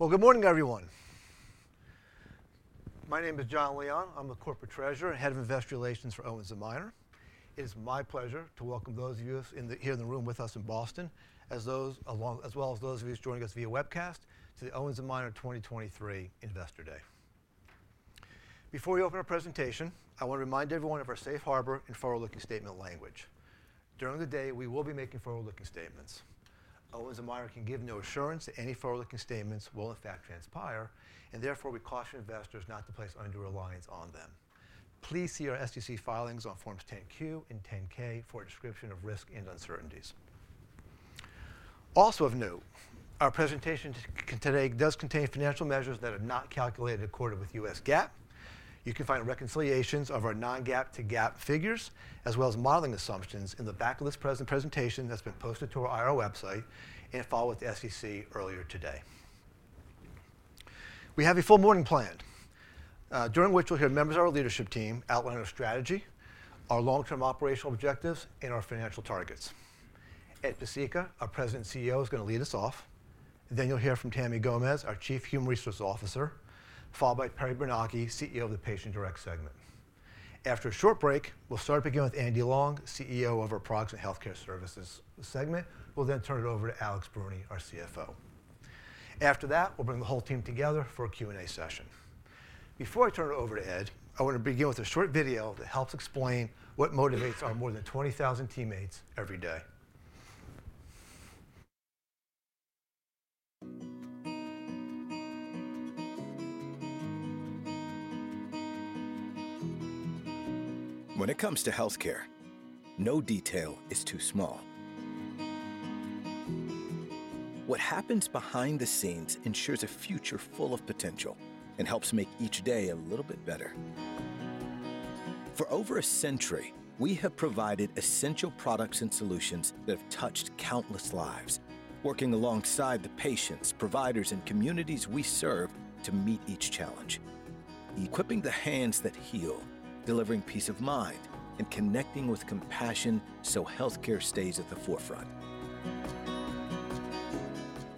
Well, good morning, everyone. My name is Jonathan Leon. I'm the Corporate Treasurer and Head of Investor Relations for Owens & Minor. It is my pleasure to welcome those of you here in the room with us in Boston, as well as those of you who's joining us via webcast, to the Owens & Minor 2023 Investor Day. Before we open our presentation, I wanna remind everyone of our safe harbor and forward-looking statement language. During the day, we will be making forward-looking statements. Owens & Minor can give no assurance that any forward-looking statements will, in fact, transpire, and therefore, we caution investors not to place undue reliance on them. Please see our SEC filings on Forms 10-Q and 10-K for a description of risks and uncertainties. Also of note, our presentation today does contain financial measures that are not calculated in accordance with U.S. GAAP. You can find reconciliations of our non-GAAP to GAAP figures, as well as modeling assumptions in the back of this presentation that's been posted to our IR website and filed with the SEC earlier today. We have a full morning planned, during which we'll hear members of our leadership team outline our strategy, our long-term operational objectives, and our financial targets. Ed Pesicka, our President and CEO, is gonna lead us off. Then you'll hear from Tammy Gomez, our Chief Human Resources Officer, followed by Perry Bernocchi, CEO of the Patient Direct segment. After a short break, we'll start again with Andy Long, CEO of our Products and Healthcare Services segment. We'll then turn it over to Alex Bruni, our CFO. After that, we'll bring the whole team together for a Q&A session. Before I turn it over to Ed, I want to begin with a short video that helps explain what motivates our more than 20,000 teammates every day. When it comes to healthcare, no detail is too small. What happens behind the scenes ensures a future full of potential and helps make each day a little bit better. For over a century, we have provided essential products and solutions that have touched countless lives, working alongside the Patients, providers, and communities we serve to meet each challenge. Equipping the hands that heal, delivering peace of mind, and connecting with compassion, so healthcare stays at the forefront.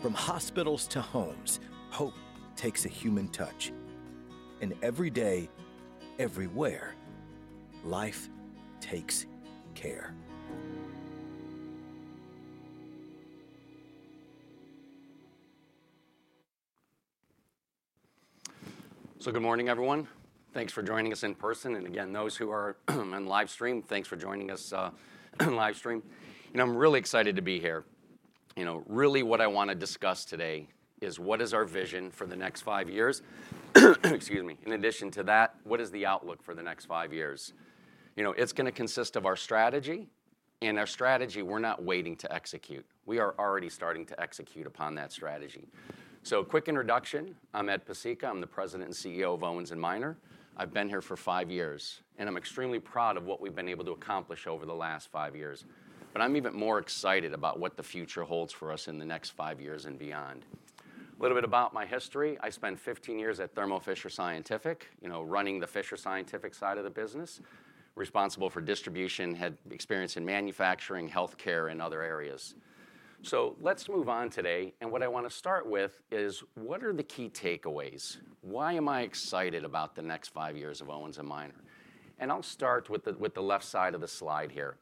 From hospitals to homes, hope takes a human touch, and every day, everywhere, Life takes Care. So good morning, everyone. Thanks for joining us in person, and again, those who are on live stream, thanks for joining us, live stream. You know, I'm really excited to be here. You know, really what I wanna discuss today is what is our vision for the next five years? Excuse me. In addition to that, what is the outlook for the next five years? You know, it's gonna consist of our strategy, and our strategy, we're not waiting to execute. We are already starting to execute upon that strategy. So quick introduction: I'm Ed Pesicka. I'm the President and CEO of Owens & Minor. I've been here for five years, and I'm extremely proud of what we've been able to accomplish over the last five years. But I'm even more excited about what the future holds for us in the next five years and beyond. A little bit about my history. I spent 15 years at Thermo Fisher Scientific, you know, running the Fisher Scientific side of the business, responsible for distribution, had experience in manufacturing, healthcare, and other areas. Let's move on today, and what I want to start with is: What are the key takeaways? Why am I excited about the next 5 years of Owens & Minor? I'll start with the left side of the slide here.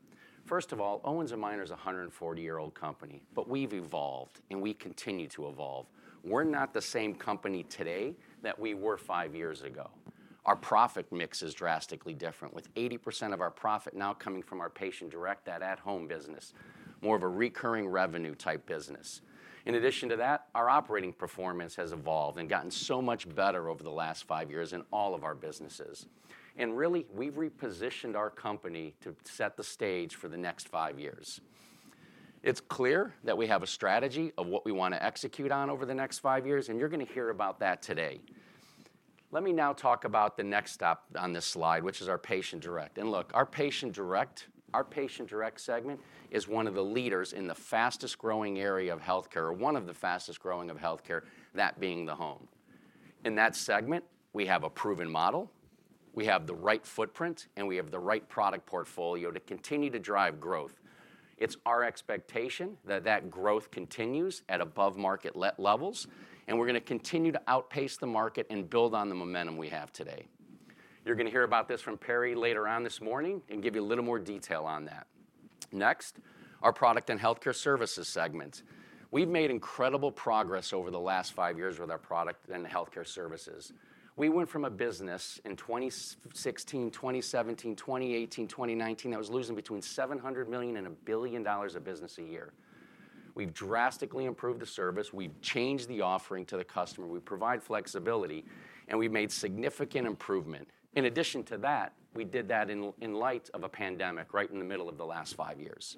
First of all, Owens & Minor is a 140-year-old company, but we've evolved, and we continue to evolve. We're not the same company today that we were 5 years ago. Our profit mix is drastically different, with 80% of our profit now coming from our Patient Direct, that at-home business, more of a recurring revenue type business. In addition to that, our operating performance has evolved and gotten so much better over the last five years in all of our businesses. And really, we've repositioned our company to set the stage for the next five years. It's clear that we have a strategy of what we want to execute on over the next five years, and you're gonna hear about that today. Let me now talk about the next step on this slide, which is our Patient Direct. And look, our Patient Direct, our Patient Direct segment is one of the leaders in the fastest-growing area of healthcare, or one of the fastest-growing of healthcare, that being the home. In that segment, we have a proven model, we have the right footprint, and we have the right product portfolio to continue to drive growth. It's our expectation that that growth continues at above-market levels, and we're gonna continue to outpace the market and build on the momentum we have today. You're gonna hear about this from Perry later on this morning, and give you a little more detail on that. Next, our Products and Healthcare Services segment. We've made incredible progress over the last five years with our Products and Healthcare Services. We went from a business in 2016, 2017, 2018, 2019, that was losing between $700 million and $1 billion of business a year. We've drastically improved the service, we've changed the offering to the customer, we provide flexibility, and we've made significant improvement. In addition to that, we did that in light of a pandemic, right in the middle of the last five years.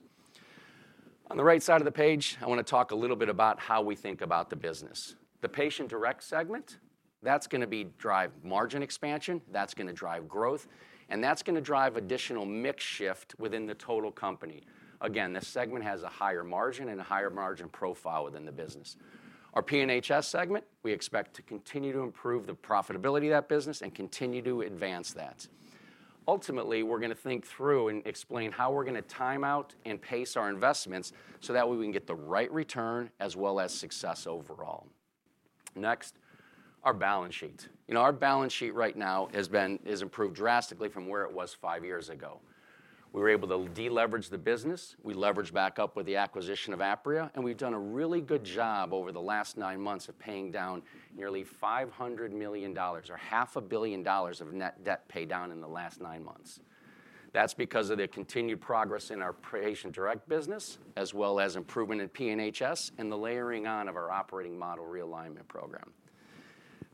On the right side of the page, I wanna talk a little bit about how we think about the business. The Patient Direct segment, that's gonna be drive margin expansion, that's gonna drive growth, and that's gonna drive additional mix shift within the total company. Again, this segment has a higher margin and a higher margin profile within the business. Our P&HS segment, we expect to continue to improve the profitability of that business and continue to advance that. Ultimately, we're gonna think through and explain how we're gonna time out and pace our investments, so that way we can get the right return as well as success overall. Next, our balance sheet. You know, our balance sheet right now has improved drastically from where it was five years ago. We were able to deleverage the business, we leveraged back up with the acquisition of Apria, and we've done a really good job over the last nine months of paying down nearly $500 million, or $500 million of net debt paid down in the last nine months. That's because of the continued progress in our Patient Direct business, as well as improvement in P&HS, and the layering on of our Operating model Realignment program.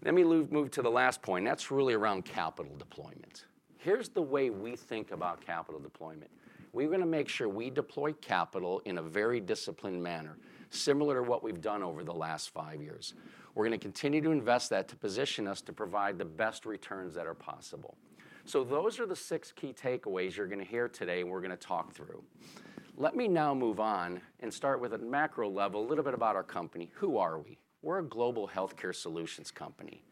Let me move to the last point, and that's really around capital deployment. Here's the way we think about capital deployment: We're gonna make sure we deploy capital in a very disciplined manner, similar to what we've done over the last five years. We're gonna continue to invest that to position us to provide the best returns that are possible. So those are the 6 key takeaways you're gonna hear today, and we're gonna talk through. Let me now move on and start with a macro level, a little bit about our company. Who are we? We're a global healthcare solutions company.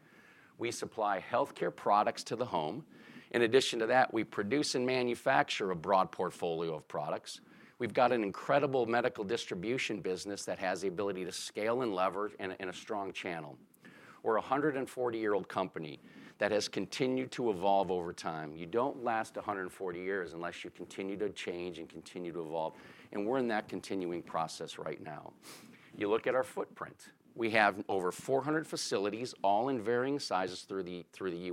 We supply healthcare products to the home. In addition to that, we produce and manufacture a broad portfolio of products. We've got an incredible medical distribution business that has the ability to scale and lever in a strong channel. We're a 140-year-old company that has continued to evolve over time. You don't last 140 years unless you continue to change and continue to evolve, and we're in that continuing process right now. You look at our footprint. We have over 400 facilities, all in varying sizes through the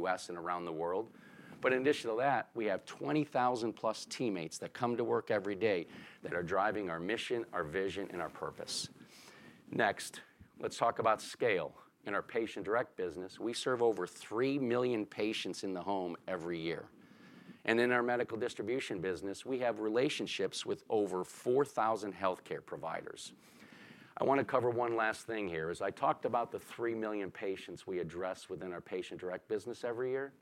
US and around the world. But in addition to that, we have 20,000+ teammates that come to work every day, that are driving our mission, our vision, and our purpose. Next, let's talk about scale. In our Patient Direct business, we serve over 3 million patients in the home every year. And in our medical distribution business, we have relationships with over 4,000 healthcare providers. I wanna cover one last thing here, as I talked about the 3 million patients we address within our Patient Direct business every year.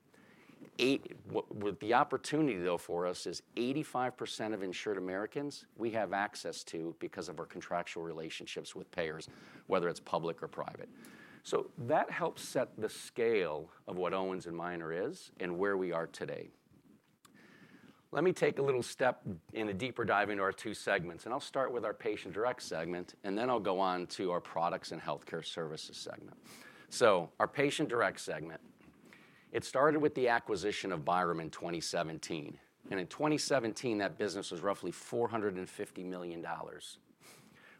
With the opportunity, though, for us, is 85% of insured Americans we have access to because of our contractual relationships with payers, whether it's public or private. So that helps set the scale of what Owens & Minor is and where we are today. Let me take a little step in a deeper dive into our two segments, and I'll start with our Patient Direct segment, and then I'll go on to our Products and Healthcare Services segment. So our Patient Direct segment, it started with the acquisition of Byram in 2017, and in 2017, that business was roughly $450 million.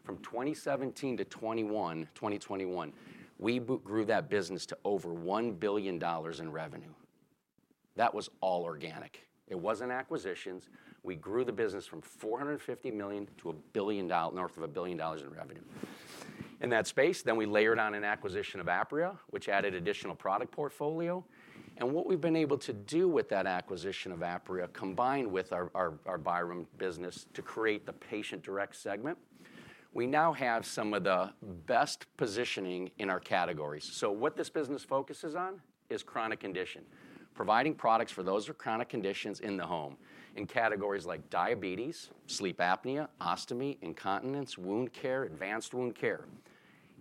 From 2017 to 2021, we grew that business to over $1 billion in revenue. That was all organic. It wasn't acquisitions. We grew the business from $450 million to north of $1 billion in revenue. In that space, then we layered on an acquisition of Apria, which added additional product portfolio. And what we've been able to do with that acquisition of Apria, combined with our Byram business to create the Patient Direct segment, we now have some of the best positioning in our categories. So what this business focuses on is chronic condition, providing products for those with chronic conditions in the home, in categories like diabetes, sleep apnea, ostomy, incontinence, wound care, advanced wound care.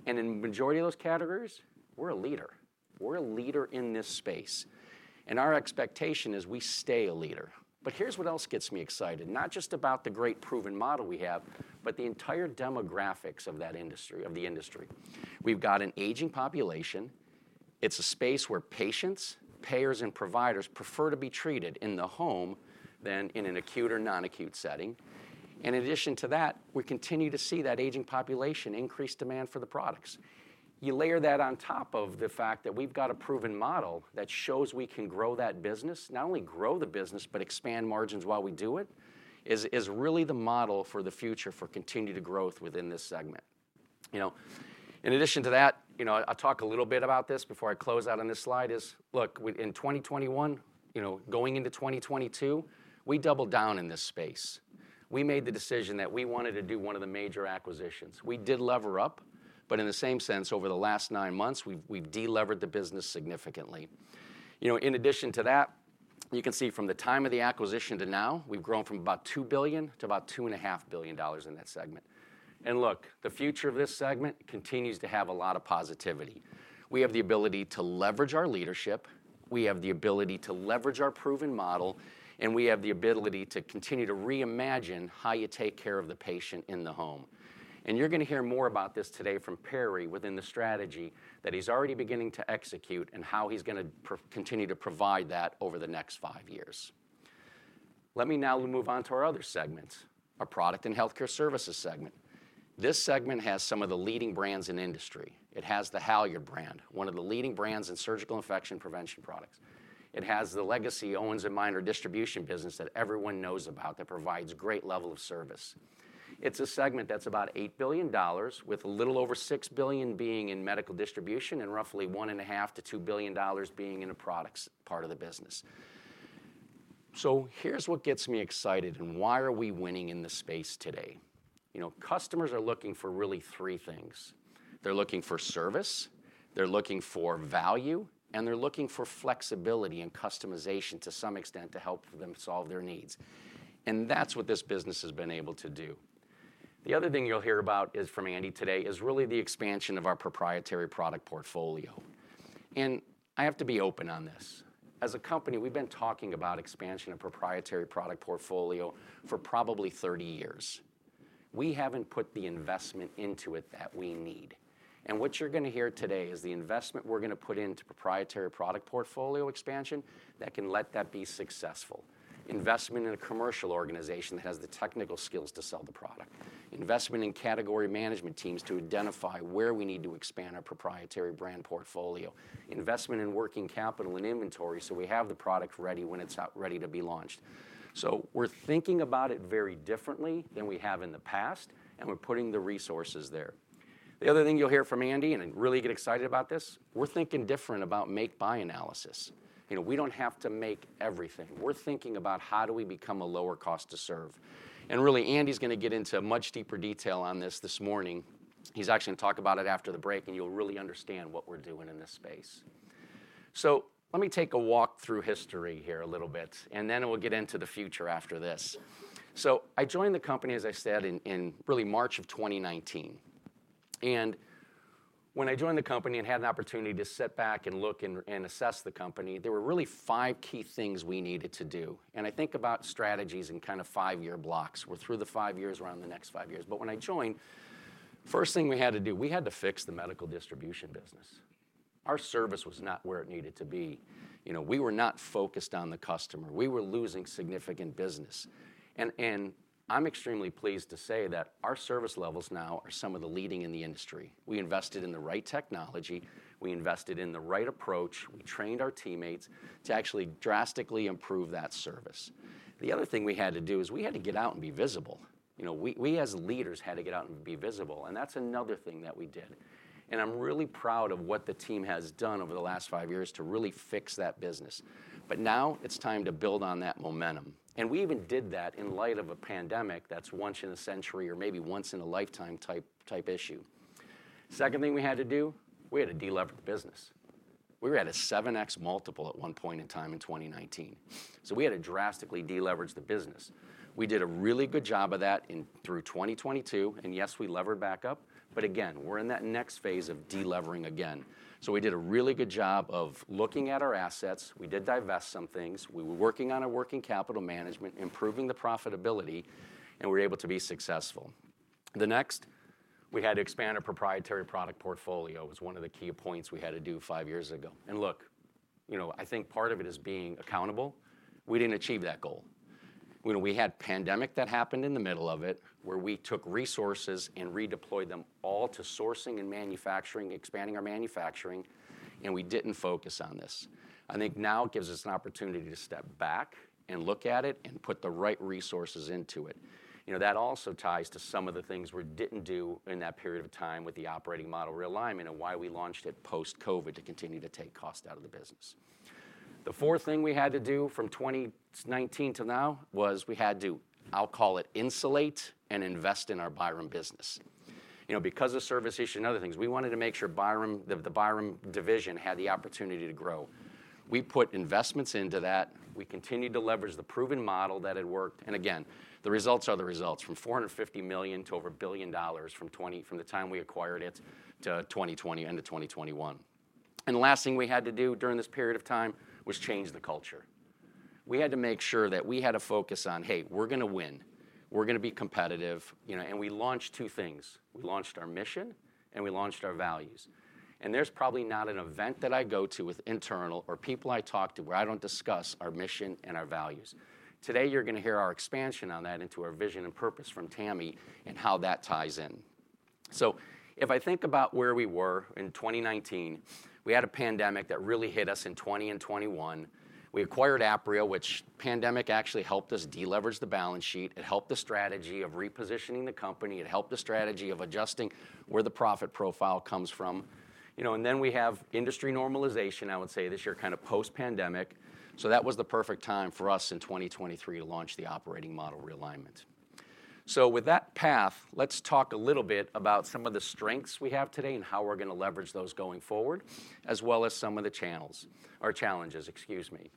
And in the majority of those categories, we're a leader. We're a leader in this space. And our expectation is we stay a leader. But here's what else gets me excited, not just about the great proven model we have, but the entire demographics of that industry, of the industry. We've got an aging population. It's a space where patients, payers, and providers prefer to be treated in the home than in an acute or non-acute setting. In addition to that, we continue to see that aging population increase demand for the products. You layer that on top of the fact that we've got a proven model that shows we can grow that business, not only grow the business, but expand margins while we do it, is really the model for the future for continued growth within this segment. You know, in addition to that, you know, I'll talk a little bit about this before I close out on this slide, look, within 2021, you know, going into 2022, we doubled down in this space. We made the decision that we wanted to do one of the major acquisitions. We did lever up, but in the same sense, over the last 9 months, we've delevered the business significantly. You know, in addition to that, you can see from the time of the acquisition to now, we've grown from about $2 billion-$2.5 billion in that segment. Look, the future of this segment continues to have a lot of positivity. We have the ability to leverage our leadership, we have the ability to leverage our proven model, and we have the ability to continue to reimagine how you take care of the patient in the home. And you're gonna hear more about this today from Perry, within the strategy, that he's already beginning to execute and how he's gonna continue to provide that over the next five years. Let me now move on to our other segment, our Products and Healthcare Services segment. This segment has some of the leading brands in industry. It has the Halyard brand, one of the leading brands in surgical infection prevention products. It has the legacy Owens & Minor distribution business that everyone knows about, that provides great level of service. It's a segment that's about $8 billion, with a little over $6 billion being in medical distribution, and roughly $1.5 billion-$2 billion being in the products part of the business. So here's what gets me excited, and why are we winning in this space today? You know, customers are looking for really three things. They're looking for service, they're looking for value, and they're looking for flexibility and customization to some extent, to help them solve their needs. And that's what this business has been able to do... The other thing you'll hear about is, from Andy today, is really the expansion of our proprietary product portfolio. I have to be open on this. As a company, we've been talking about expansion of proprietary product portfolio for probably 30 years. We haven't put the investment into it that we need, and what you're gonna hear today is the investment we're gonna put into proprietary product portfolio expansion that can let that be successful. Investment in a commercial organization that has the technical skills to sell the product, investment in category management teams to identify where we need to expand our proprietary brand portfolio, investment in working capital and inventory, so we have the product ready when it's out, ready to be launched. So we're thinking about it very differently than we have in the past, and we're putting the resources there. The other thing you'll hear from Andy, and I really get excited about this: we're thinking different about make-buy analysis. You know, we don't have to make everything. We're thinking about: how do we become a lower cost to serve? And really, Andy's gonna get into much deeper detail on this this morning. He's actually gonna talk about it after the break, and you'll really understand what we're doing in this space. So let me take a walk through history here a little bit, and then we'll get into the future after this. So I joined the company, as I said, in, in really March of 2019. And when I joined the company and had an opportunity to sit back and look and, and assess the company, there were really five key things we needed to do. And I think about strategies in kind of five-year blocks. We're through the five years, we're on the next five years. But when I joined, first thing we had to do, we had to fix the medical distribution business. Our service was not where it needed to be. You know, we were not focused on the customer. We were losing significant business. And I'm extremely pleased to say that our service levels now are some of the leading in the industry. We invested in the right technology, we invested in the right approach, we trained our teammates to actually drastically improve that service. The other thing we had to do is, we had to get out and be visible. You know, we as leaders had to get out and be visible, and that's another thing that we did. And I'm really proud of what the team has done over the last five years to really fix that business. But now it's time to build on that momentum. We even did that in light of a pandemic that's once in a century or maybe once in a lifetime type issue. Second thing we had to do, we had to delever the business. We were at a 7x multiple at one point in time in 2019, so we had to drastically deleverage the business. We did a really good job of that in through 2022, and yes, we levered back up, but again, we're in that next phase of delevering again. We did a really good job of looking at our assets. We did divest some things. We were working on our working capital management, improving the profitability, and we were able to be successful. The next, we had to expand our proprietary product portfolio, was one of the key points we had to do 5 years ago. Look, you know, I think part of it is being accountable. We didn't achieve that goal. When we had pandemic that happened in the middle of it, where we took resources and redeployed them all to sourcing and manufacturing, expanding our manufacturing, and we didn't focus on this. I think now it gives us an opportunity to step back and look at it and put the right resources into it. You know, that also ties to some of the things we didn't do in that period of time with the Operating Model Realignment and why we launched it post-COVID to continue to take cost out of the business. The fourth thing we had to do from 2019 to now was we had to, I'll call it, insulate and invest in our Byram business. You know, because of service issues and other things, we wanted to make sure Byram, the Byram division, had the opportunity to grow. We put investments into that. We continued to leverage the proven model that had worked, and again, the results are the results, from $450 million to over $1 billion from the time we acquired it to 2020, end of 2021. And the last thing we had to do during this period of time was change the culture. We had to make sure that we had a focus on, "Hey, we're gonna win. We're gonna be competitive," you know, and we launched two things. We launched our mission, and we launched our values. And there's probably not an event that I go to with internal or people I talk to, where I don't discuss our mission and our values. Today, you're gonna hear our expansion on that into our vision and purpose from Tammy and how that ties in. So if I think about where we were in 2019, we had a pandemic that really hit us in 2020 and 2021. We acquired Apria, which pandemic actually helped us deleverage the balance sheet. It helped the strategy of repositioning the company. It helped the strategy of adjusting where the profit profile comes from. You know, and then we have industry normalization, I would say, this year, kind of post-pandemic, so that was the perfect time for us in 2023 to launch the Operating Model Realignment. So with that path, let's talk a little bit about some of the strengths we have today and how we're gonna leverage those going forward, as well as some of the channels or challenges, excuse me.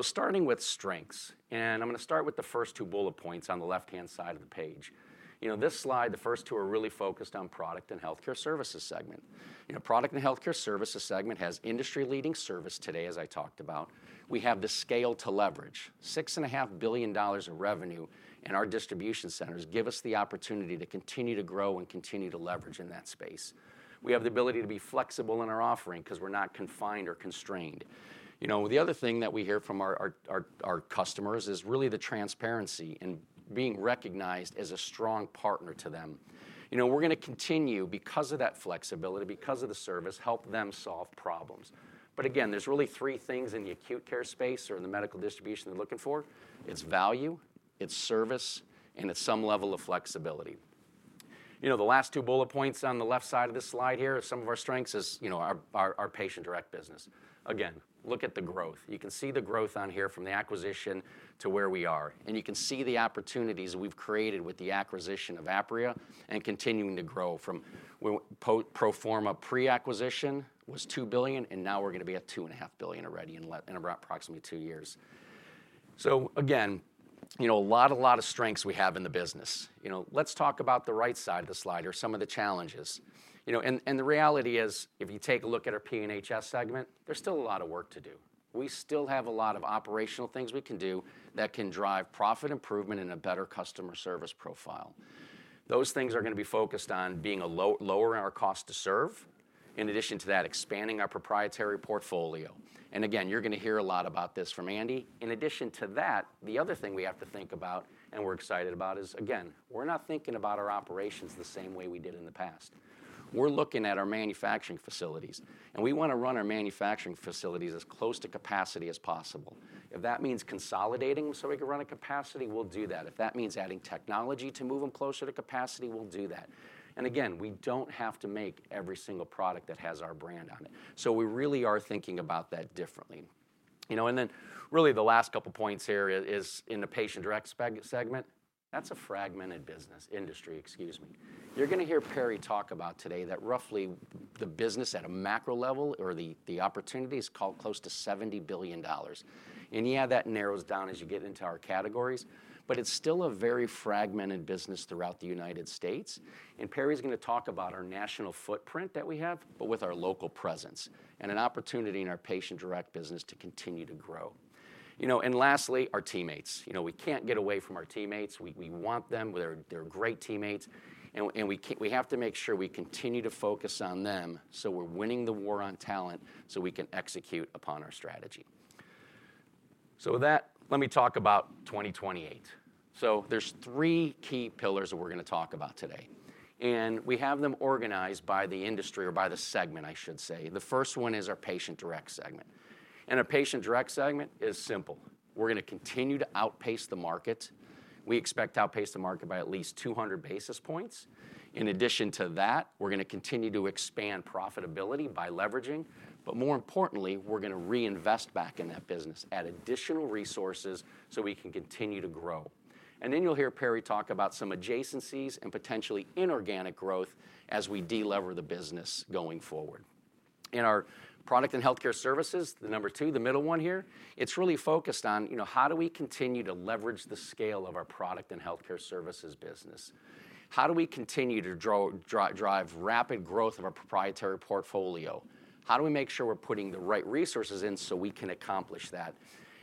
Starting with strengths, I'm gonna start with the first two bullet points on the left-hand side of the page. You know, this slide, the first two are really focused on Products and Healthcare Services segment. You know, Products and Healthcare Services segment has industry-leading service today, as I talked about. We have the scale to leverage. $6.5 billion of revenue in our distribution centers give us the opportunity to continue to grow and continue to leverage in that space. We have the ability to be flexible in our offering because we're not confined or constrained. You know, the other thing that we hear from our customers is really the transparency and being recognized as a strong partner to them. You know, we're gonna continue because of that flexibility, because of the service, help them solve problems. But again, there's really three things in the acute care space or in the medical distribution they're looking for: it's value, it's service, and it's some level of flexibility. You know, the last two bullet points on the left side of this slide here are some of our strengths is, you know, our Patient Direct business. Again, look at the growth. You can see the growth on here from the acquisition to where we are, and you can see the opportunities we've created with the acquisition of Apria and continuing to grow from pro forma pre-acquisition was $2 billion, and now we're gonna be at $2.5 billion already in less than approximately 2 years. So again, you know, a lot, a lot of strengths we have in the business. You know, let's talk about the right side of the slide, or some of the challenges. You know, and the reality is, if you take a look at our P&HS segment, there's still a lot of work to do. We still have a lot of operational things we can do that can drive profit improvement and a better customer service profile. Those things are gonna be focused on lowering our cost to serve, in addition to that, expanding our proprietary portfolio. And again, you're gonna hear a lot about this from Andy. In addition to that, the other thing we have to think about, and we're excited about, is, again, we're not thinking about our operations the same way we did in the past. We're looking at our manufacturing facilities, and we wanna run our manufacturing facilities as close to capacity as possible. If that means consolidating so we can run at capacity, we'll do that. If that means adding technology to move them closer to capacity, we'll do that. And again, we don't have to make every single product that has our brand on it. So we really are thinking about that differently. You know, and then, really, the last couple points here is in the Patient Direct segment. That's a fragmented business, industry, excuse me. You're gonna hear Perry talk about today that roughly the business at a macro level, or the opportunity, is called close to $70 billion. And yeah, that narrows down as you get into our categories, but it's still a very fragmented business throughout the United States. Perry's gonna talk about our national footprint that we have, but with our local presence, and an opportunity in our Patient-direct business to continue to grow. You know, and lastly, our teammates. You know, we can't get away from our teammates. We want them. They're great teammates, and we have to make sure we continue to focus on them, so we're winning the war on talent, so we can execute upon our strategy. So with that, let me talk about 2028. So there's three key pillars that we're gonna talk about today, and we have them organized by the industry or by the segment, I should say. The first one is our Patient Direct segment. And our Patient Pirect segment is simple. We're gonna continue to outpace the market. We expect to outpace the market by at least 200 basis points. In addition to that, we're gonna continue to expand profitability by leveraging, but more importantly, we're gonna reinvest back in that business, add additional resources, so we can continue to grow. And then you'll hear Perry talk about some adjacencies and potentially inorganic growth as we de-lever the business going forward. In our Products & Healthcare Services, the number two, the middle one here, it's really focused on, you know, how do we continue to leverage the scale of our Products & Healthcare Services business? How do we continue to drive rapid growth of our proprietary portfolio? How do we make sure we're putting the right resources in so we can accomplish that?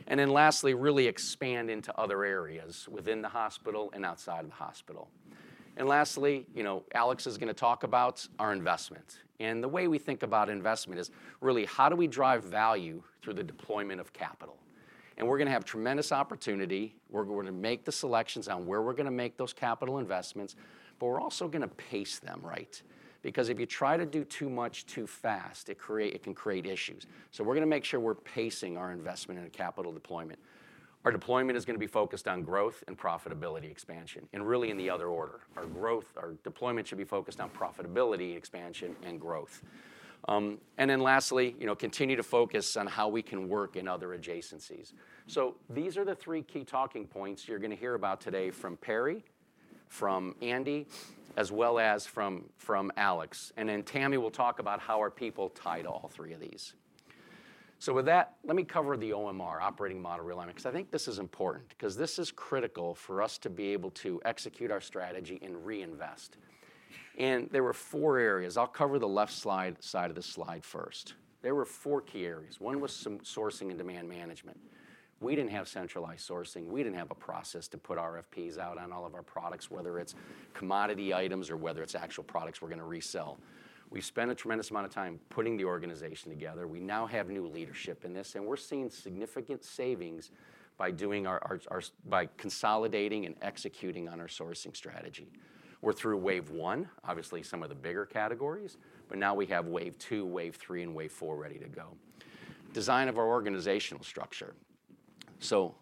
And then lastly, really expand into other areas within the hospital and outside of the hospital. And lastly, you know, Alex is gonna talk about our investment. The way we think about investment is, really, how do we drive value through the deployment of capital? We're gonna have tremendous opportunity. We're going to make the selections on where we're gonna make those capital investments, but we're also gonna pace them right, because if you try to do too much, too fast, it can create issues. We're gonna make sure we're pacing our investment and capital deployment. Our deployment is gonna be focused on growth and profitability expansion, and really in the other order. Our growth, our deployment should be focused on profitability, expansion, and growth. Then lastly, you know, continue to focus on how we can work in other adjacencies. So these are the 3 key talking points you're gonna hear about today from Perry, from Andy, as well as from Alex, and then Tammy will talk about how our people tie to all 3 of these. So with that, let me cover the OMR, Operating Model Realignment, because I think this is important, because this is critical for us to be able to execute our strategy and reinvest. There were 4 areas. I'll cover the left side of the slide first. There were 4 key areas. 1 was some sourcing and demand management. We didn't have centralized sourcing. We didn't have a process to put RFPs out on all of our products, whether it's commodity items or whether it's actual products we're gonna resell. We spent a tremendous amount of time putting the organization together. We now have new leadership in this, and we're seeing significant savings by consolidating and executing on our sourcing strategy. We're through wave one, obviously, some of the bigger categories, but now we have wave two, wave three, and wave four ready to go. Design of our organizational structure. So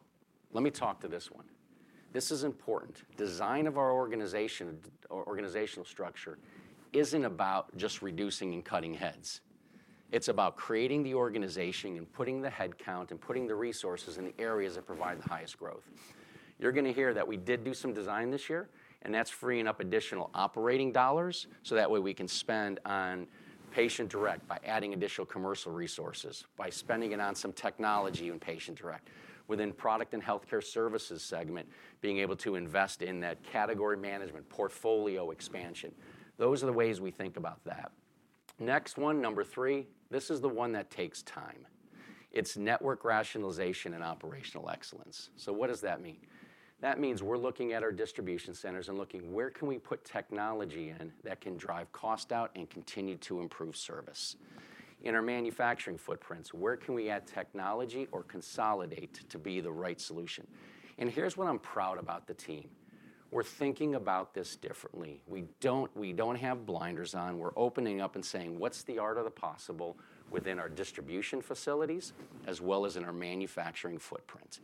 let me talk to this one. This is important. Design of our organization, or organizational structure, isn't about just reducing and cutting heads. It's about creating the organization and putting the headcount and putting the resources in the areas that provide the highest growth. You're gonna hear that we did do some design this year, and that's freeing up additional operating dollars, so that way, we can spend on Patient Direct by adding additional commercial resources, by spending it on some technology in Patient Direct. Within Products and Healthcare Services segment, being able to invest in that category management, portfolio expansion, those are the ways we think about that. Next one, number 3, this is the one that takes time. It's network rationalization and operational excellence. So what does that mean? That means we're looking at our distribution centers and looking, where can we put technology in that can drive cost out and continue to improve service? In our manufacturing footprints, where can we add technology or consolidate to be the right solution? And here's what I'm proud about the team: we're thinking about this differently. We don't, we don't have blinders on. We're opening up and saying, "What's the art of the possible within our distribution facilities, as well as in our manufacturing footprint?"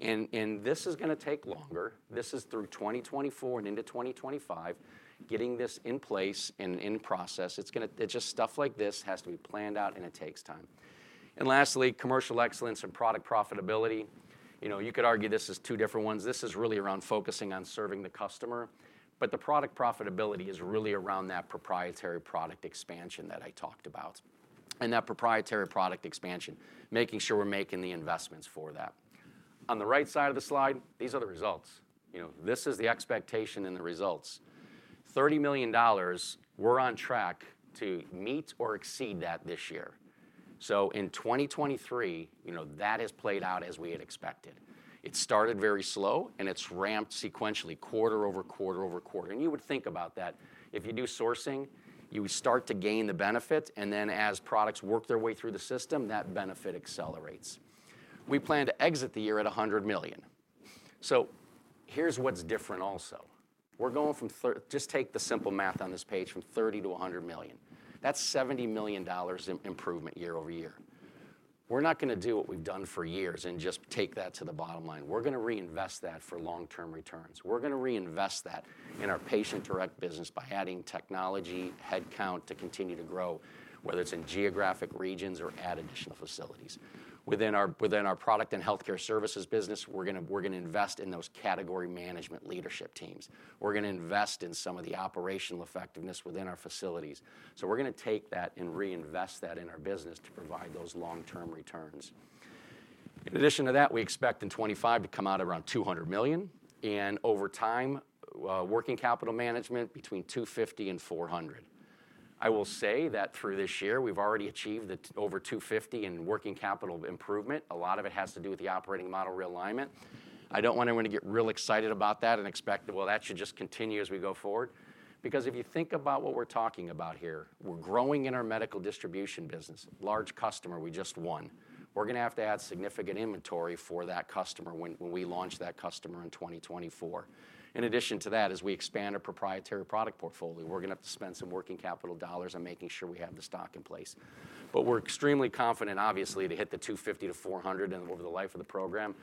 And, and this is gonna take longer. This is through 2024 and into 2025, getting this in place and in process. It's gonna, it's just stuff like this has to be planned out, and it takes time. Lastly, commercial excellence and product profitability. You know, you could argue this is two different ones. This is really around focusing on serving the customer, but the product profitability is really around that proprietary product expansion that I talked about. That proprietary product expansion, making sure we're making the investments for that. On the right side of the slide, these are the results. You know, this is the expectation and the results. $30 million, we're on track to meet or exceed that this year. In 2023, you know, that has played out as we had expected. It started very slow, and it's ramped sequentially, quarter over quarter over quarter. You would think about that. If you do sourcing, you start to gain the benefit, and then as products work their way through the system, that benefit accelerates. We plan to exit the year at $100 million. So here's what's different also. We're going from just take the simple math on this page, from 30 to $100 million. That's $70 million in improvement year-over-year. We're not gonna do what we've done for years and just take that to the bottom line. We're gonna reinvest that for long-term returns. We're gonna reinvest that in our Patient Direct business by adding technology, headcount to continue to grow, whether it's in geographic regions or add additional facilities. Within our Products and Healthcare Services business, we're gonna invest in those category management leadership teams. We're gonna invest in some of the operational effectiveness within our facilities. So we're gonna take that and reinvest that in our business to provide those long-term returns. In addition to that, we expect in 2025 to come out around $200 million, and over time, working capital management between $250 million and $400 million. I will say that through this year, we've already achieved the over $250 million in working capital improvement. A lot of it has to do with the Operating Model Realignment. I don't want anyone to get real excited about that and expect that, "Well, that should just continue as we go forward." Because if you think about what we're talking about here, we're growing in our medical distribution business, large customer we just won. We're gonna have to add significant inventory for that customer when we launch that customer in 2024. In addition to that, as we expand our proprietary product portfolio, we're gonna have to spend some working capital dollars on making sure we have the stock in place. But we're extremely confident, obviously, to hit the $250-$400 over the life of the program.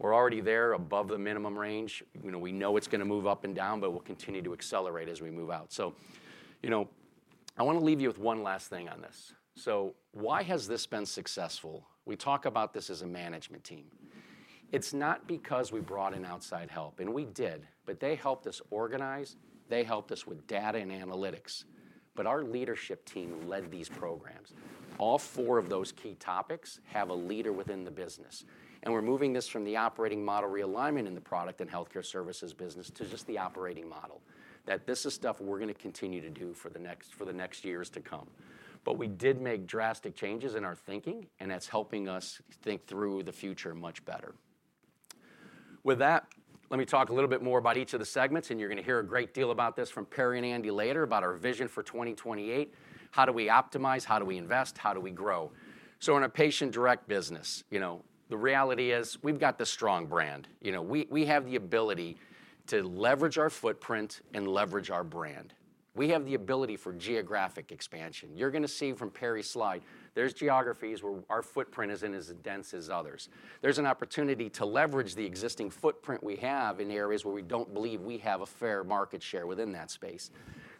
We're already there above the minimum range. You know, we know it's gonna move up and down, but we'll continue to accelerate as we move out. So, you know, I wanna leave you with one last thing on this. So why has this been successful? We talk about this as a management team. It's not because we brought in outside help, and we did, but they helped us organize, they helped us with data and analytics, but our leadership team led these programs. All four of those key topics have a leader within the business, and we're moving this from the Operating Model Realignment in the Products and Healthcare Services business to just the operating model, that this is stuff we're gonna continue to do for the next, for the next years to come. But we did make drastic changes in our thinking, and that's helping us think through the future much better. With that, let me talk a little bit more about each of the segments, and you're gonna hear a great deal about this from Perry and Andy later about our vision for 2028. How do we optimize? How do we invest? How do we grow? So in a Patient Direct business, you know, the reality is we've got this strong brand. You know, we, we have the ability to leverage our footprint and leverage our brand. We have the ability for geographic expansion. You're gonna see from Perry's slide, there's geographies where our footprint isn't as dense as others. There's an opportunity to leverage the existing footprint we have in areas where we don't believe we have a fair market share within that space.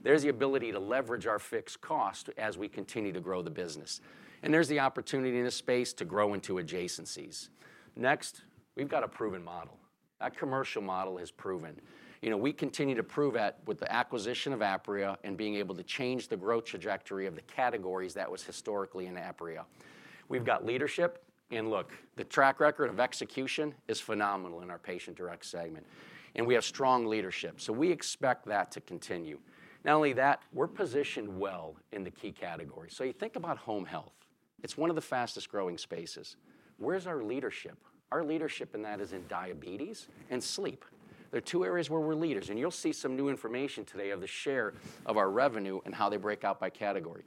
There's the ability to leverage our fixed cost as we continue to grow the business, and there's the opportunity in this space to grow into adjacencies. Next, we've got a proven model. That commercial model is proven. You know, we continue to prove that with the acquisition of Apria and being able to change the growth trajectory of the categories that was historically in Apria. We've got leadership, and look, the track record of execution is phenomenal in our Patient Direct segment, and we have strong leadership, so we expect that to continue. Not only that, we're positioned well in the key categories. So you think about home health. It's one of the fastest-growing spaces. Where's our leadership? Our leadership in that is in diabetes and sleep. They're two areas where we're leaders, and you'll see some new information today of the share of our revenue and how they break out by category.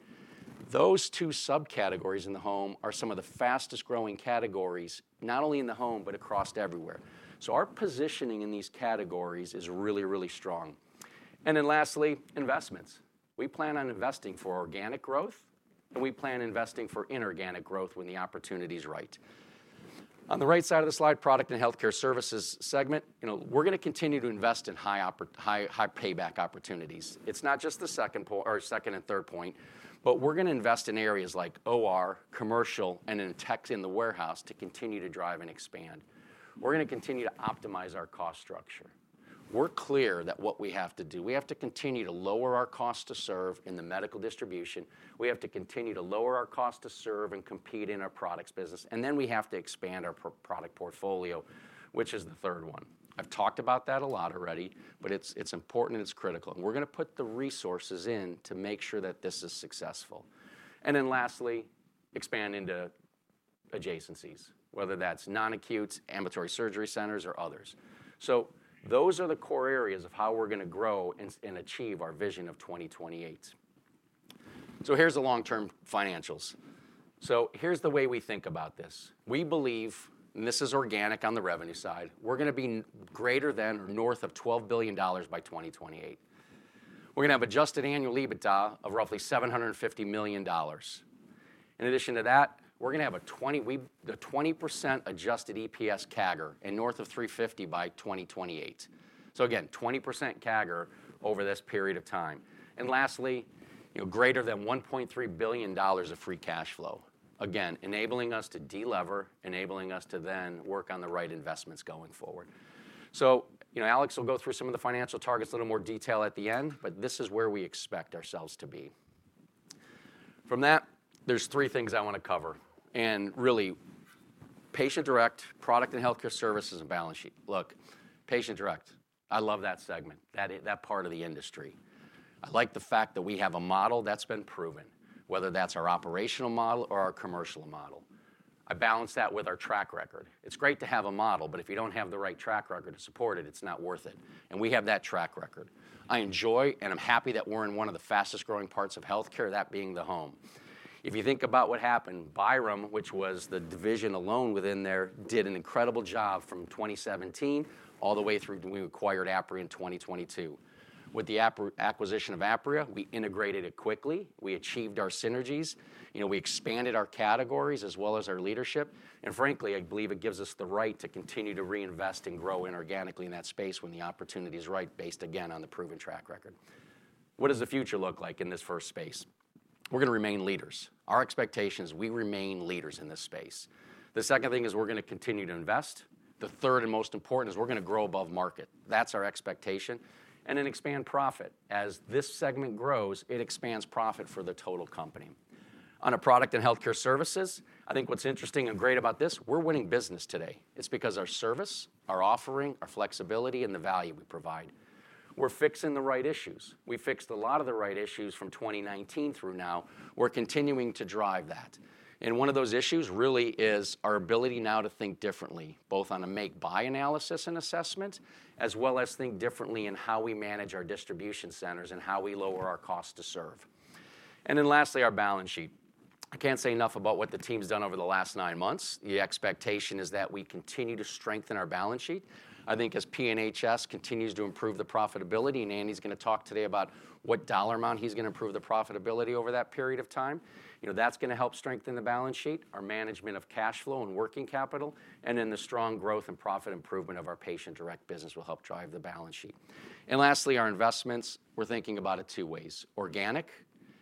Those two subcategories in the home are some of the fastest-growing categories, not only in the home, but across everywhere. So our positioning in these categories is really, really strong. And then lastly, investments. We plan on investing for organic growth, and we plan on investing for inorganic growth when the opportunity is right. On the right side of the slide, Products and Healthcare Services segment, you know, we're gonna continue to invest in high, high payback opportunities. It's not just the second or second and third point, but we're gonna invest in areas like OR, commercial, and in tech in the warehouse to continue to drive and expand. We're gonna continue to optimize our cost structure. We're clear that what we have to do, we have to continue to lower our cost to serve in the medical distribution. We have to continue to lower our cost to serve and compete in our products business, and then we have to expand our product portfolio, which is the third one. I've talked about that a lot already, but it's, it's important, and it's critical. And we're gonna put the resources in to make sure that this is successful. And then lastly, expand into adjacencies, whether that's non-acute, ambulatory surgery centers, or others. Those are the core areas of how we're gonna grow and, and achieve our vision of 2028. Here's the long-term financials. Here's the way we think about this: We believe, and this is organic on the revenue side, we're gonna be greater than or north of $12 billion by 2028. We're gonna have adjusted annual EBITDA of roughly $750 million. In addition to that, we're gonna have a 20%... we-- a 20% adjusted EPS CAGR and north of $350 by 2028. So again, 20% CAGR over this period of time. And lastly, you know, greater than $1.3 billion of free cash flow. Again, enabling us to delever, enabling us to then work on the right investments going forward. So, you know, Alex will go through some of the financial targets a little more detail at the end, but this is where we expect ourselves to be.... From that, there's three things I wanna cover, and really, Patient Direct, Products and Healthcare Services, and balance sheet. Look, Patient Direct, I love that segment, that, that part of the industry. I like the fact that we have a model that's been proven, whether that's our operational model or our commercial model. I balance that with our track record. It's great to have a model, but if you don't have the right track record to support it, it's not worth it, and we have that track record. I enjoy, and I'm happy that we're in one of the fastest-growing parts of healthcare, that being the home. If you think about what happened, Byram, which was the division alone within there, did an incredible job from 2017 all the way through to when we acquired Apria in 2022. With the acquisition of Apria, we integrated it quickly, we achieved our synergies, you know, we expanded our categories as well as our leadership, and frankly, I believe it gives us the right to continue to reinvest and grow inorganically in that space when the opportunity is right, based, again, on the proven track record. What does the future look like in this first space? We're gonna remain leaders. Our expectation is we remain leaders in this space. The second thing is we're gonna continue to invest. The third and most important is we're gonna grow above market. That's our expectation. And then expand profit. As this segment grows, it expands profit for the total company. On Products and Healthcare Services, I think what's interesting and great about this, we're winning business today. It's because our service, our offering, our flexibility, and the value we provide. We're fixing the right issues. We fixed a lot of the right issues from 2019 through now. We're continuing to drive that. And one of those issues really is our ability now to think differently, both on a make-buy analysis and assessment, as well as think differently in how we manage our distribution centers and how we lower our cost to serve. And then lastly, our balance sheet. I can't say enough about what the team's done over the last 9 months. The expectation is that we continue to strengthen our balance sheet. I think as P&HS continues to improve the profitability, and Andy's gonna talk today about what dollar amount he's gonna improve the profitability over that period of time, you know, that's gonna help strengthen the balance sheet, our management of cash flow and working capital, and then the strong growth and profit improvement of our Patient Direct business will help drive the balance sheet. And lastly, our investments, we're thinking about it two ways: organic,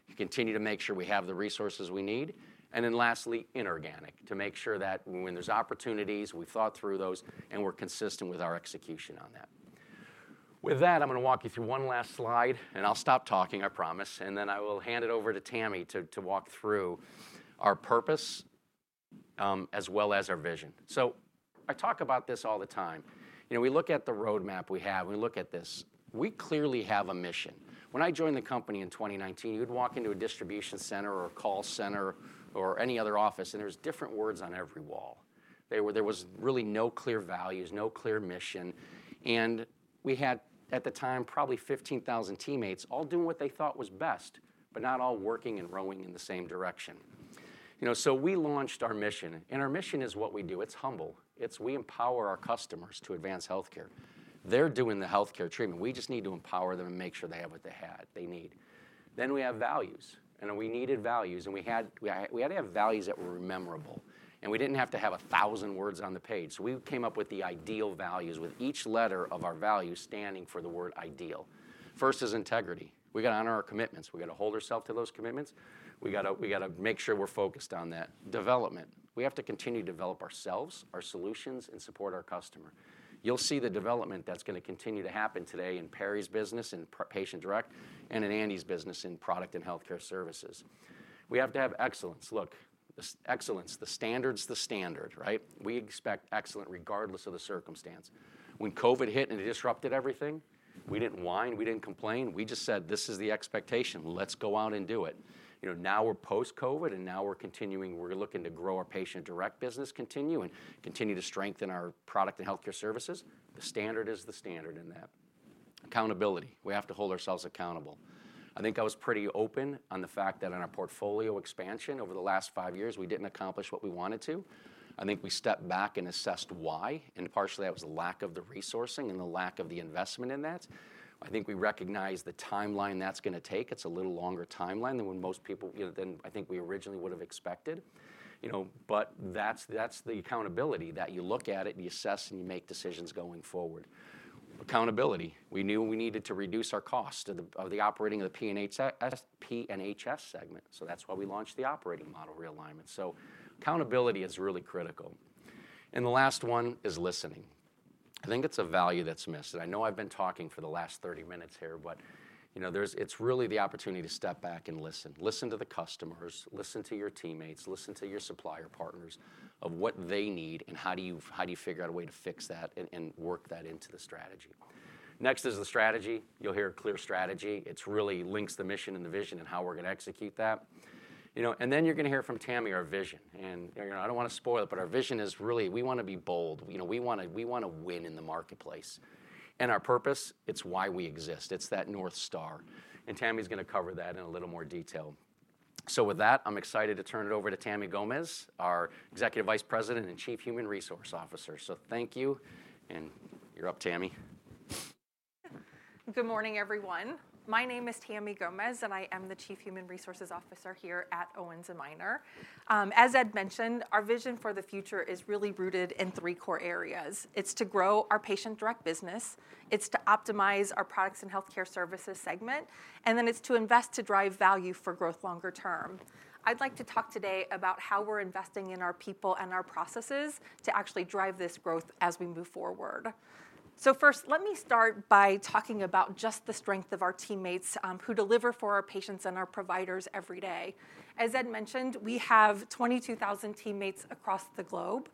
to continue to make sure we have the resources we need, and then lastly, inorganic, to make sure that when there's opportunities, we've thought through those, and we're consistent with our execution on that. With that, I'm gonna walk you through one last slide, and I'll stop talking, I promise, and then I will hand it over to Tammy to walk through our purpose, as well as our vision. So I talk about this all the time. You know, we look at the roadmap we have, and we look at this. We clearly have a mission. When I joined the company in 2019, you'd walk into a distribution center or a call center or any other office, and there's different words on every wall. There was really no clear values, no clear mission, and we had, at the time, probably 15,000 teammates, all doing what they thought was best, but not all working and rowing in the same direction. You know, so we launched our mission, and our mission is what we do. It's humble. It's: We empower our customers to advance healthcare. They're doing the healthcare treatment. We just need to empower them and make sure they have what they need. Then we have values, and we needed values, and we had to have values that were memorable, and we didn't have to have a thousand words on the page. So we came up with the ideal values, with each letter of our values standing for the word ideal. First is integrity. We gotta honor our commitments. We gotta hold ourself to those commitments. We gotta make sure we're focused on that. Development. We have to continue to develop ourselves, our solutions, and support our customer. You'll see the development that's gonna continue to happen today in Perry's business, in Patient Direct, and in Andy's business, in Products and Healthcare Services. We have to have excellence. Look, excellence, the standard's the standard, right? We expect excellence regardless of the circumstance. When COVID hit and it disrupted everything, we didn't whine, we didn't complain. We just said, "This is the expectation. Let's go out and do it." You know, now we're post-COVID, and now we're continuing, we're looking to grow our Patient Direct business, continue and continue to strengthen our Products and Healthcare Services. The standard is the standard in that. Accountability. We have to hold ourselves accountable. I think I was pretty open on the fact that on our portfolio expansion over the last five years, we didn't accomplish what we wanted to. I think we stepped back and assessed why, and partially, that was the lack of the resourcing and the lack of the investment in that. I think we recognize the timeline that's gonna take. It's a little longer timeline than when most people, you know, than I think we originally would have expected. You know, but that's, that's the accountability, that you look at it, and you assess, and you make decisions going forward. Accountability. We knew we needed to reduce our cost of the operating of the P&HS segment, so that's why we launched the Operating Model Realignment. So accountability is really critical. And the last one is listening. I think it's a value that's missed, and I know I've been talking for the last 30 minutes here, but you know, there's, it's really the opportunity to step back and listen. Listen to the customers, listen to your teammates, listen to your supplier partners of what they need and how do you figure out a way to fix that and work that into the strategy? Next is the strategy. You'll hear a clear strategy. It really links the mission and the vision and how we're gonna execute that. You know, and then you're gonna hear from Tammy, our vision, and you know, I don't wanna spoil it, but our vision is really, we wanna be bold. You know, we wanna, we wanna win in the marketplace. And our purpose, it's why we exist. It's that North Star, and Tammy's gonna cover that in a little more detail. So with that, I'm excited to turn it over to Tammy Gomez, our Executive Vice President and Chief Human Resources Officer. So thank you, and you're up, Tammy.... Good morning, everyone. My name is Tammy Gomez, and I am the Chief Human Resources Officer here at Owens & Minor. As Ed mentioned, our vision for the future is really rooted in three core areas. It's to grow our Patient Direct business, it's to optimize our Products and Healthcare Services segment, and then it's to invest to drive value for growth longer term. I'd like to talk today about how we're investing in our people and our processes to actually drive this growth as we move forward. So first, let me start by talking about just the strength of our teammates, who deliver for our patients and our providers every day. As Ed mentioned, we have 22,000 teammates across the globe.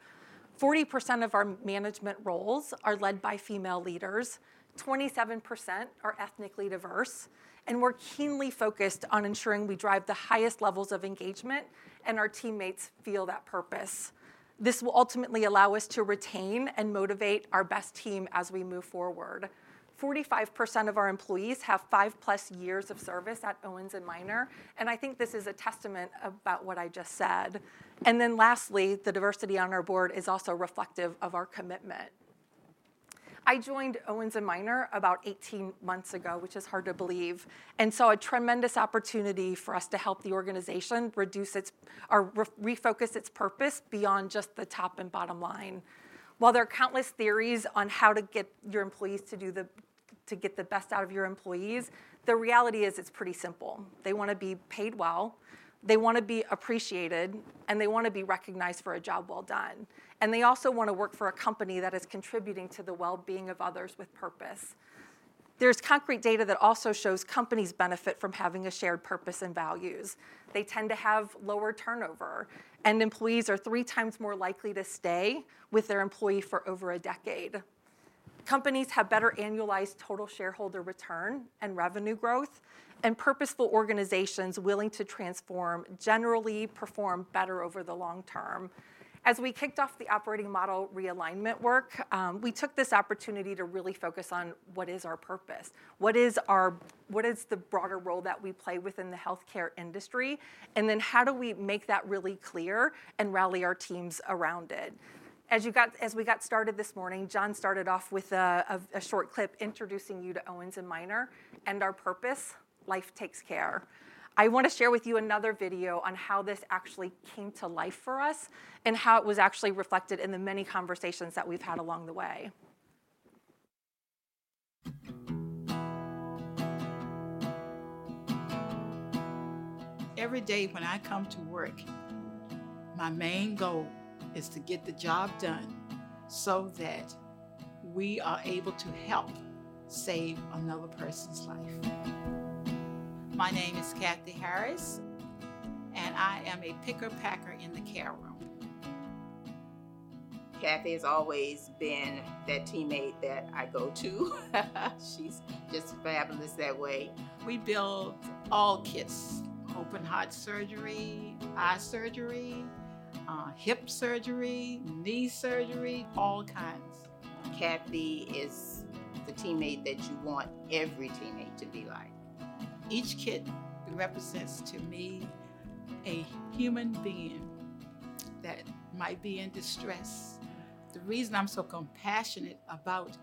40% of our management roles are led by female leaders, 27% are ethnically diverse, and we're keenly focused on ensuring we drive the highest levels of engagement, and our teammates feel that purpose. This will ultimately allow us to retain and motivate our best team as we move forward. 45% of our employees have 5+ years of service at Owens & Minor, and I think this is a testament about what I just said. And then lastly, the diversity on our board is also reflective of our commitment. I joined Owens & Minor about 18 months ago, which is hard to believe, and saw a tremendous opportunity for us to help the organization reduce its or refocus its purpose beyond just the top and bottom line. While there are countless theories on how to get your employees to get the best out of your employees, the reality is, it's pretty simple. They wanna be paid well, they wanna be appreciated, and they wanna be recognized for a job well done, and they also wanna work for a company that is contributing to the well-being of others with purpose. There's concrete data that also shows companies benefit from having a shared purpose and values. They tend to have lower turnover, and employees are three times more likely to stay with their employer for over a decade. Companies have better annualized total shareholder return and revenue growth, and purposeful organizations willing to transform generally perform better over the long term. As we kicked off the Operating Model Realignment work, we took this opportunity to really focus on: what is our purpose? What is our... What is the broader role that we play within the healthcare industry, and then how do we make that really clear and rally our teams around it? As we got started this morning, John started off with a short clip introducing you to Owens & Minor and our purpose, Life Takes Care. I wanna share with you another video on how this actually came to life for us and how it was actually reflected in the many conversations that we've had along the way. Every day when I come to work, my main goal is to get the job done so that we are able to help save another person's life. My name is Kathy Harris, and I am a picker-packer in the clean room. Kathy has always been that teammate that I go to. She's just fabulous that way. We build all kits: open heart surgery, eye surgery, hip surgery, knee surgery, all kinds. Kathy is the teammate that you want every teammate to be like. Each kit represents, to me, a human being that might be in distress. The reason I'm so compassionate about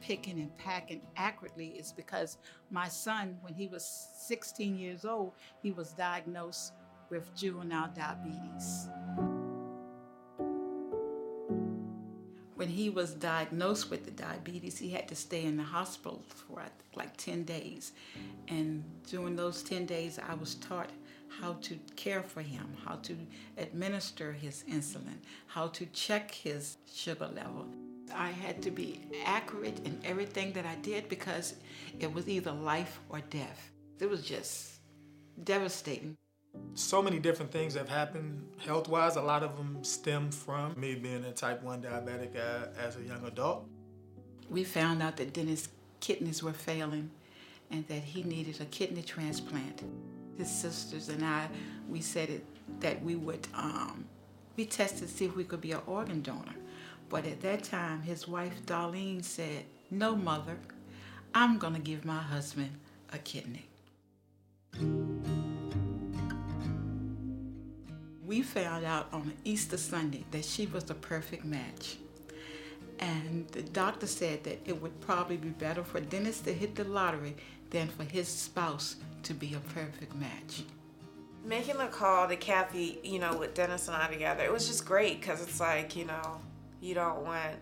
picking and packing accurately is because my son, when he was 16 years old, he was diagnosed with juvenile diabetes. When he was diagnosed with the diabetes, he had to stay in the hospital for, like, 10 days, and during those 10 days, I was taught how to care for him, how to administer his insulin, how to check his sugar level. I had to be accurate in everything that I did because it was either life or death. It was just devastating. So many different things have happened health-wise. A lot of them stemmed from me being a Type 1 diabetic, as a young adult. We found out that Dennis' kidneys were failing and that he needed a kidney transplant. His sisters and I, we said that, that we would be tested to see if we could be an organ donor. But at that time, his wife, Darlene, said, "No, Mother, I'm gonna give my husband a kidney." We found out on Easter Sunday that she was the perfect match, and the doctor said that it would probably be better for Dennis to hit the lottery than for his spouse to be a perfect match. Making the call to Kathy, you know, with Dennis and I together, it was just great 'cause it's like, you know, you don't want...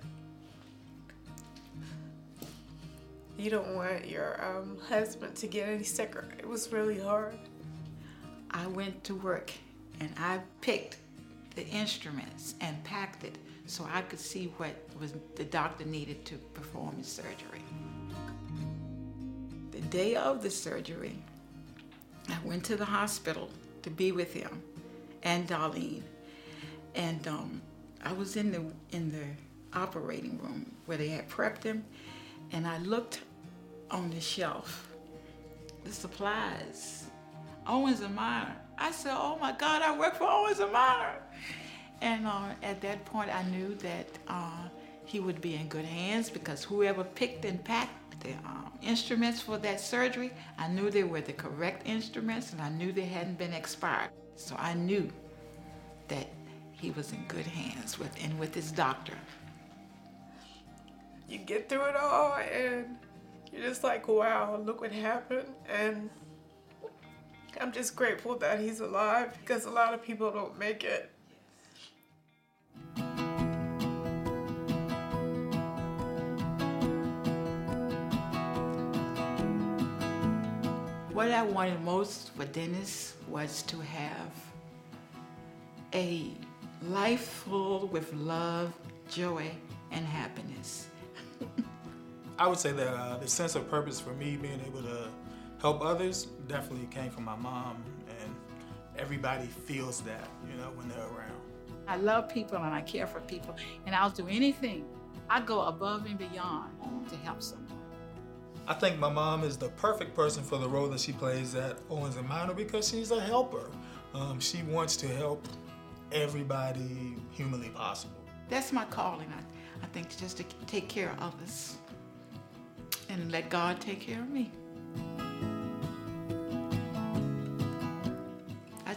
You don't want your husband to get any sicker. It was really hard. I went to work, and I picked the instruments and packed it, so I could see what the doctor needed to perform the surgery. The day of the surgery, I went to the hospital to be with him and Darlene, and I was in the operating room where they had prepped him, and I looked on the shelf, the supplies, Owens & Minor. I said, "Oh, my God, I work for Owens & Minor!" And at that point, I knew that he would be in good hands because whoever picked and packed the instruments for that surgery, I knew they were the correct instruments, and I knew they hadn't been expired. So I knew that he was in good hands with, and with his doctor. You get through it all, and you're just like, "Wow, look what happened!" I'm just grateful that he's alive, because a lot of people don't make it. What I wanted most for Dennis was to have a life full with love, joy, and happiness. I would say that the sense of purpose for me, being able to help others, definitely came from my mom, and everybody feels that, you know, when they're around. I love people, and I care for people, and I'll do anything. I go above and beyond to help someone. I think my mom is the perfect person for the role that she plays at Owens & Minor because she's a helper. She wants to help everybody humanly possible. That's my calling, I think, just to take care of others, and let God take care of me.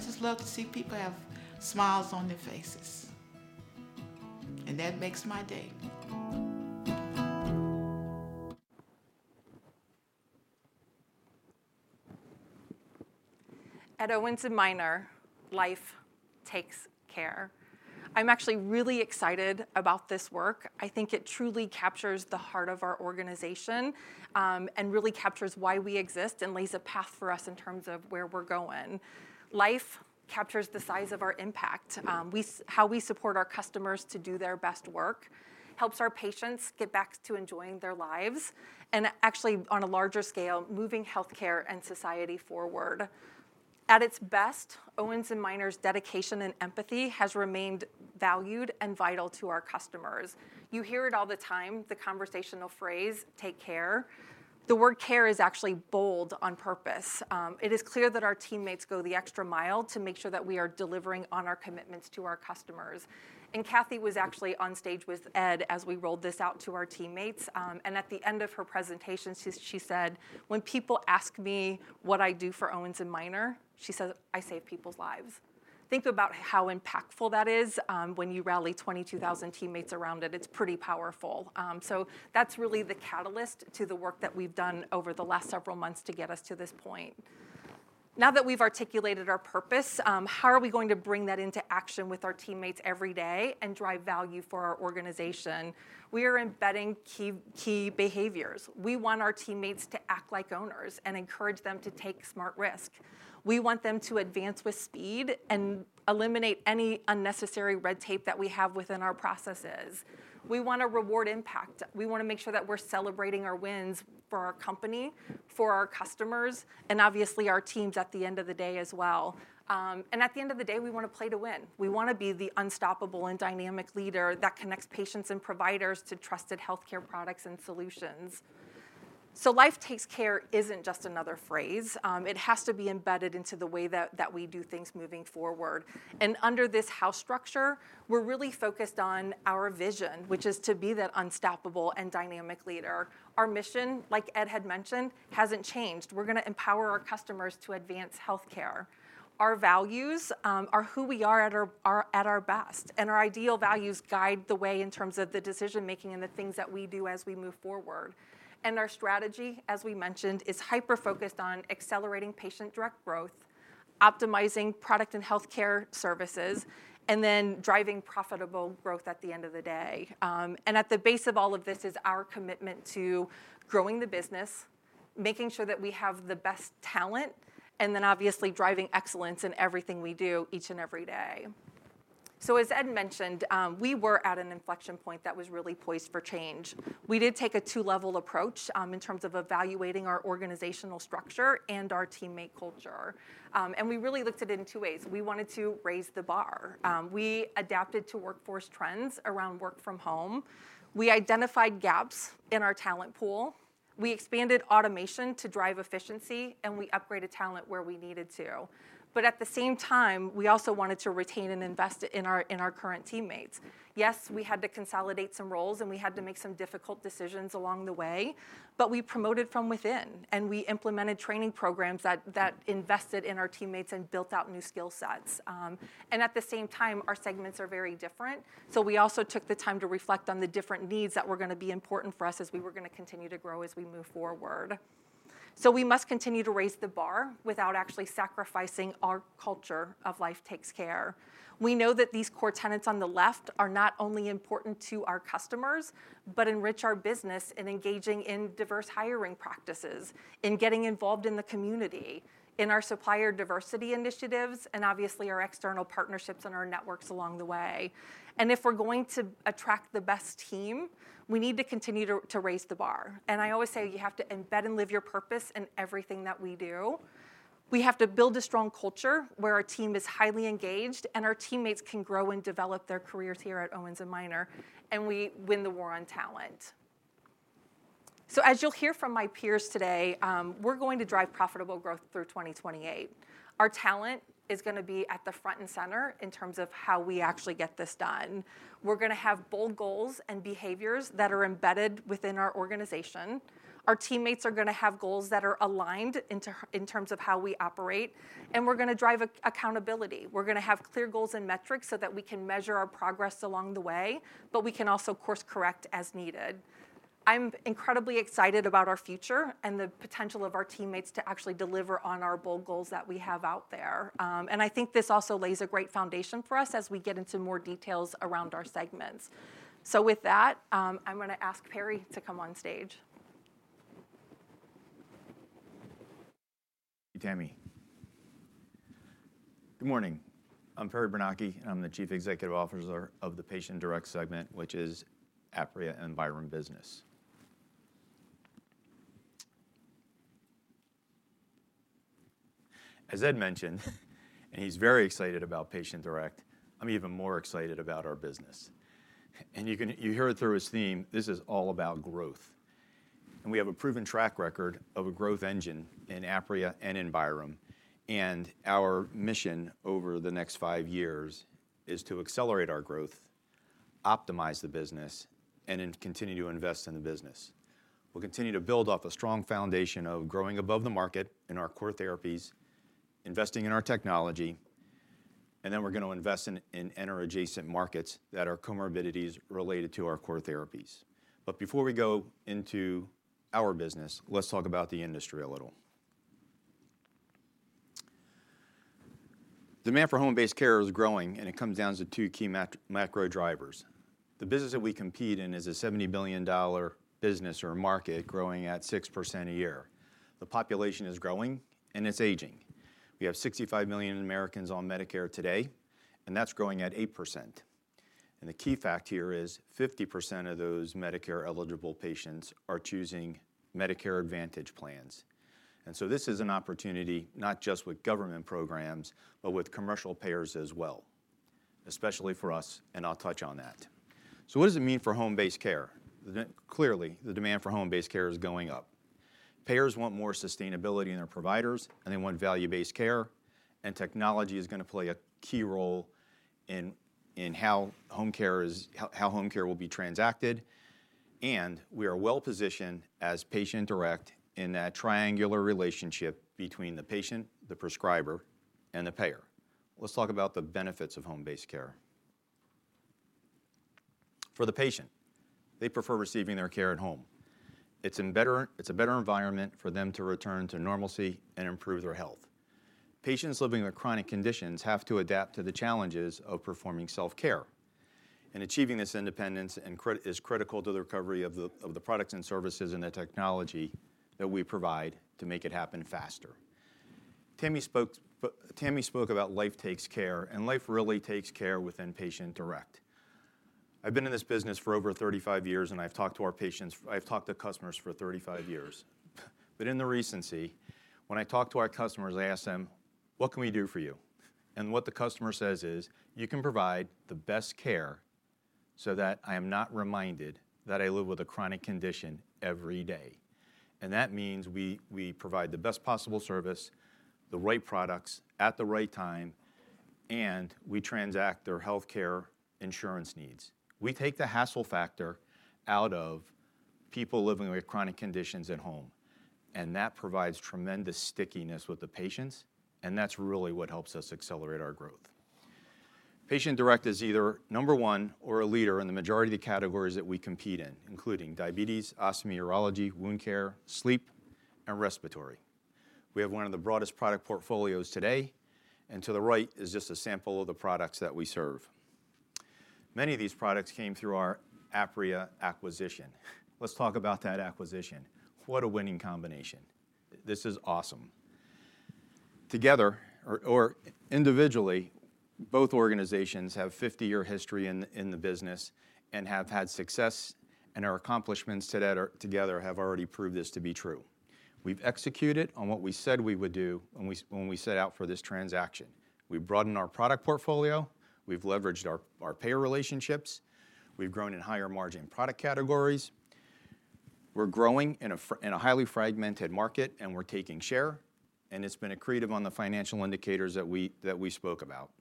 I just love to see people have smiles on their faces, and that makes my day. At Owens & Minor, Life Takes Care. I'm actually really excited about this work. I think it truly captures the heart of our organization, and really captures why we exist, and lays a path for us in terms of where we're going. Life captures the size of our impact. We show how we support our customers to do their best work, helps our patients get back to enjoying their lives, and actually, on a larger scale, moving healthcare and society forward. At its best, Owens & Minor's dedication and empathy has remained valued and vital to our customers. You hear it all the time, the conversational phrase, "Take care." The word care is actually bold on purpose. It is clear that our teammates go the extra mile to make sure that we are delivering on our commitments to our customers. And Kathy was actually on stage with Ed as we rolled this out to our teammates, and at the end of her presentation, she said, "When people ask me what I do for Owens & Minor," she said, "I save people's lives." Think about how impactful that is, when you rally 22,000 teammates around it. It's pretty powerful. So that's really the catalyst to the work that we've done over the last several months to get us to this point. Now that we've articulated our purpose, how are we going to bring that into action with our teammates every day, and drive value for our organization? We are embedding key, key behaviors. We want our teammates to act like owners, and encourage them to take smart risk. We want them to advance with speed, and eliminate any unnecessary red tape that we have within our processes. We want to reward impact. We want to make sure that we're celebrating our wins for our company, for our customers, and obviously, our teams at the end of the day as well. And at the end of the day, we want to play to win. We want to be the unstoppable and dynamic leader that connects patients and providers to trusted healthcare products and solutions. So "Life Takes Care" isn't just another phrase. It has to be embedded into the way that, that we do things moving forward. And under this house structure, we're really focused on our vision, which is to be that unstoppable and dynamic leader. Our mission, like Ed had mentioned, hasn't changed. We're gonna empower our customers to advance healthcare. Our values are who we are at our best, and our ideal values guide the way in terms of the decision-making and the things that we do as we move forward. Our strategy, as we mentioned, is hyper-focused on accelerating Patient Direct growth, optimizing Products & Healthcare Services, and then driving profitable growth at the end of the day. At the base of all of this is our commitment to growing the business, making sure that we have the best talent, and then obviously, driving excellence in everything we do each and every day. As Ed mentioned, we were at an inflection point that was really poised for change. We did take a two-level approach in terms of evaluating our organizational structure and our teammate culture. We really looked at it in two ways. We wanted to raise the bar. We adapted to workforce trends around work from home. We identified gaps in our talent pool, we expanded automation to drive efficiency, and we upgraded talent where we needed to. But at the same time, we also wanted to retain and invest in our current teammates. Yes, we had to consolidate some roles, and we had to make some difficult decisions along the way, but we promoted from within, and we implemented training programs that invested in our teammates and built out new skill sets. And at the same time, our segments are very different, so we also took the time to reflect on the different needs that were gonna be important for us as we were gonna continue to grow as we move forward. So we must continue to raise the bar without actually sacrificing our culture of Life Takes Care. We know that these core tenets on the left are not only important to our customers, but enrich our business in engaging in diverse hiring practices, in getting involved in the community, in our supplier diversity initiatives, and obviously, our external partnerships and our networks along the way. And if we're going to attract the best team, we need to continue to raise the bar. And I always say you have to embed and live your purpose in everything that we do. We have to build a strong culture, where our team is highly engaged, and our teammates can grow and develop their careers here at Owens & Minor, and we win the war on talent. So as you'll hear from my peers today, we're going to drive profitable growth through 2028. Our talent is gonna be at the front and center in terms of how we actually get this done. We're gonna have bold goals and behaviors that are embedded within our organization. Our teammates are gonna have goals that are aligned in terms of how we operate, and we're gonna drive accountability. We're gonna have clear goals and metrics so that we can measure our progress along the way, but we can also course correct as needed. I'm incredibly excited about our future and the potential of our teammates to actually deliver on our bold goals that we have out there. I think this also lays a great foundation for us as we get into more details around our segments. So with that, I'm gonna ask Perry to come on stage. Thank you, Tammy. Good morning. I'm Perry Bernocchi, and I'm the Chief Executive Officer of the Patient Direct segment, which is Apria and Byram business. As Ed mentioned, and he's very excited about Patient Direct, I'm even more excited about our business. You can- you hear it through his theme, this is all about growth. We have a proven track record of a growth engine in Apria and in Byram, and our mission over the next five years is to accelerate our growth, optimize the business, and then continue to invest in the business. We'll continue to build off a strong foundation of growing above the market in our core therapies, investing in our technology, and then we're gonna invest in adjacent markets that are comorbidities related to our core therapies. Before we go into our business, let's talk about the industry a little. Demand for home-based care is growing, and it comes down to two key macro drivers. The business that we compete in is a $70 billion business or market growing at 6% a year. The population is growing, and it's aging. We have 65 million Americans on Medicare today, and that's growing at 8%. And the key fact here is 50% of those Medicare-eligible patients are choosing Medicare Advantage plans. And so this is an opportunity not just with government programs, but with commercial payers as well, especially for us, and I'll touch on that. So what does it mean for home-based care? Clearly, the demand for home-based care is going up. Payers want more sustainability in their providers, and they want value-based care, and technology is gonna play a key role in how home care is, how home care will be transacted, and we are well positioned as Patient Direct in that triangular relationship between the patient, the prescriber, and the payer. Let's talk about the benefits of home-based care. For the patient, they prefer receiving their care at home. It's a better environment for them to return to normalcy and improve their health. Patients living with chronic conditions have to adapt to the challenges of performing self-care, and achieving this independence is critical to the recovery of the products and services and the technology that we provide to make it happen faster. Tammy spoke about Life Takes Care, and life really takes care within Patient Direct. I've been in this business for over 35 years, and I've talked to our patients, I've talked to customers for 35 years. But recently, when I talk to our customers, I ask them: "What can we do for you?" And what the customer says is, "You can provide the best care so that I am not reminded that I live with a chronic condition every day." And that means we, we provide the best possible service, the right products at the right time, and we transact their healthcare insurance needs. We take the hassle factor out of people living with chronic conditions at home, and that provides tremendous stickiness with the patients, and that's really what helps us accelerate our growth. Patient Direct is either number one or a leader in the majority of the categories that we compete in, including diabetes, ostomy, urology, wound care, sleep, and respiratory. We have one of the broadest product portfolios today, and to the right is just a sample of the products that we serve. Many of these products came through our Apria acquisition. Let's talk about that acquisition. What a winning combination! This is awesome. Together, or individually, both organizations have 50-year history in the business and have had success, and our accomplishments together have already proved this to be true. We've executed on what we said we would do when we set out for this transaction. We've broadened our product portfolio, we've leveraged our payer relationships, we've grown in higher-margin product categories, we're growing in a highly fragmented market, and we're taking share, and it's been accretive on the financial indicators that we spoke about.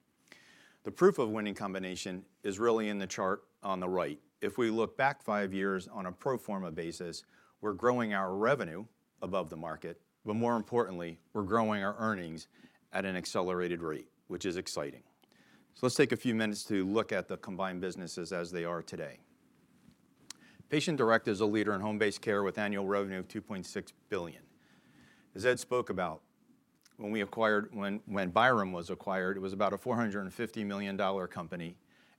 The proof of winning combination is really in the chart on the right. If we look back five years on a pro forma basis, we're growing our revenue above the market, but more importantly, we're growing our earnings at an accelerated rate, which is exciting. So let's take a few minutes to look at the combined businesses as they are today. Patient Direct is a leader in home-based care with annual revenue of $2.6 billion. As Ed spoke about, when we acquired, when Byram was acquired, it was about a $450 million company,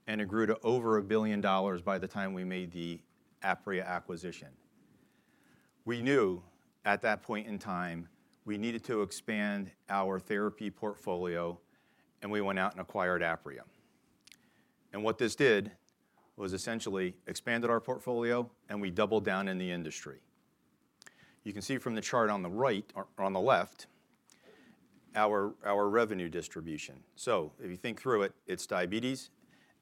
and it grew to over $1 billion by the time we made the Apria acquisition. We knew at that point in time we needed to expand our therapy portfolio, and we went out and acquired Apria. And what this did was essentially expanded our portfolio, and we doubled down in the industry. You can see from the chart on the right, or on the left, our revenue distribution. So if you think through it, it's diabetes,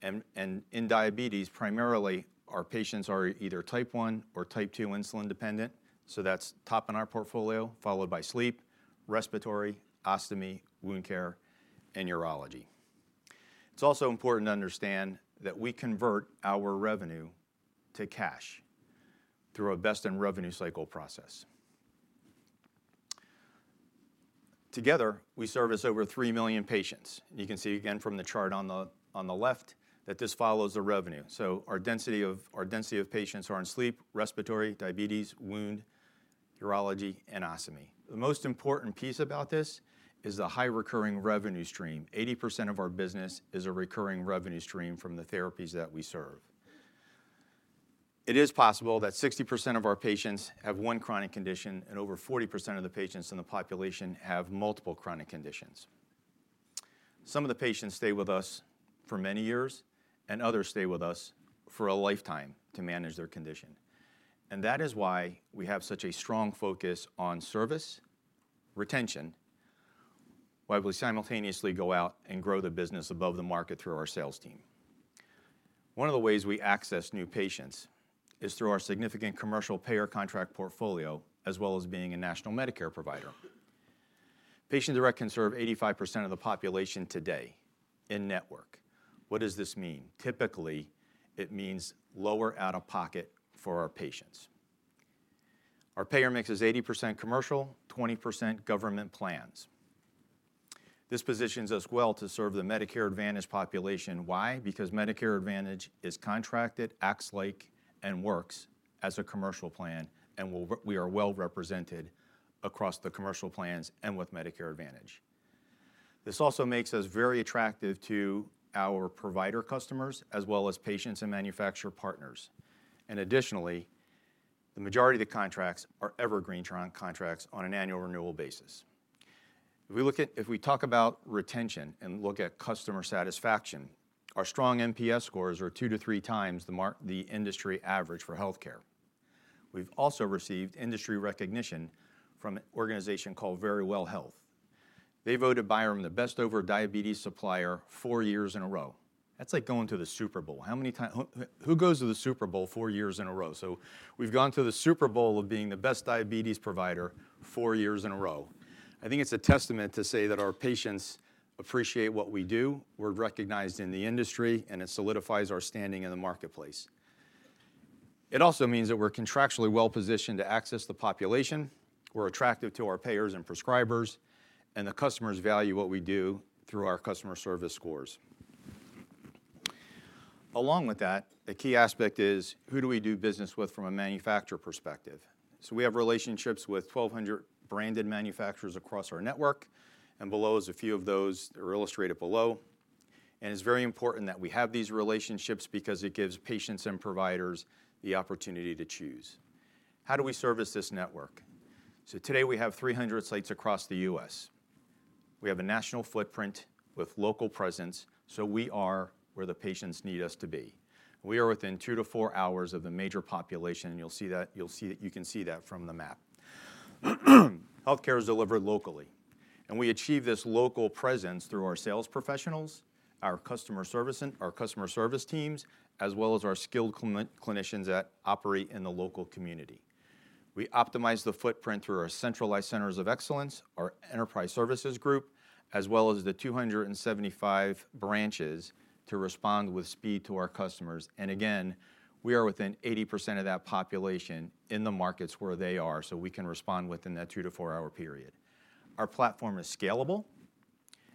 and in diabetes, primarily, our patients are either type 1 or type 2 insulin dependent. So that's top in our portfolio, followed by sleep, respiratory, ostomy, wound care, and urology. It's also important to understand that we convert our revenue to cash through our best in revenue cycle process. Together, we service over 3 million patients. You can see again from the chart on the left, that this follows the revenue. So our density of patients are in sleep, respiratory, diabetes, wound, urology, and ostomy. The most important piece about this is the high recurring revenue stream. 80% of our business is a recurring revenue stream from the therapies that we serve. It is possible that 60% of our patients have one chronic condition, and over 40% of the patients in the population have multiple chronic conditions. Some of the patients stay with us for many years, and others stay with us for a lifetime to manage their condition, and that is why we have such a strong focus on service, retention, while we simultaneously go out and grow the business above the market through our sales team. One of the ways we access new patients is through our significant commercial payer contract portfolio, as well as being a national Medicare provider. Patient Direct can serve 85% of the population today in-network. What does this mean? Typically, it means lower out-of-pocket for our patients. Our payer mix is 80% commercial, 20% government plans. This positions us well to serve the Medicare Advantage population. Why? Because Medicare Advantage is contracted, acts like, and works as a commercial plan, and we are well represented across the commercial plans and with Medicare Advantage. This also makes us very attractive to our provider customers, as well as patients and manufacturer partners, and additionally, the majority of the contracts are evergreen contracts on an annual renewal basis. If we talk about retention and look at customer satisfaction, our strong NPS scores are two to three times the industry average for healthcare. We've also received industry recognition from an organization called Verywell Health. They voted Byram the best diabetes supplier four years in a row. That's like going to the Super Bowl. Who goes to the Super Bowl four years in a row? So we've gone to the Super Bowl of being the best diabetes provider four years in a row. I think it's a testament to say that our patients appreciate what we do, we're recognized in the industry, and it solidifies our standing in the marketplace. It also means that we're contractually well-positioned to access the population, we're attractive to our payers and prescribers, and the customers value what we do through our customer service scores. Along with that, a key aspect is: who do we do business with from a manufacturer perspective? So we have relationships with 1,200 branded manufacturers across our network, and below is a few of those that are illustrated below. And it's very important that we have these relationships because it gives patients and providers the opportunity to choose. How do we service this network? So today, we have 300 sites across the U.S. We have a national footprint with local presence, so we are where the patients need us to be. We are within 2-4 hours of the major population, and you'll see that—you'll see that—you can see that from the map. Healthcare is delivered locally, and we achieve this local presence through our sales professionals, our customer service and our customer service teams, as well as our skilled clinicians that operate in the local community. We optimize the footprint through our centralized centers of excellence, our enterprise services group, as well as the 275 branches to respond with speed to our customers. And again, we are within 80% of that population in the markets where they are, so we can respond within that 2-4-hour period. Our platform is scalable,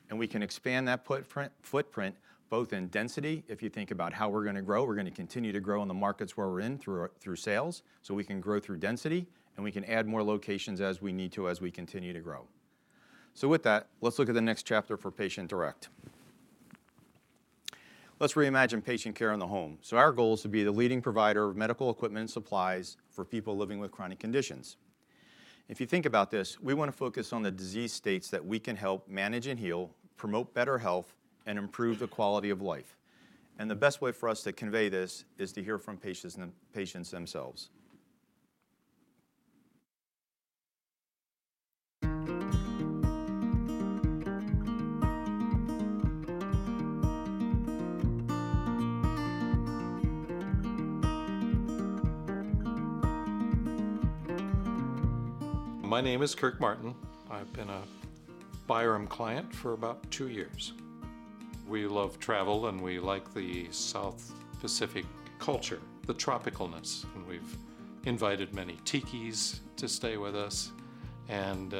and we can expand that footprint, footprint, both in density, if you think about how we're gonna grow, we're gonna continue to grow in the markets where we're in through, through sales, so we can grow through density, and we can add more locations as we need to, as we continue to grow. So with that, let's look at the next chapter for Patient Direct. Let's reimagine patient care in the home. So our goal is to be the leading provider of medical equipment and supplies for people living with chronic conditions. If you think about this, we want to focus on the disease states that we can help manage and heal, promote better health, and improve the quality of life. And the best way for us to convey this is to hear from patients and the patients themselves. My name is Kirk Martin. I've been a Byram client for about two years. We love travel, and we like the South Pacific culture, the tropical-ness, and we've invited many Tikis to stay with us and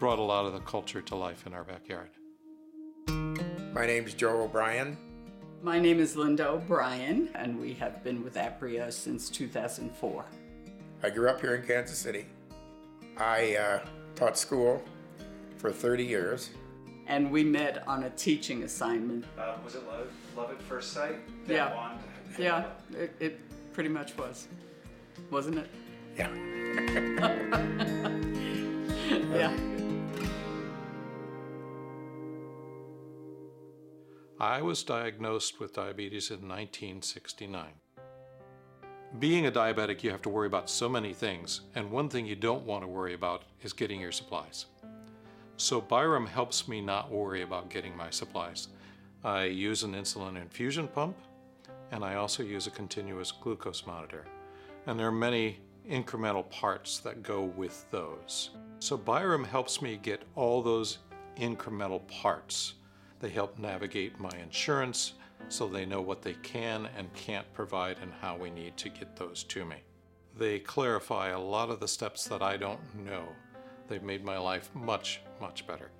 brought a lot of the culture to life in our backyard. My name is Jim O'Brien. My name is Linda O'Brien, and we have been with Apria since 2004. I grew up here in Kansas City. I taught school for 30 years. We met on a teaching assignment. Was it love, love at first sight? Yeah... that bond? Yeah, it pretty much was, wasn't it? Yeah. Yeah.... I was diagnosed with diabetes in 1969. Being a diabetic, you have to worry about so many things, and one thing you don't want to worry about is getting your supplies. So Byram helps me not worry about getting my supplies. I use an insulin infusion pump, and I also use a continuous glucose monitor, and there are many incremental parts that go with those. So Byram helps me get all those incremental parts. They help navigate my insurance, so they know what they can and can't provide and how we need to get those to me. They clarify a lot of the steps that I don't know. They've made my life much, much better.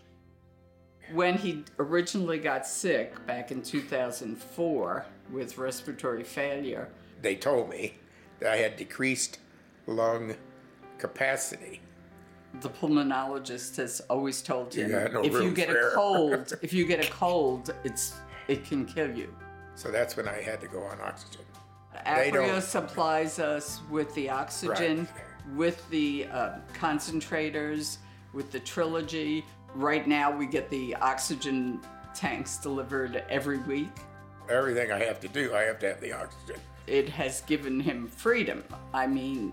When he originally got sick back in 2004 with respiratory failure- They told me that I had decreased lung capacity. The pulmonologist has always told Jim- You got no room for error.... If you get a cold, if you get a cold, it can kill you. So that's when I had to go on oxygen. They don't- Apria supplies us with the oxygen- Right... with the concentrators, with the Trilogy. Right now, we get the oxygen tanks delivered every week. Everything I have to do, I have to have the oxygen. It has given him freedom. I mean,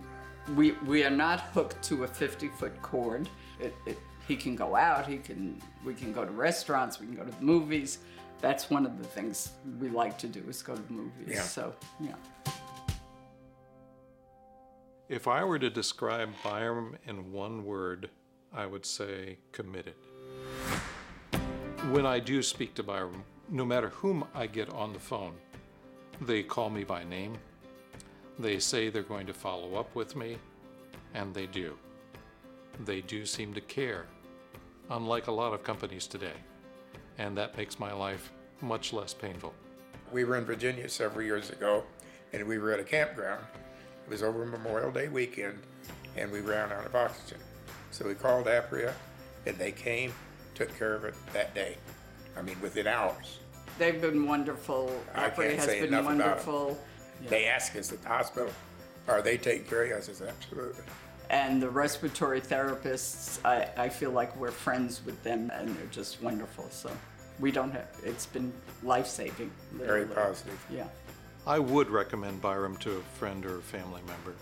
we, we are not hooked to a 50-foot cord. It, it- he can go out, he can... We can go to restaurants, we can go to the movies. That's one of the things we like to do, is go to the movies. Yeah. So, yeah. If I were to describe Byram in one word, I would say committed. When I do speak to Byram, no matter whom I get on the phone, they call me by name, they say they're going to follow up with me, and they do. They do seem to care, unlike a lot of companies today, and that makes my life much less painful. We were in Virginia several years ago, and we were at a campground. It was over Memorial Day weekend, and we ran out of oxygen. So we called Apria, and they came, took care of it that day, I mean, within hours. They've been wonderful. I can't say enough about them. Apria has been wonderful. They ask us at the hospital, "Are they taking care of you?" I says, "Absolutely. The respiratory therapists, I feel like we're friends with them, and they're just wonderful, so we don't have... It's been life-saving. Very positive. Yeah. I would recommend Byram to a friend or a family member,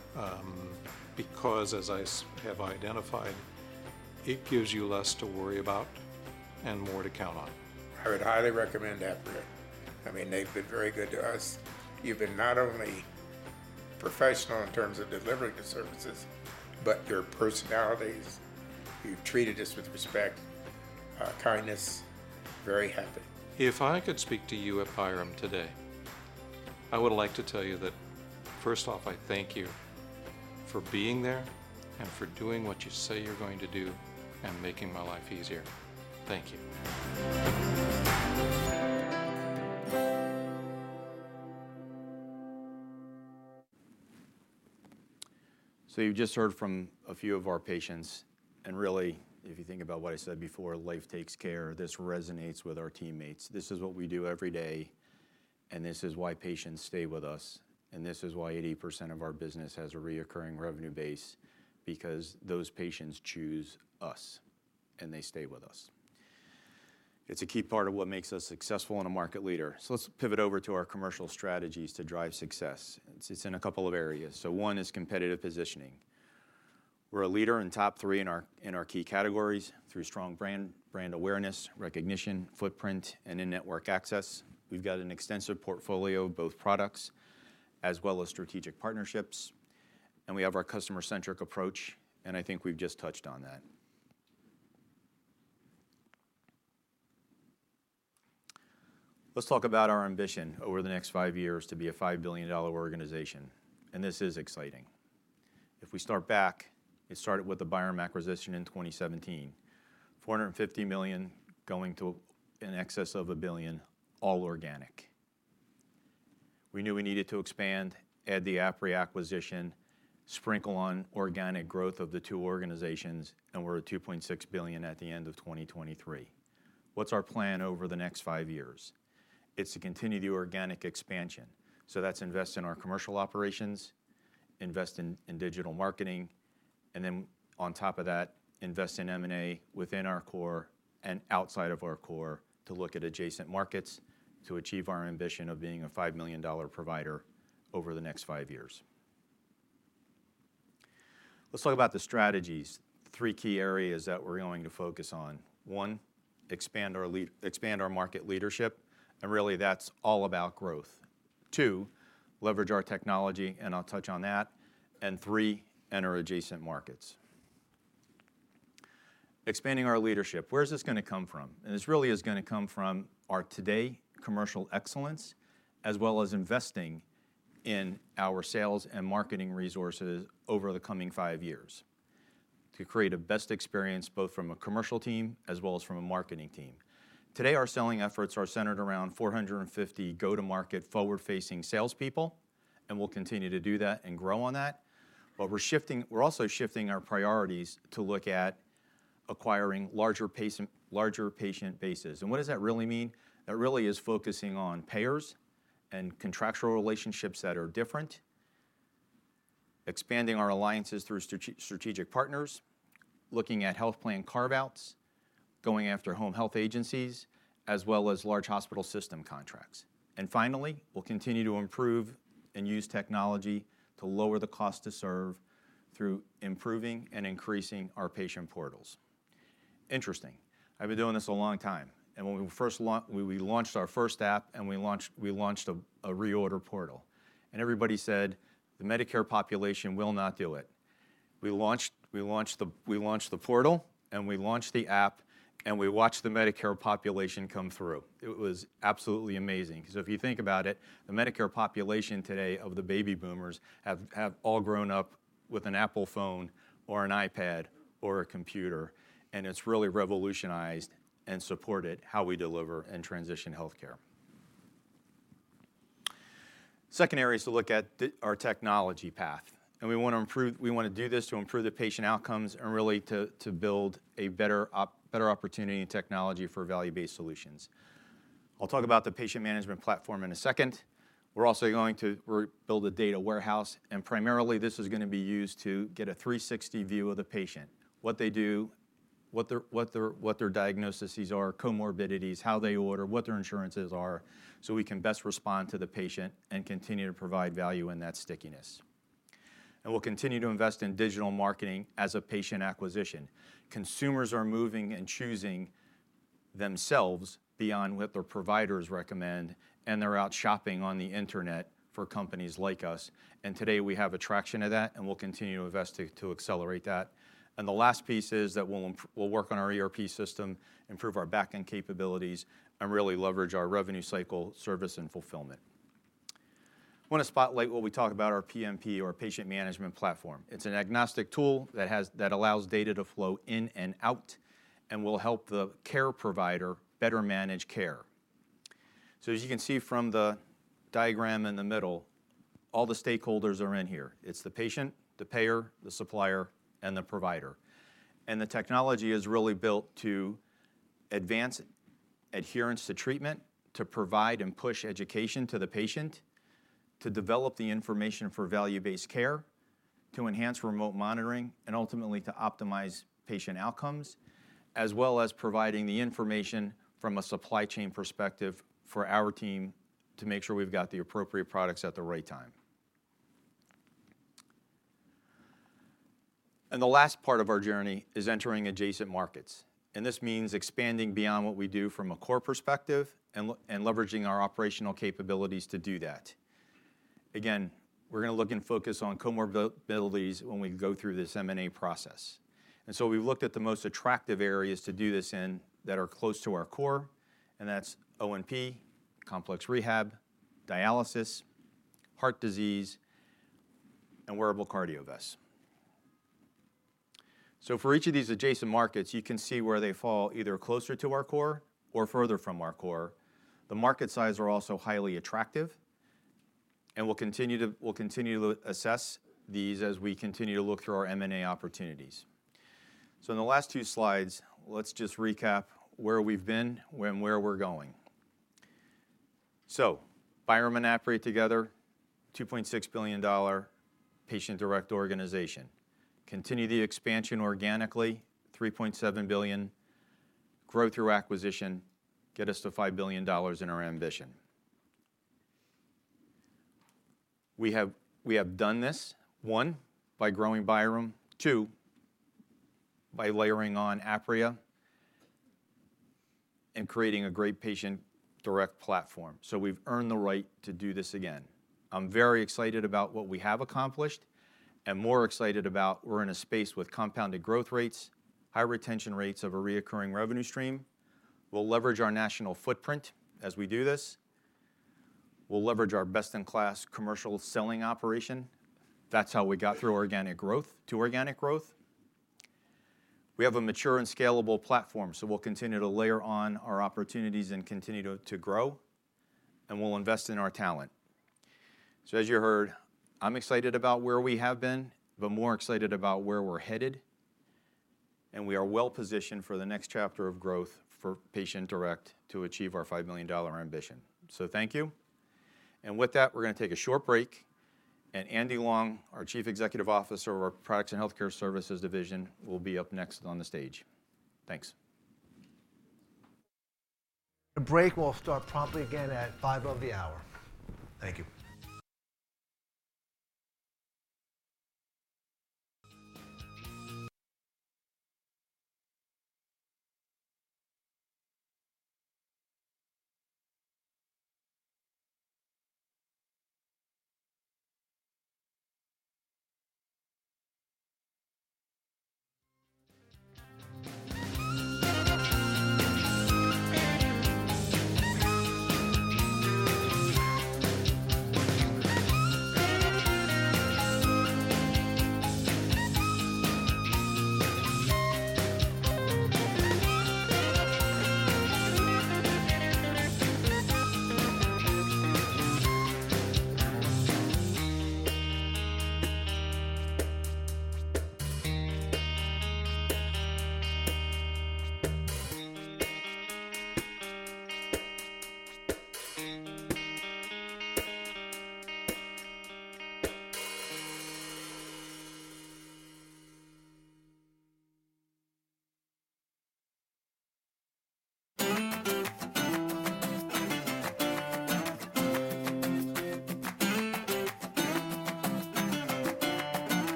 because as I have identified, it gives you less to worry about and more to count on. I would highly recommend Apria. I mean, they've been very good to us. You've been not only professional in terms of delivering the services, but your personalities, you've treated us with respect, kindness. Very happy. If I could speak to you at Byram today, I would like to tell you that, first off, I thank you for being there and for doing what you say you're going to do and making my life easier. Thank you. You've just heard from a few of our patients, and really, if you think about what I said before, Life Takes Care. This resonates with our teammates. This is what we do every day, and this is why patients stay with us, and this is why 80% of our business has a recurring revenue base, because those patients choose us, and they stay with us. It's a key part of what makes us successful and a market leader. Let's pivot over to our commercial strategies to drive success. It's in a couple of areas. One is competitive positioning. We're a leader in top three in our key categories through strong brand awareness, recognition, footprint, and in-network access. We've got an extensive portfolio of both products as well as strategic partnerships, and we have our customer-centric approach, and I think we've just touched on that. Let's talk about our ambition over the next 5 years to be a $5 billion organization, and this is exciting. If we start back, it started with the Byram acquisition in 2017. $450 million going to in excess of $1 billion, all organic. We knew we needed to expand, add the Apria acquisition, sprinkle on organic growth of the two organizations, and we're at $2.6 billion at the end of 2023. What's our plan over the next 5 years? It's to continue the organic expansion, so that's invest in our commercial operations, invest in, in digital marketing, and then on top of that, invest in M&A within our core and outside of our core to look at adjacent markets to achieve our ambition of being a $5 billion provider over the next five years. Let's talk about the strategies, three key areas that we're going to focus on. One, expand our market leadership, and really, that's all about growth. Two, leverage our technology, and I'll touch on that. And three, enter adjacent markets. Expanding our leadership, where is this gonna come from? And this really is gonna come from our today commercial excellence, as well as investing in our sales and marketing resources over the coming five years to create a best experience, both from a commercial team as well as from a marketing team. Today, our selling efforts are centered around 450 go-to-market, forward-facing salespeople, and we'll continue to do that and grow on that. But we're also shifting our priorities to look at acquiring larger patient bases. And what does that really mean? That really is focusing on payers and contractual relationships that are different. Expanding our alliances through strategic partners, looking at health plan carve-outs, going after home health agencies, as well as large hospital system contracts. And finally, we'll continue to improve and use technology to lower the cost to serve through improving and increasing our patient portals. Interesting, I've been doing this a long time, and when we first launched our first app, and we launched a reorder portal. Everybody said: "The Medicare population will not do it." We launched the portal, and we launched the app, and we watched the Medicare population come through. It was absolutely amazing, 'cause if you think about it, the Medicare population today of the baby boomers have all grown up with an Apple phone or an iPad or a computer, and it's really revolutionized and supported how we deliver and transition healthcare. Second area is to look at our technology path, and we wanna do this to improve the patient outcomes and really to build a better opportunity and technology for value-based solutions. I'll talk about the patient management platform in a second. We're also going to rebuild a data warehouse, and primarily, this is gonna be used to get a 360 view of the patient: what they do, what their diagnoses are, comorbidities, how they order, what their insurances are, so we can best respond to the patient and continue to provide value and that stickiness. We'll continue to invest in digital marketing as a patient acquisition. Consumers are moving and choosing themselves beyond what their providers recommend, and they're out shopping on the internet for companies like us. Today, we have a traction of that, and we'll continue to invest to accelerate that. The last piece is that we'll work on our ERP system, improve our back-end capabilities, and really leverage our revenue cycle, service, and fulfillment. I wanna spotlight what we talk about our PMP, our patient management platform. It's an agnostic tool that allows data to flow in and out and will help the care provider better manage care. So as you can see from the diagram in the middle, all the stakeholders are in here. It's the patient, the payer, the supplier, and the provider. And the technology is really built to advance adherence to treatment, to provide and push education to the patient, to develop the information for value-based care, to enhance remote monitoring, and ultimately, to optimize patient outcomes, as well as providing the information from a supply chain perspective for our team to make sure we've got the appropriate products at the right time. And the last part of our journey is entering adjacent markets, and this means expanding beyond what we do from a core perspective and leveraging our operational capabilities to do that. Again, we're gonna look and focus on comorbidities when we go through this M&A process. And so we've looked at the most attractive areas to do this in, that are close to our core, and that's O&P, complex rehab, dialysis, heart disease, and wearable cardio vests. So for each of these adjacent markets, you can see where they fall, either closer to our core or further from our core. The market size are also highly attractive, and we'll continue to, we'll continue to assess these as we continue to look through our M&A opportunities. So in the last 2 slides, let's just recap where we've been and where we're going. So Byram and Apria together, $2.6 billion patient Direct organization. Continue the expansion organically, $3.7 billion. Growth through acquisition, get us to $5 billion in our ambition. We have, we have done this, 1, by growing Byram, 2, by layering on Apria and creating a great Patient Direct platform. So we've earned the right to do this again. I'm very excited about what we have accomplished and more excited about we're in a space with compounded growth rates, high retention rates of a recurring revenue stream. We'll leverage our national footprint as we do this. We'll leverage our best-in-class commercial selling operation. That's how we got through organic growth, to organic growth. We have a mature and scalable platform, so we'll continue to layer on our opportunities and continue to, to grow, and we'll invest in our talent. So as you heard, I'm excited about where we have been, but more excited about where we're headed, and we are well-positioned for the next chapter of growth for Patient Direct to achieve our $5 billion ambition. Thank you. With that, we're gonna take a short break, and Andy Long, our Chief Executive Officer of our Products and Healthcare Services Division, will be up next on the stage. Thanks. The break will start promptly again at 5 of the hour. Thank you.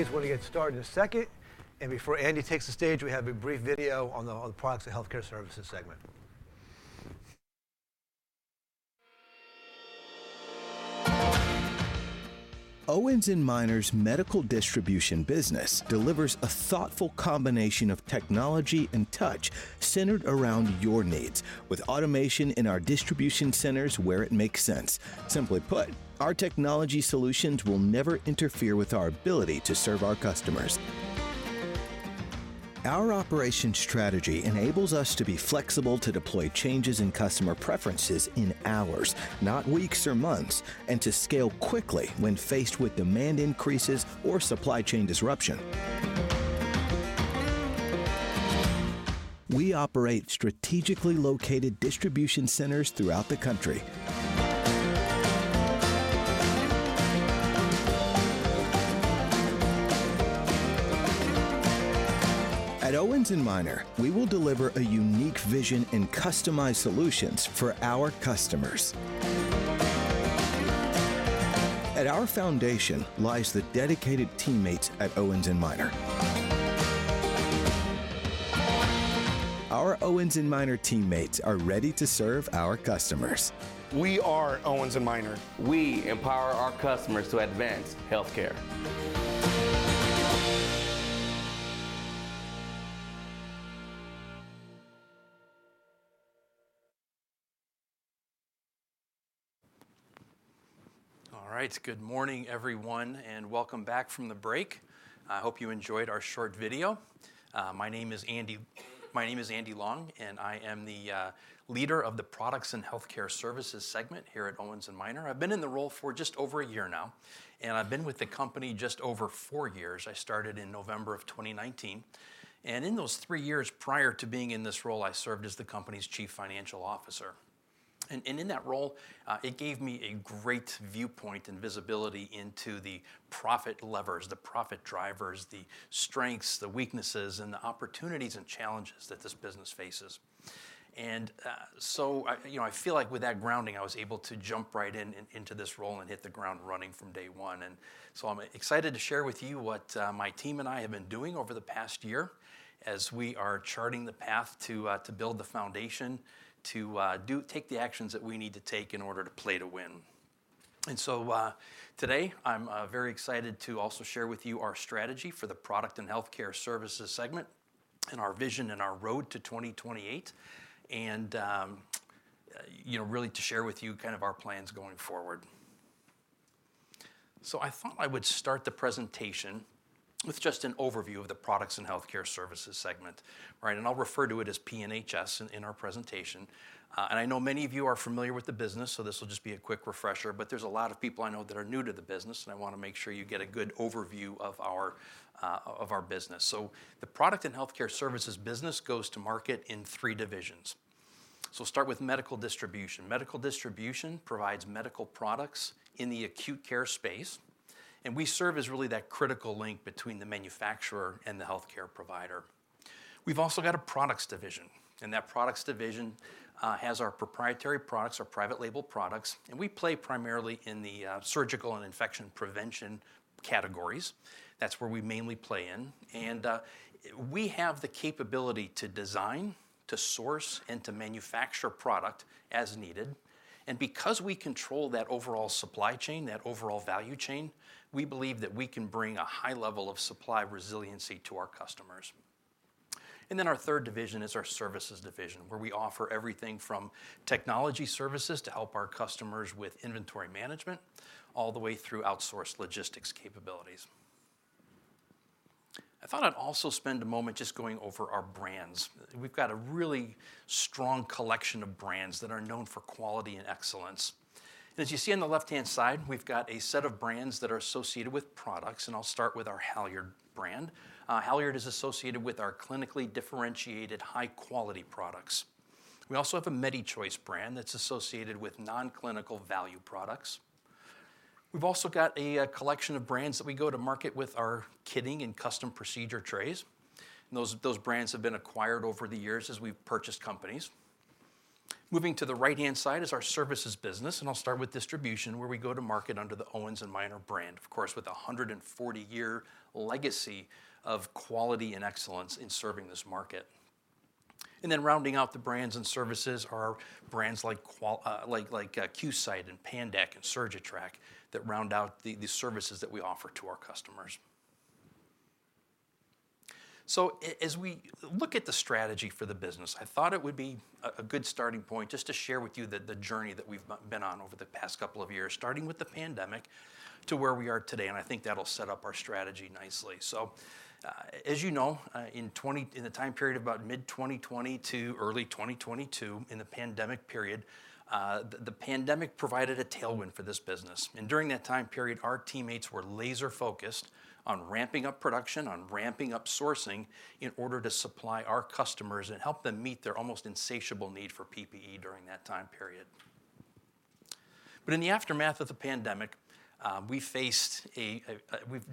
Welcome back, everyone. Just find your seats, please. We're gonna get started in a second. And before Andy takes the stage, we have a brief video on the Products and Healthcare Services segment. Owens & Minor's medical distribution business delivers a thoughtful combination of technology and touch centered around your needs, with automation in our distribution centers where it makes sense. Simply put, our technology solutions will never interfere with our ability to serve our customers. Our operation strategy enables us to be flexible to deploy changes in customer preferences in hours, not weeks or months, and to scale quickly when faced with demand increases or supply chain disruption. We operate strategically located distribution centers throughout the country. At Owens & Minor, we will deliver a unique vision and customized solutions for our customers. At our foundation lies the dedicated teammates at Owens & Minor. Our Owens & Minor teammates are ready to serve our customers. We are Owens & Minor. We empower our customers to advance healthcare. All right. Good morning, everyone, and welcome back from the break. I hope you enjoyed our short video. My name is Andy, my name is Andy Long, and I am the leader of the Products and Healthcare Services segment here at Owens & Minor. I've been in the role for just over a year now, and I've been with the company just over four years. I started in November 2019. And in those three years prior to being in this role, I served as the company's chief financial officer. And in that role, it gave me a great viewpoint and visibility into the profit levers, the profit drivers, the strengths, the weaknesses, and the opportunities and challenges that this business faces. So I, you know, I feel like with that grounding, I was able to jump right in, into this role and hit the ground running from day one. So I'm excited to share with you what, my team and I have been doing over the past year as we are charting the path to, to build the foundation, to, take the actions that we need to take in order to play to win. So, today, I'm, very excited to also share with you our strategy for the Products and Healthcare Services segment and our vision and our road to 2028, and, you know, really to share with you kind of our plans going forward. So I thought I would start the presentation with just an overview of the Products and Healthcare Services segment, right? I'll refer to it as P&HS in our presentation. And I know many of you are familiar with the business, so this will just be a quick refresher, but there's a lot of people I know that are new to the business, and I wanna make sure you get a good overview of our business. The Products and Healthcare Services business goes to market in three divisions. Start with medical distribution. Medical distribution provides medical products in the acute care space, and we serve as really that critical link between the manufacturer and the healthcare provider. We've also got a products division, and that products division has our proprietary products, our private label products, and we play primarily in the Surgical and Infection Prevention categories. That's where we mainly play in. We have the capability to design, to source, and to manufacture product as needed. Because we control that overall supply chain, that overall value chain, we believe that we can bring a high level of supply resiliency to our customers. Then our third division is our services division, where we offer everything from technology services to help our customers with inventory management, all the way through outsourced logistics capabilities. I thought I'd also spend a moment just going over our brands. We've got a really strong collection of brands that are known for quality and excellence. As you see on the left-hand side, we've got a set of brands that are associated with products, and I'll start with our Halyard brand. Halyard is associated with our clinically differentiated high-quality products. We also have a MediChoice brand that's associated with non-clinical value products. We've also got a collection of brands that we go to market with our kitting and custom procedure trays. Those brands have been acquired over the years as we've purchased companies. Moving to the right-hand side is our services business, and I'll start with distribution, where we go to market under the Owens & Minor brand, of course, with a 140-year legacy of quality and excellence in serving this market. And then rounding out the brands and services are brands like QSight, and Pandac, and SurgiTrack, that round out the services that we offer to our customers. So as we look at the strategy for the business, I thought it would be a good starting point just to share with you the journey that we've been on over the past couple of years, starting with the pandemic to where we are today, and I think that'll set up our strategy nicely. So, as you know, in the time period of about mid-2020 to early 2022, in the pandemic period, the pandemic provided a tailwind for this business. And during that time period, our teammates were laser-focused on ramping up production, on ramping up sourcing, in order to supply our customers and help them meet their almost insatiable need for PPE during that time period. But in the aftermath of the pandemic, we've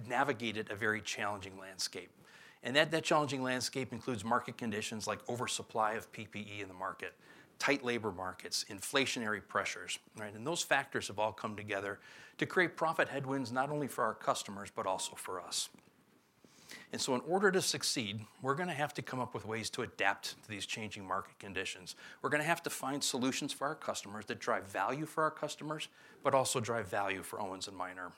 navigated a very challenging landscape, and that challenging landscape includes market conditions like oversupply of PPE in the market, tight labor markets, inflationary pressures, right? And those factors have all come together to create profit headwinds, not only for our customers, but also for us. And so in order to succeed, we're gonna have to come up with ways to adapt to these changing market conditions. We're gonna have to find solutions for our customers that drive value for our customers, but also drive value for Owens & Minor.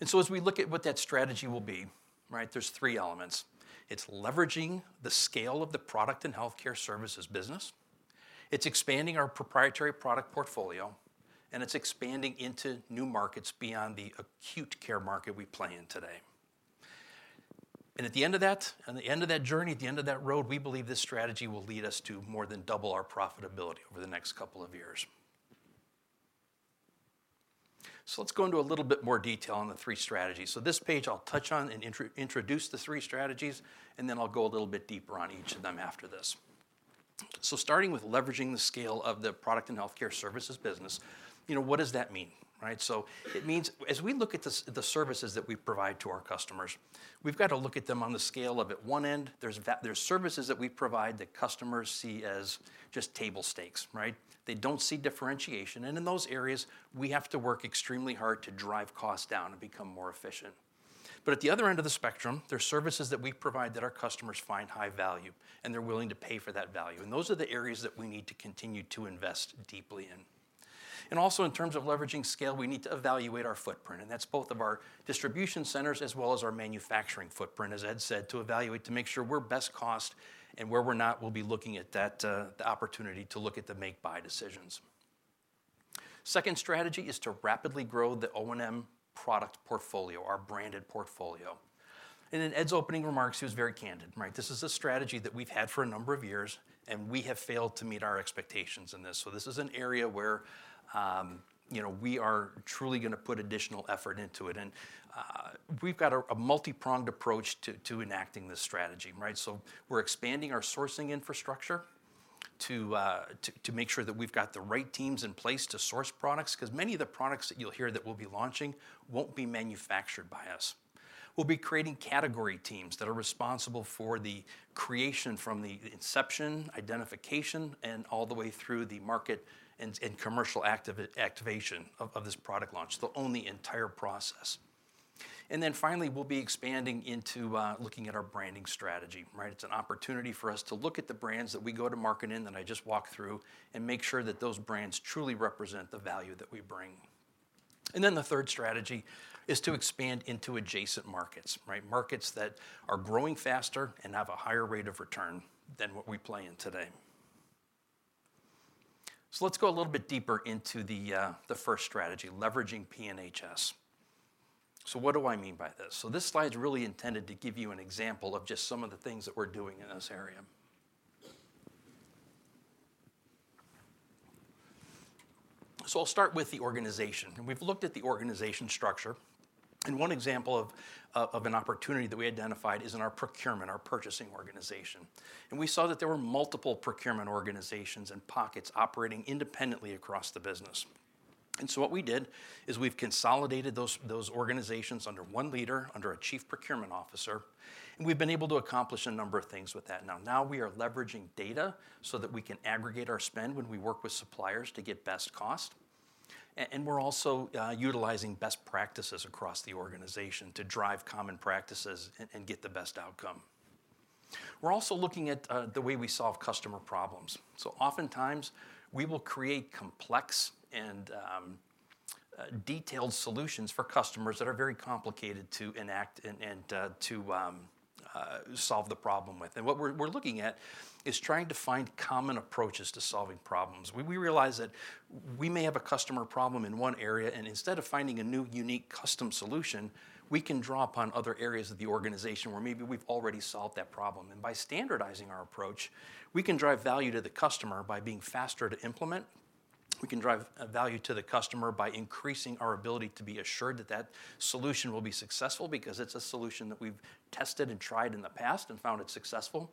And so as we look at what that strategy will be, right, there's three elements. It's leveraging the scale of the Products & Healthcare Services business, it's expanding our proprietary product portfolio, and it's expanding into new markets beyond the acute care market we play in today. At the end of that, at the end of that journey, at the end of that road, we believe this strategy will lead us to more than double our profitability over the next couple of years. Let's go into a little bit more detail on the three strategies. This page, I'll touch on and introduce the three strategies, and then I'll go a little bit deeper on each of them after this. Starting with leveraging the scale of the Products and Healthcare Services business, you know, what does that mean? Right. So it means as we look at the services that we provide to our customers, we've got to look at them on the scale of, at one end, there's services that we provide that customers see as just table stakes, right? They don't see differentiation, and in those areas, we have to work extremely hard to drive costs down and become more efficient. But at the other end of the spectrum, there are services that we provide that our customers find high value, and they're willing to pay for that value. Those are the areas that we need to continue to invest deeply in. Also, in terms of leveraging scale, we need to evaluate our footprint, and that's both of our distribution centers as well as our manufacturing footprint, as Ed said, to evaluate, to make sure we're best cost, and where we're not, we'll be looking at that, the opportunity to look at the make-buy decisions. Second strategy is to rapidly grow the O&M product portfolio, our branded portfolio. In Ed's opening remarks, he was very candid, right? This is a strategy that we've had for a number of years, and we have failed to meet our expectations in this. So this is an area where, you know, we are truly gonna put additional effort into it. And we've got a multi-pronged approach to enacting this strategy, right? So we're expanding our sourcing infrastructure to make sure that we've got the right teams in place to source products, 'cause many of the products that you'll hear that we'll be launching won't be manufactured by us. We'll be creating category teams that are responsible for the creation from the inception, identification, and all the way through the market and commercial activation of this product launch. They'll own the entire process. And then finally, we'll be expanding into looking at our branding strategy, right? It's an opportunity for us to look at the brands that we go to market in, that I just walked through, and make sure that those brands truly represent the value that we bring. And then the third strategy is to expand into adjacent markets, right? Markets that are growing faster and have a higher rate of return than what we play in today. So let's go a little bit deeper into the first strategy, leveraging P&HS. So what do I mean by this? So this slide is really intended to give you an example of just some of the things that we're doing in this area. So I'll start with the organization, and we've looked at the organization structure, and one example of an opportunity that we identified is in our procurement, our purchasing organization. And we saw that there were multiple procurement organizations and pockets operating independently across the business. So what we did is we've consolidated those organizations under one leader, under a chief procurement officer, and we've been able to accomplish a number of things with that. Now we are leveraging data so that we can aggregate our spend when we work with suppliers to get best cost, and we're also utilizing best practices across the organization to drive common practices and get the best outcome. We're also looking at the way we solve customer problems. So oftentimes, we will create complex and detailed solutions for customers that are very complicated to enact and to solve the problem with. And what we're looking at is trying to find common approaches to solving problems, where we realize that we may have a customer problem in one area, and instead of finding a new, unique, custom solution, we can draw upon other areas of the organization where maybe we've already solved that problem. And by standardizing our approach, we can drive value to the customer by being faster to implement. We can drive value to the customer by increasing our ability to be assured that that solution will be successful because it's a solution that we've tested and tried in the past and found it successful.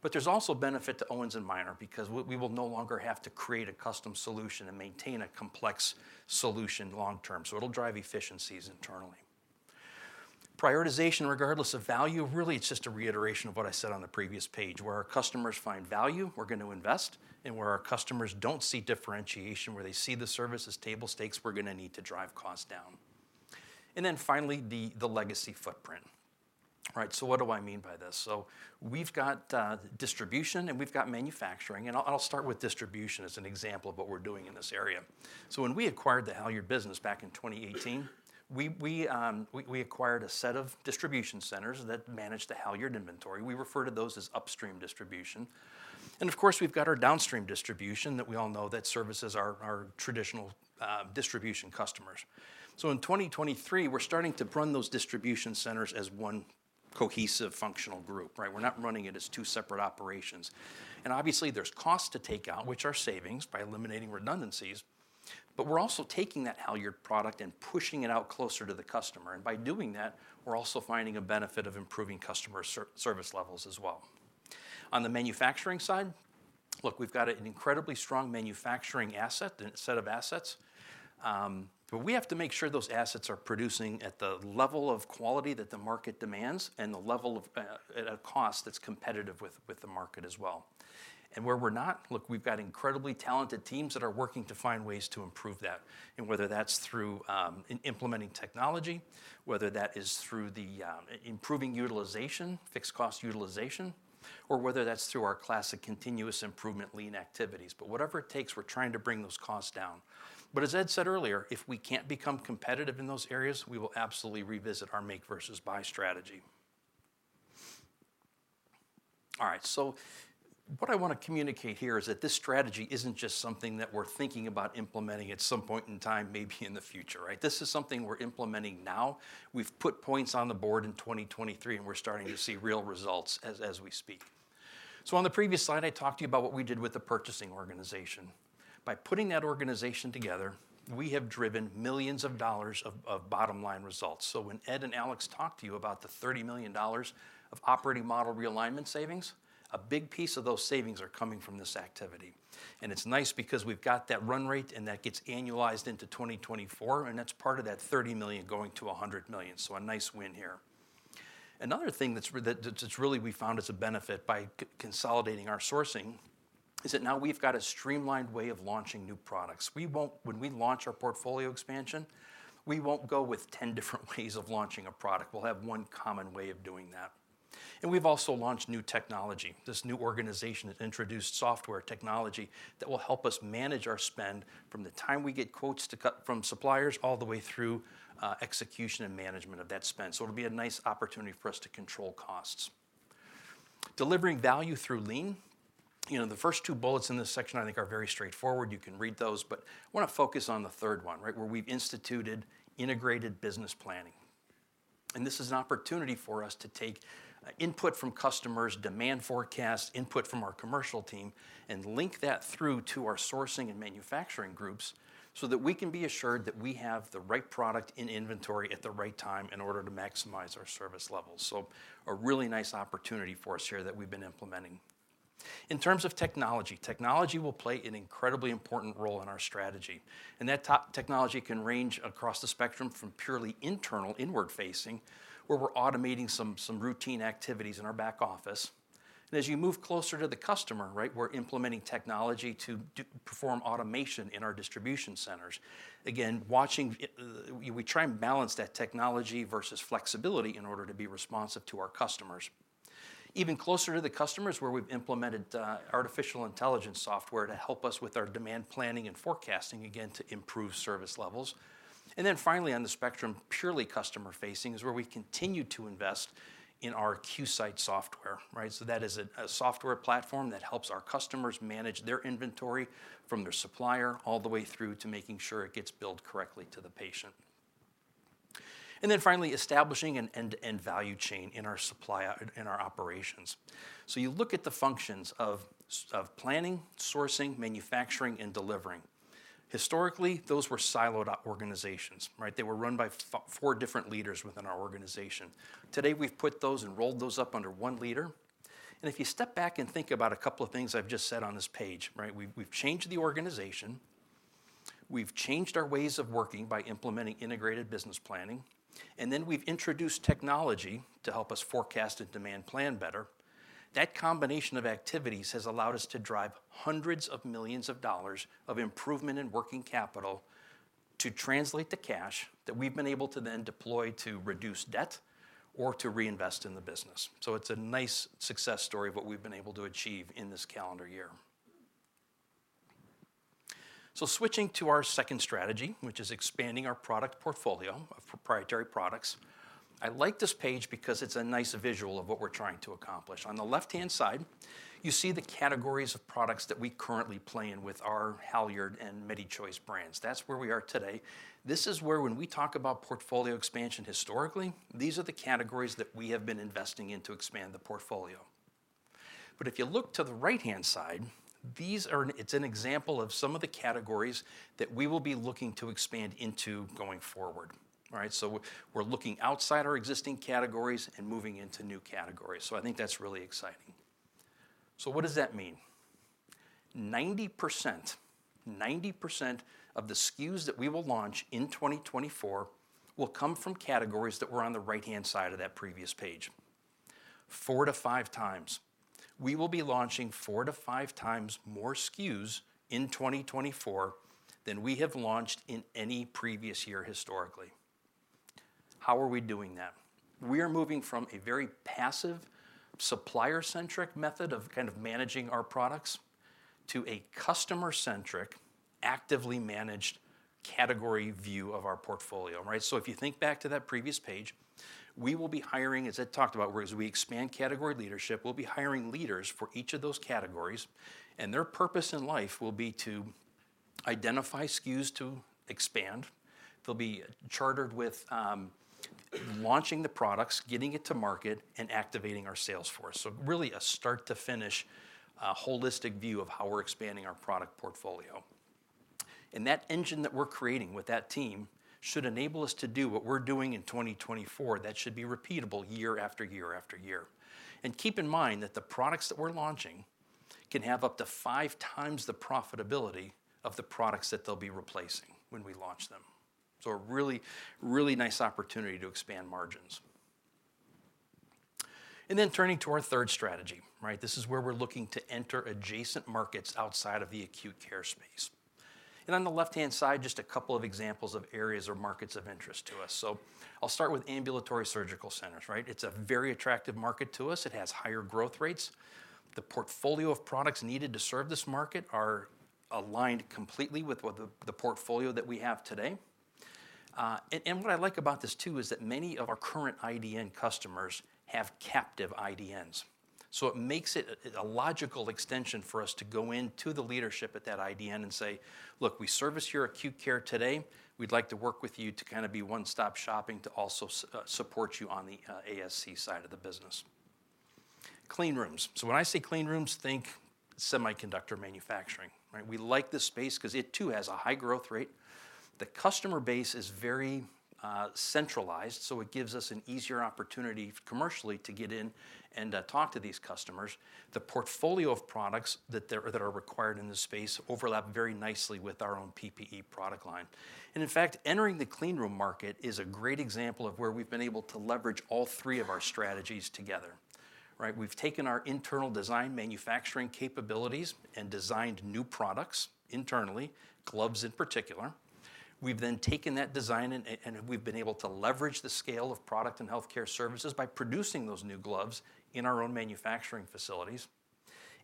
But there's also benefit to Owens & Minor because we, we will no longer have to create a custom solution and maintain a complex solution long term. So it'll drive efficiencies internally... prioritization, regardless of value, really, it's just a reiteration of what I said on the previous page. Where our customers find value, we're gonna invest, and where our customers don't see differentiation, where they see the service as table stakes, we're gonna need to drive costs down. And then finally, the legacy footprint. Right, so what do I mean by this? So we've got distribution, and we've got manufacturing, and I'll start with distribution as an example of what we're doing in this area. So when we acquired the Halyard business back in 2018, we acquired a set of distribution centers that managed the Halyard inventory. We refer to those as upstream distribution. And of course, we've got our downstream distribution that we all know that services our traditional distribution customers. So in 2023, we're starting to run those distribution centers as one cohesive, functional group, right? We're not running it as two separate operations. And obviously, there's costs to take out, which are savings by eliminating redundancies, but we're also taking that Halyard products & pushing it out closer to the customer, and by doing that, we're also finding a benefit of improving customer service levels as well. On the manufacturing side, look, we've got an incredibly strong manufacturing asset, set of assets, but we have to make sure those assets are producing at the level of quality that the market demands and the level of at a cost that's competitive with the market as well. Where we're not, look, we've got incredibly talented teams that are working to find ways to improve that, and whether that's through implementing technology, whether that is through the improving utilization, fixed cost utilization, or whether that's through our classic continuous improvement lean activities. Whatever it takes, we're trying to bring those costs down. As Ed said earlier, if we can't become competitive in those areas, we will absolutely revisit our make versus buy strategy. All right, so what I wanna communicate here is that this strategy isn't just something that we're thinking about implementing at some point in time, maybe in the future, right? This is something we're implementing now. We've put points on the board in 2023, and we're starting to see real results as we speak. So on the previous slide, I talked to you about what we did with the purchasing organization. By putting that organization together, we have driven millions of dollars of bottom-line results. So when Ed and Alex talk to you about the $30 million of Operating Model Realignment savings, a big piece of those savings are coming from this activity. And it's nice because we've got that run rate, and that gets annualized into 2024, and that's part of that $30 million going to a $100 million. So a nice win here. Another thing that's really we found as a benefit by consolidating our sourcing is that now we've got a streamlined way of launching new products. We won't. When we launch our portfolio expansion, we won't go with 10 different ways of launching a product. We'll have one common way of doing that. We've also launched new technology. This new organization has introduced software technology that will help us manage our spend from the time we get quotes to from suppliers all the way through, execution and management of that spend. So it'll be a nice opportunity for us to control costs. Delivering value through lean. You know, the first two bullets in this section I think are very straightforward. You can read those, but I wanna focus on the third one, right, where we've instituted integrated business planning. This is an opportunity for us to take input from customers, demand forecasts, input from our commercial team, and link that through to our sourcing and manufacturing groups so that we can be assured that we have the right product in inventory at the right time in order to maximize our service levels. So a really nice opportunity for us here that we've been implementing. In terms of technology, technology will play an incredibly important role in our strategy, and that technology can range across the spectrum from purely internal, inward-facing, where we're automating some routine activities in our back office. And as you move closer to the customer, right, we're implementing technology to perform automation in our distribution centers. Again, we try and balance that technology versus flexibility in order to be responsive to our customers. Even closer to the customers, where we've implemented artificial intelligence software to help us with our demand planning and forecasting, again, to improve service levels. And then finally, on the spectrum, purely customer-facing is where we continue to invest in our QSight software, right? So that is a software platform that helps our customers manage their inventory from their supplier all the way through to making sure it gets billed correctly to the patient. And then finally, establishing an end-to-end value chain in our supply chain in our operations. So you look at the functions of planning, sourcing, manufacturing, and delivering. Historically, those were siloed organizations, right? They were run by four different leaders within our organization. Today, we've put those and rolled those up under one leader. And if you step back and think about a couple of things I've just said on this page, right, we've changed the organization, we've changed our ways of working by implementing integrated business planning, and then we've introduced technology to help us forecast and demand plan better. That combination of activities has allowed us to drive $hundreds of millions of improvement in working capital to translate the cash that we've been able to then deploy to reduce debt or to reinvest in the business. So it's a nice success story of what we've been able to achieve in this calendar year. So switching to our second strategy, which is expanding our product portfolio of proprietary products. I like this page because it's a nice visual of what we're trying to accomplish. On the left-hand side, you see the categories of products that we currently play in with our Halyard and MediChoice brands. That's where we are today. This is where when we talk about portfolio expansion historically, these are the categories that we have been investing in to expand the portfolio. But if you look to the right-hand side, these are... It's an example of some of the categories that we will be looking to expand into going forward. All right? So we're looking outside our existing categories and moving into new categories. So I think that's really exciting.... So what does that mean? 90%, 90% of the SKUs that we will launch in 2024 will come from categories that were on the right-hand side of that previous page. 4-5 times. We will be launching 4-5 times more SKUs in 2024 than we have launched in any previous year historically. How are we doing that? We are moving from a very passive, supplier-centric method of kind of managing our products, to a customer-centric, actively managed category view of our portfolio. Right, so if you think back to that previous page, we will be hiring, as I talked about, whereas we expand category leadership, we'll be hiring leaders for each of those categories, and their purpose in life will be to identify SKUs to expand. They'll be chartered with launching the products, getting it to market, and activating our sales force. So really a start-to-finish holistic view of how we're expanding our product portfolio. That engine that we're creating with that team should enable us to do what we're doing in 2024, that should be repeatable year after year after year. Keep in mind that the products that we're launching can have up to 5 times the profitability of the products that they'll be replacing when we launch them. So a really, really nice opportunity to expand margins. Then turning to our third strategy, right? This is where we're looking to enter adjacent markets outside of the acute care space. On the left-hand side, just a couple of examples of areas or markets of interest to us. I'll start with ambulatory surgical centers, right? It's a very attractive market to us. It has higher growth rates. The portfolio of products needed to serve this market are aligned completely with what the portfolio that we have today. And, and what I like about this too, is that many of our current IDN customers have captive IDNs. So it makes it a logical extension for us to go into the leadership at that IDN and say, "Look, we service your acute care today. We'd like to work with you to kind of be one-stop shopping to also support you on the ASC side of the business." Clean rooms. So when I say clean rooms, think semiconductor manufacturing, right? We like this space 'cause it too has a high growth rate. The customer base is very centralized, so it gives us an easier opportunity commercially to get in and talk to these customers. The portfolio of products that are required in this space overlap very nicely with our own PPE product line. And in fact, entering the clean room market is a great example of where we've been able to leverage all three of our strategies together. Right, we've taken our internal design manufacturing capabilities and designed new products internally, gloves in particular. We've then taken that design and we've been able to leverage the scale of Products & Healthcare Services by producing those new gloves in our own manufacturing facilities.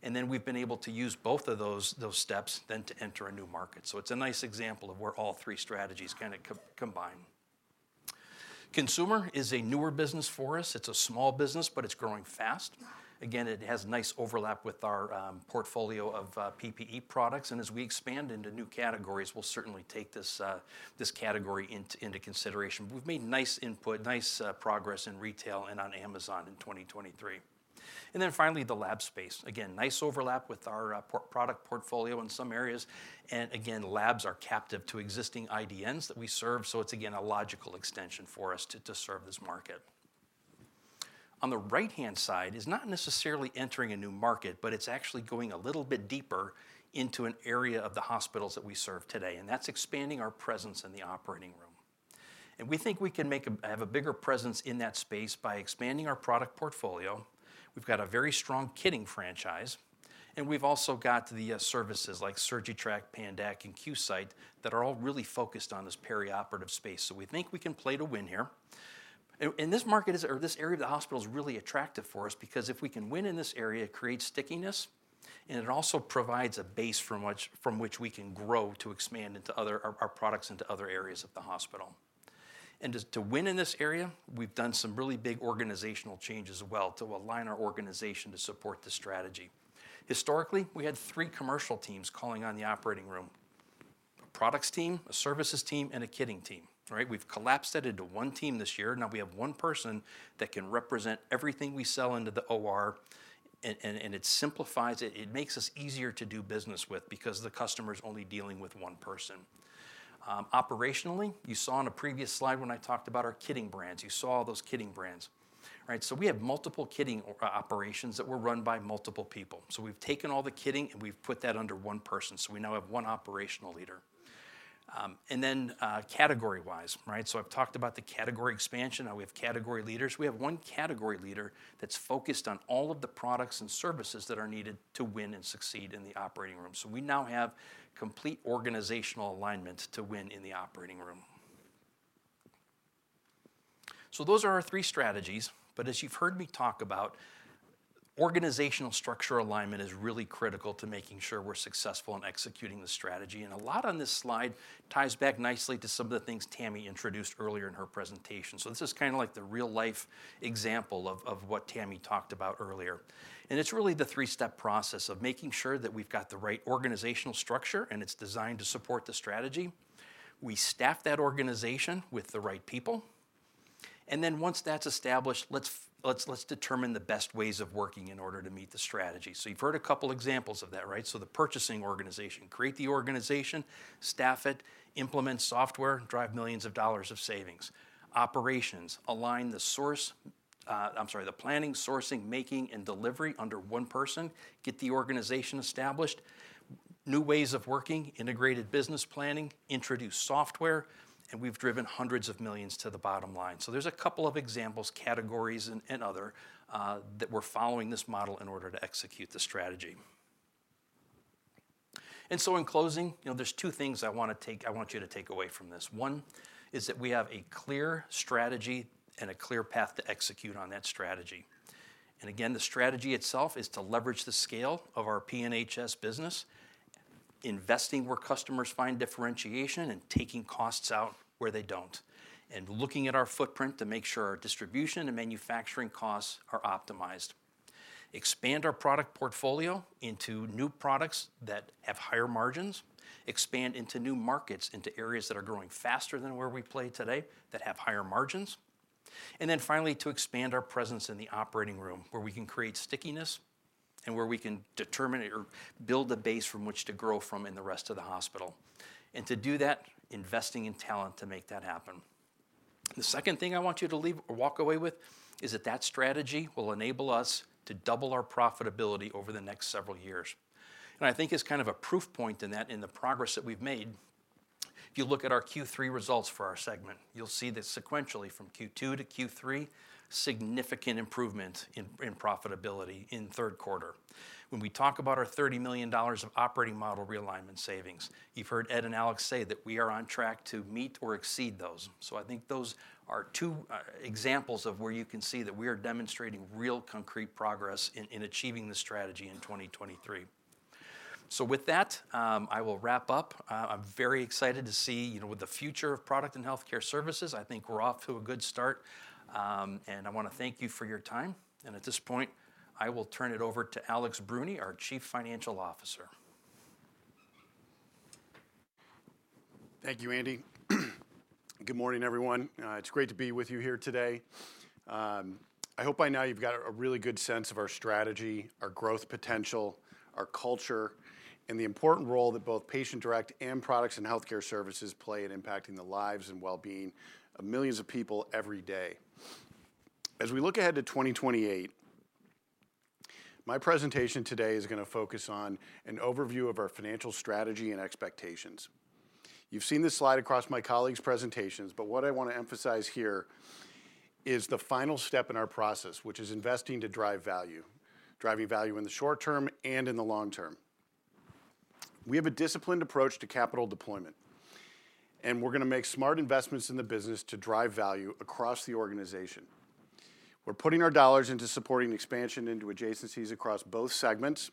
And then we've been able to use both of those, those steps then to enter a new market. So it's a nice example of where all three strategies kinda combine. Consumer is a newer business for us. It's a small business, but it's growing fast. Again, it has nice overlap with our portfolio of PPE products, and as we expand into new categories, we'll certainly take this this category into consideration. We've made nice input, nice progress in retail and on Amazon in 2023. Then finally, the lab space. Again, nice overlap with our product portfolio in some areas, and again, labs are captive to existing IDNs that we serve, so it's again a logical extension for us to serve this market. On the right-hand side is not necessarily entering a new market, but it's actually going a little bit deeper into an area of the hospitals that we serve today, and that's expanding our presence in the operating room. And we think we can have a bigger presence in that space by expanding our product portfolio. We've got a very strong kitting franchise, and we've also got the, services like SurgiTrack, Pandac, and QSight, that are all really focused on this perioperative space, so we think we can play to win here. And this market is, or this area of the hospital is really attractive for us, because if we can win in this area, it creates stickiness, and it also provides a base from which, from which we can grow to expand into other... our, our products into other areas of the hospital. And to, to win in this area, we've done some really big organizational changes as well to align our organization to support the strategy. Historically, we had three commercial teams calling on the operating room: a products team, a services team, and a kitting team, right? We've collapsed that into one team this year. Now we have one person that can represent everything we sell into the OR, and it simplifies it. It makes us easier to do business with because the customer's only dealing with one person. Operationally, you saw on a previous slide when I talked about our kitting brands, you saw all those kitting brands, right? So we have multiple kitting operations that were run by multiple people. So we've taken all the kitting, and we've put that under one person, so we now have one operational leader. And then, category-wise, right? So I've talked about the category expansion. Now we have category leaders. We have one category leader that's focused on all of the products and services that are needed to win and succeed in the operating room. So we now have complete organizational alignment to win in the operating room. So those are our three strategies, but as you've heard me talk about, organizational structure alignment is really critical to making sure we're successful in executing the strategy, and a lot on this slide ties back nicely to some of the things Tammy introduced earlier in her presentation. So this is kind of like the real-life example of what Tammy talked about earlier. And it's really the three-step process of making sure that we've got the right organizational structure, and it's designed to support the strategy. We staff that organization with the right people, and then once that's established, let's determine the best ways of working in order to meet the strategy. So you've heard a couple examples of that, right? So the purchasing organization, create the organization, staff it, implement software, drive millions of dollars of savings. Operations, align the planning, sourcing, making, and delivery under one person, get the organization established. New ways of working, integrated business planning, introduced software, and we've driven $hundreds of millions to the bottom line. So there's a couple of examples, categories, and other that we're following this model in order to execute the strategy. And so in closing, you know, there's two things I want you to take away from this. One is that we have a clear strategy and a clear path to execute on that strategy. And again, the strategy itself is to leverage the scale of our P&HS business, investing where customers find differentiation, and taking costs out where they don't. And looking at our footprint to make sure our distribution and manufacturing costs are optimized. Expand our product portfolio into new products that have higher margins, expand into new markets, into areas that are growing faster than where we play today, that have higher margins. And then finally, to expand our presence in the operating room, where we can create stickiness and where we can determine or build a base from which to grow from in the rest of the hospital. And to do that, investing in talent to make that happen. The second thing I want you to leave or walk away with is that that strategy will enable us to double our profitability over the next several years. And I think as kind of a proof point in that, in the progress that we've made, if you look at our Q3 results for our segment, you'll see that sequentially from Q2 to Q3, significant improvement in profitability in third quarter. When we talk about our $30 million of Operating Model Realignment savings, you've heard Ed and Alex say that we are on track to meet or exceed those. So I think those are two examples of where you can see that we are demonstrating real concrete progress in achieving the strategy in 2023. So with that, I will wrap up. I'm very excited to see, you know, with the future of Products & Healthcare Services. I think we're off to a good start, and I want to thank you for your time. And at this point, I will turn it over to Alex Bruni, our Chief Financial Officer. Thank you, Andy. Good morning, everyone. It's great to be with you here today. I hope by now you've got a really good sense of our strategy, our growth potential, our culture, and the important role that both Patient Direct and Products and Healthcare Services play in impacting the lives and well-being of millions of people every day. As we look ahead to 2028, my presentation today is gonna focus on an overview of our financial strategy and expectations. You've seen this slide across my colleagues' presentations, but what I want to emphasize here is the final step in our process, which is investing to drive value. Driving value in the short term and in the long term. We have a disciplined approach to capital deployment, and we're gonna make smart investments in the business to drive value across the organization. We're putting our dollars into supporting expansion into adjacencies across both segments.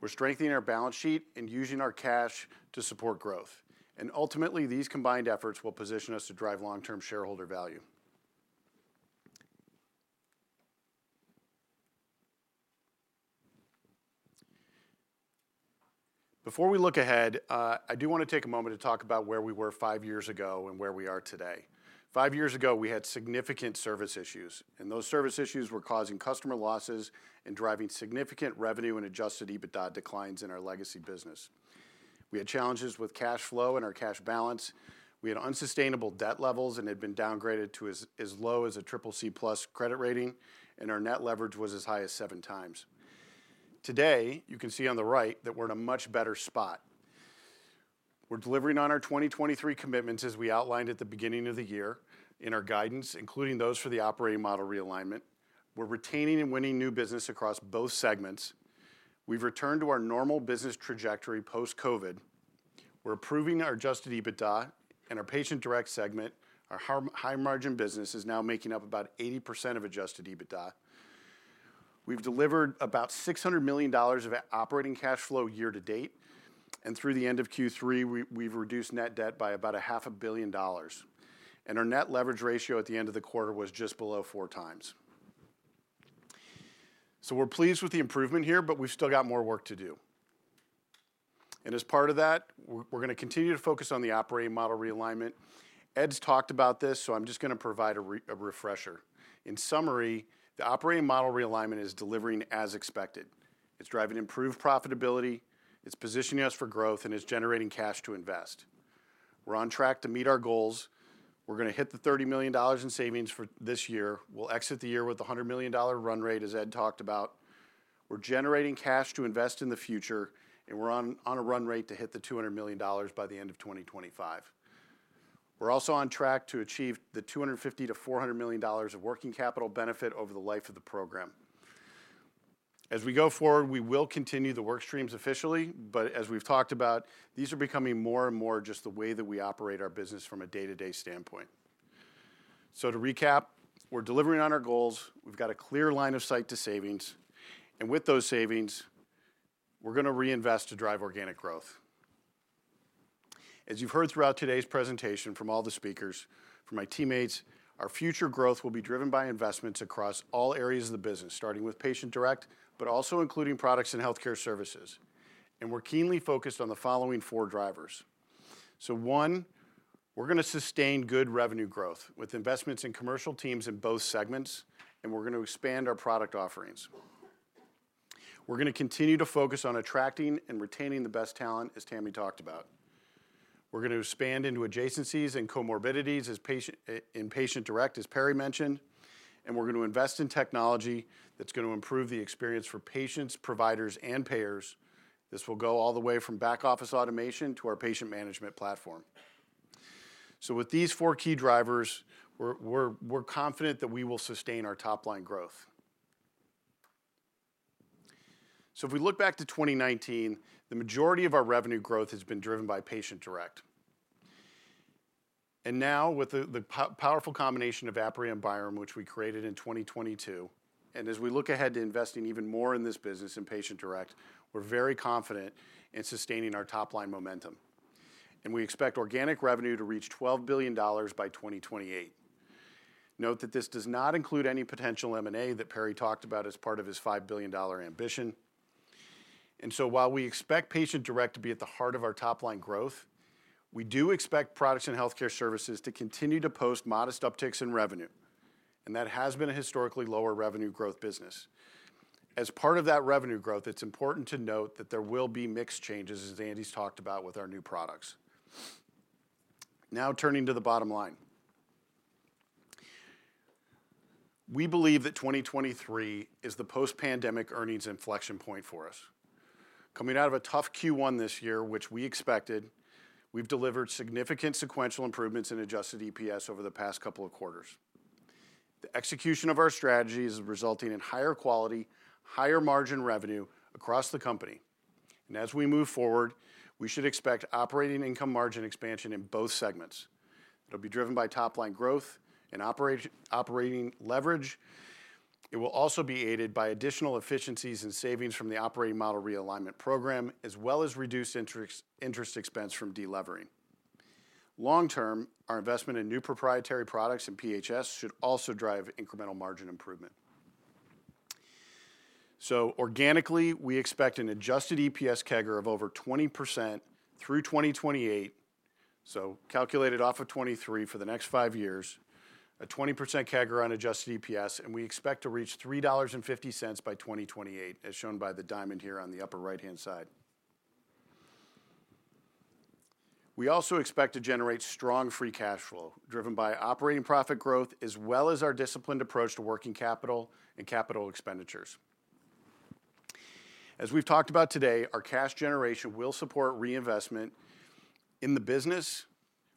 We're strengthening our balance sheet and using our cash to support growth. And ultimately, these combined efforts will position us to drive long-term shareholder value. Before we look ahead, I do wanna take a moment to talk about where we were five years ago and where we are today. Five years ago, we had significant service issues, and those service issues were causing customer losses and driving significant revenue and Adjusted EBITDA declines in our legacy business. We had challenges with cash flow and our cash balance. We had unsustainable debt levels and had been downgraded to as low as a triple C plus credit rating, and our net leverage was as high as seven times. Today, you can see on the right, that we're in a much better spot. We're delivering on our 2023 commitments, as we outlined at the beginning of the year in our guidance, including those for the Operating Model Realignment. We're retaining and winning new business across both segments. We've returned to our normal business trajectory post-COVID. We're improving our Adjusted EBITDA and our Patient Direct segment. Our high-margin business is now making up about 80% of Adjusted EBITDA. We've delivered about $600 million of operating cash flow year to date, and through the end of Q3, we've reduced net debt by about $500 million. And our Net Leverage Ratio at the end of the quarter was just below 4x. So we're pleased with the improvement here, but we've still got more work to do. And as part of that, we're gonna continue to focus on the Operating Model Realignment. Ed's talked about this, so I'm just gonna provide a refresher. In summary, the Operating Model Realignment is delivering as expected. It's driving improved profitability, it's positioning us for growth, and it's generating cash to invest. We're on track to meet our goals. We're gonna hit the $30 million in savings for this year. We'll exit the year with a $100 million run rate, as Ed talked about. We're generating cash to invest in the future, and we're on a run rate to hit the $200 million by the end of 2025. We're also on track to achieve the $250 million-$400 million of working capital benefit over the life of the program. As we go forward, we will continue the work streams officially, but as we've talked about, these are becoming more and more just the way that we operate our business from a day-to-day standpoint. So to recap, we're delivering on our goals, we've got a clear line of sight to savings, and with those savings, we're gonna reinvest to drive organic growth. As you've heard throughout today's presentation from all the speakers, from my teammates, our future growth will be driven by investments across all areas of the business, starting with Patient Direct, but also including products and healthcare services. And we're keenly focused on the following four drivers: So one, we're gonna sustain good revenue growth with investments in commercial teams in both segments, and we're gonna expand our product offerings. We're gonna continue to focus on attracting and retaining the best talent, as Tammy talked about. We're gonna expand into adjacencies and comorbidities as patients in Patient Direct, as Perry mentioned, and we're gonna invest in technology that's gonna improve the experience for patients, providers, and payers. This will go all the way from back office automation to our patient management platform. With these 4 key drivers, we're confident that we will sustain our top line growth. If we look back to 2019, the majority of our revenue growth has been driven by Patient Direct. And now, with the powerful combination of Apria and Byram, which we created in 2022, and as we look ahead to investing even more in this business in Patient Direct, we're very confident in sustaining our top line momentum, and we expect organic revenue to reach $12 billion by 2028. Note that this does not include any potential M&A that Perry talked about as part of his $5 billion ambition. So while we expect Patient Direct to be at the heart of our top line growth, we do expect products and healthcare services to continue to post modest upticks in revenue, and that has been a historically lower revenue growth business. As part of that revenue growth, it's important to note that there will be mix changes, as Andy's talked about, with our new products. Now, turning to the bottom line. We believe that 2023 is the post-pandemic earnings inflection point for us. Coming out of a tough Q1 this year, which we expected, we've delivered significant sequential improvements in Adjusted EPS over the past couple of quarters. The execution of our strategy is resulting in higher quality, higher margin revenue across the company, and as we move forward, we should expect operating income margin expansion in both segments. It'll be driven by top line growth and operating leverage. It will also be aided by additional efficiencies and savings from the Operating Model Realignment program, as well as reduced interest expense from delevering. Long term, our investment in new proprietary products and P&HS should also drive incremental margin improvement. So organically, we expect an adjusted EPS CAGR of over 20% through 2028, so calculated off of 2023 for the next five years, a 20% CAGR on adjusted EPS, and we expect to reach $3.50 by 2028, as shown by the diamond here on the upper right-hand side. We also expect to generate strong free cash flow, driven by operating profit growth, as well as our disciplined approach to working capital and capital expenditures. As we've talked about today, our cash generation will support reinvestment in the business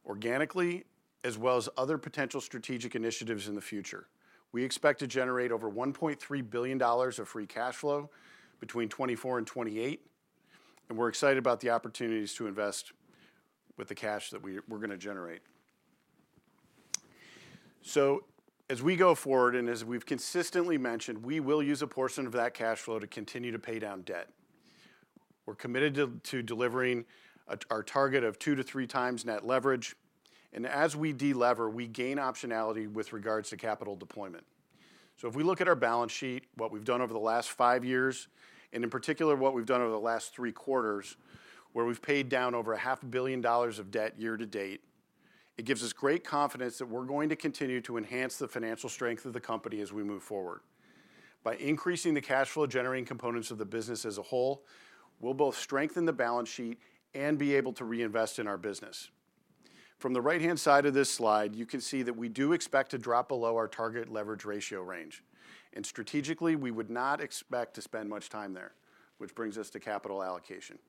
organically, as well as other potential strategic initiatives in the future. We expect to generate over $1.3 billion of free cash flow between 2024 and 2028, and we're excited about the opportunities to invest with the cash that we're gonna generate. So as we go forward, and as we've consistently mentioned, we will use a portion of that cash flow to continue to pay down debt. We're committed to delivering our target of 2-3x net leverage, and as we delever, we gain optionality with regards to capital deployment. So if we look at our balance sheet, what we've done over the last five years, and in particular, what we've done over the last three quarters, where we've paid down over $500 million of debt year to date, it gives us great confidence that we're going to continue to enhance the financial strength of the company as we move forward. By increasing the cash flow generating components of the business as a whole, we'll both strengthen the balance sheet and be able to reinvest in our business. From the right-hand side of this slide, you can see that we do expect to drop below our target leverage ratio range, and strategically, we would not expect to spend much time there, which brings us to capital allocation.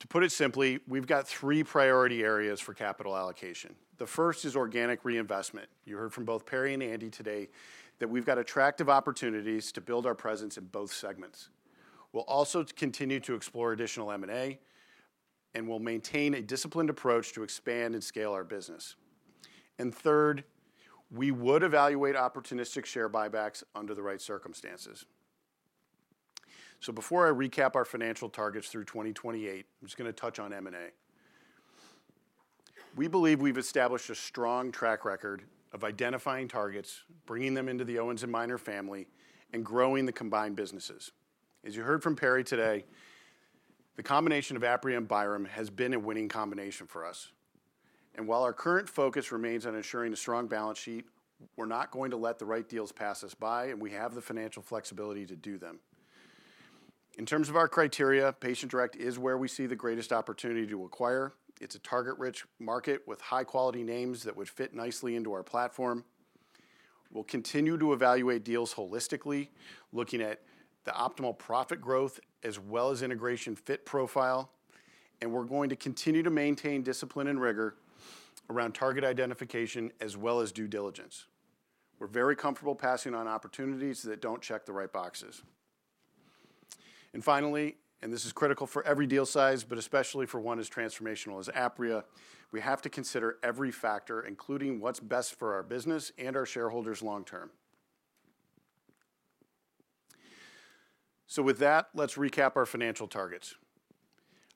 To put it simply, we've got three priority areas for capital allocation. The first is organic reinvestment. You heard from both Perry and Andy today that we've got attractive opportunities to build our presence in both segments. We'll also continue to explore additional M&A, and we'll maintain a disciplined approach to expand and scale our business. And third, we would evaluate opportunistic share buybacks under the right circumstances. So before I recap our financial targets through 2028, I'm just gonna touch on M&A. We believe we've established a strong track record of identifying targets, bringing them into the Owens & Minor family, and growing the combined businesses. As you heard from Perry today, the combination of Apria and Byram has been a winning combination for us, and while our current focus remains on ensuring a strong balance sheet, we're not going to let the right deals pass us by, and we have the financial flexibility to do them. In terms of our criteria, Patient Direct is where we see the greatest opportunity to acquire. It's a target-rich market with high-quality names that would fit nicely into our platform. We'll continue to evaluate deals holistically, looking at the optimal profit growth as well as integration fit profile, and we're going to continue to maintain discipline and rigor around target identification as well as due diligence. We're very comfortable passing on opportunities that don't check the right boxes. And finally, and this is critical for every deal size, but especially for one as transformational as Apria, we have to consider every factor, including what's best for our business and our shareholders long term. So with that, let's recap our financial targets.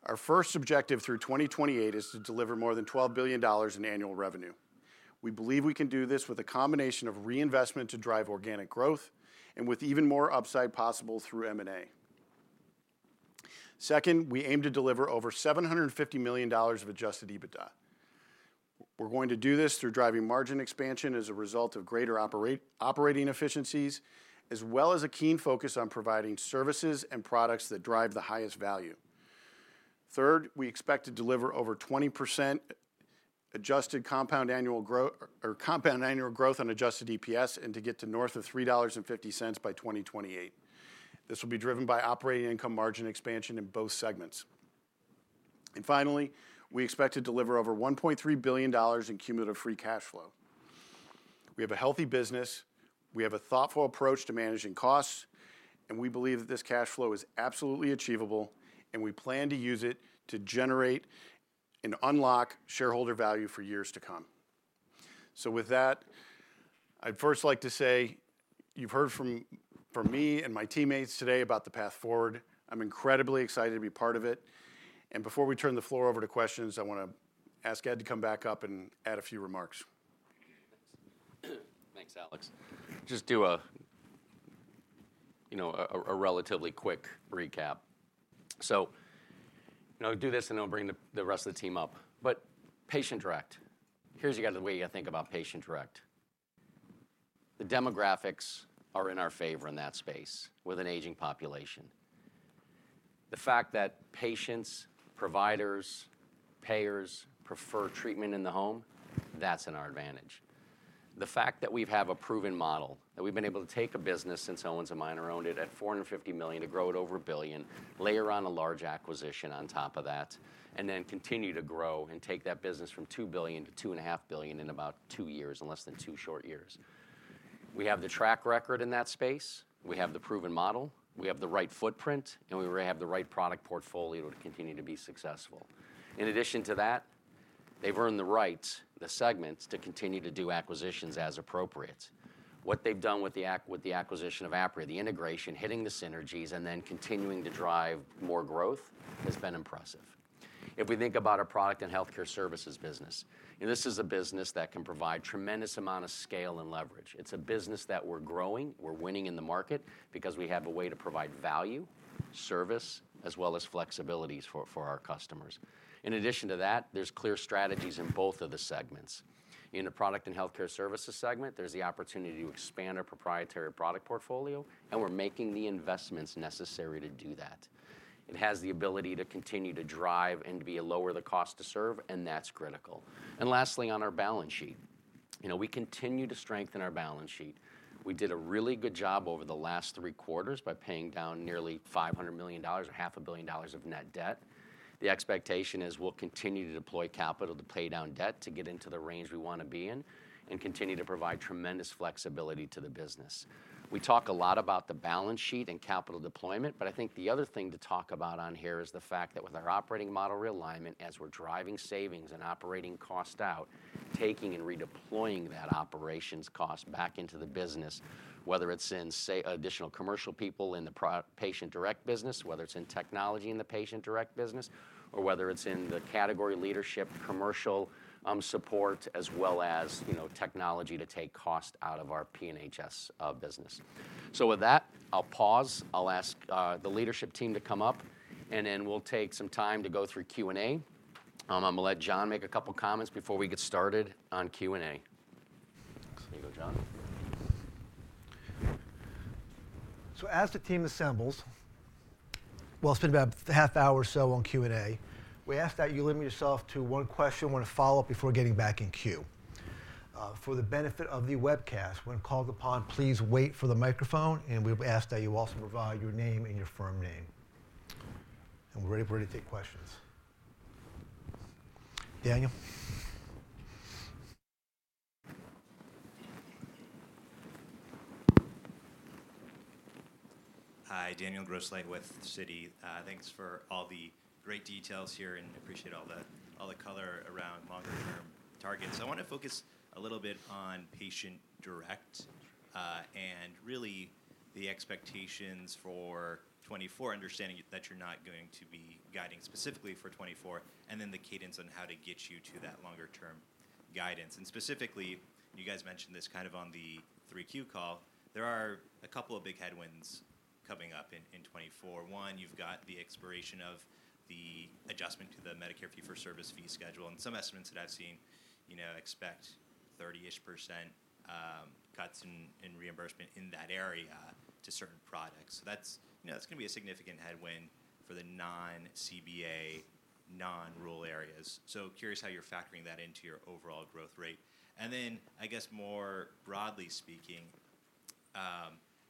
Our first objective through 2028 is to deliver more than $12 billion in annual revenue. We believe we can do this with a combination of reinvestment to drive organic growth and with even more upside possible through M&A. Second, we aim to deliver over $750 million of adjusted EBITDA.... We're going to do this through driving margin expansion as a result of greater operating efficiencies, as well as a keen focus on providing services and products that drive the highest value. Third, we expect to deliver over 20% adjusted compound annual growth, or compound annual growth on Adjusted EPS, and to get to north of $3.50 by 2028. This will be driven by operating income margin expansion in both segments. And finally, we expect to deliver over $1.3 billion in cumulative free cash flow. We have a healthy business, we have a thoughtful approach to managing costs, and we believe that this cash flow is absolutely achievable, and we plan to use it to generate and unlock shareholder value for years to come. So with that, I'd first like to say, you've heard from me and my teammates today about the path forward. I'm incredibly excited to be part of it, and before we turn the floor over to questions, I wanna ask Ed to come back up and add a few remarks. Thanks, Alex. Just do a, you know, relatively quick recap. So, and I'll do this, and I'll bring the rest of the team up. But Patient Direct, here's again, the way I think about Patient Direct. The demographics are in our favor in that space with an aging population. The fact that patients, providers, payers prefer treatment in the home, that's in our advantage. The fact that we've have a proven model, that we've been able to take a business since Owens & Minor owned it, at $450 million, to grow it over $1 billion, layer on a large acquisition on top of that, and then continue to grow and take that business from $2 billion-$2.5 billion in about two years, in less than two short years. We have the track record in that space, we have the proven model, we have the right footprint, and we have the right product portfolio to continue to be successful. In addition to that, they've earned the rights, the segments, to continue to do acquisitions as appropriate. What they've done with the acquisition of Apria, the integration, hitting the synergies, and then continuing to drive more growth, has been impressive. If we think about our Products & Healthcare Services business, and this is a business that can provide tremendous amount of scale and leverage. It's a business that we're growing, we're winning in the market, because we have a way to provide value, service, as well as flexibilities for our customers. In addition to that, there's clear strategies in both of the segments. In the Products and Healthcare Services segment, there's the opportunity to expand our proprietary product portfolio, and we're making the investments necessary to do that. It has the ability to continue to drive and to be a lower the cost to serve, and that's critical. Lastly, on our balance sheet. You know, we continue to strengthen our balance sheet. We did a really good job over the last three quarters by paying down nearly $500 million or $500 million of net debt. The expectation is we'll continue to deploy capital to pay down debt, to get into the range we wanna be in, and continue to provide tremendous flexibility to the business. We talk a lot about the balance sheet and capital deployment, but I think the other thing to talk about on here is the fact that with our Operating Model Realignment, as we're driving savings and operating cost out, taking and redeploying that operations cost back into the business, whether it's in, say, additional commercial people in the Patient Direct business, whether it's in technology in the Patient Direct business, or whether it's in the category leadership, commercial, support, as well as, you know, technology to take cost out of our P&HS business. So with that, I'll pause. I'll ask the leadership team to come up, and then we'll take some time to go through Q&A. I'm gonna let John make a couple comments before we get started on Q&A. So here you go, John. So as the team assembles, we'll spend about a half hour or so on Q&A. We ask that you limit yourself to one question, one follow-up before getting back in queue. For the benefit of the webcast, when called upon, please wait for the microphone, and we've asked that you also provide your name and your firm name. And we're ready for you to take questions. Daniel? Hi, Daniel Grosslight with Citi. Thanks for all the great details here, and appreciate all the, all the color around longer term targets. I wanna focus a little bit on Patient Direct, and really, the expectations for 2024, understanding that you're not going to be guiding specifically for 2024, and then the cadence on how to get you to that longer term guidance. And specifically, you guys mentioned this kind of on the 3Q call, there are a couple of big headwinds coming up in 2024. One, you've got the expiration of the adjustment to the Medicare fee-for-service fee schedule, and some estimates that I've seen, you know, expect 30-ish% cuts in reimbursement in that area to certain products. So that's, you know, that's gonna be a significant headwind for the non-CBA, non-rural areas. So curious how you're factoring that into your overall growth rate. And then, I guess, more broadly speaking,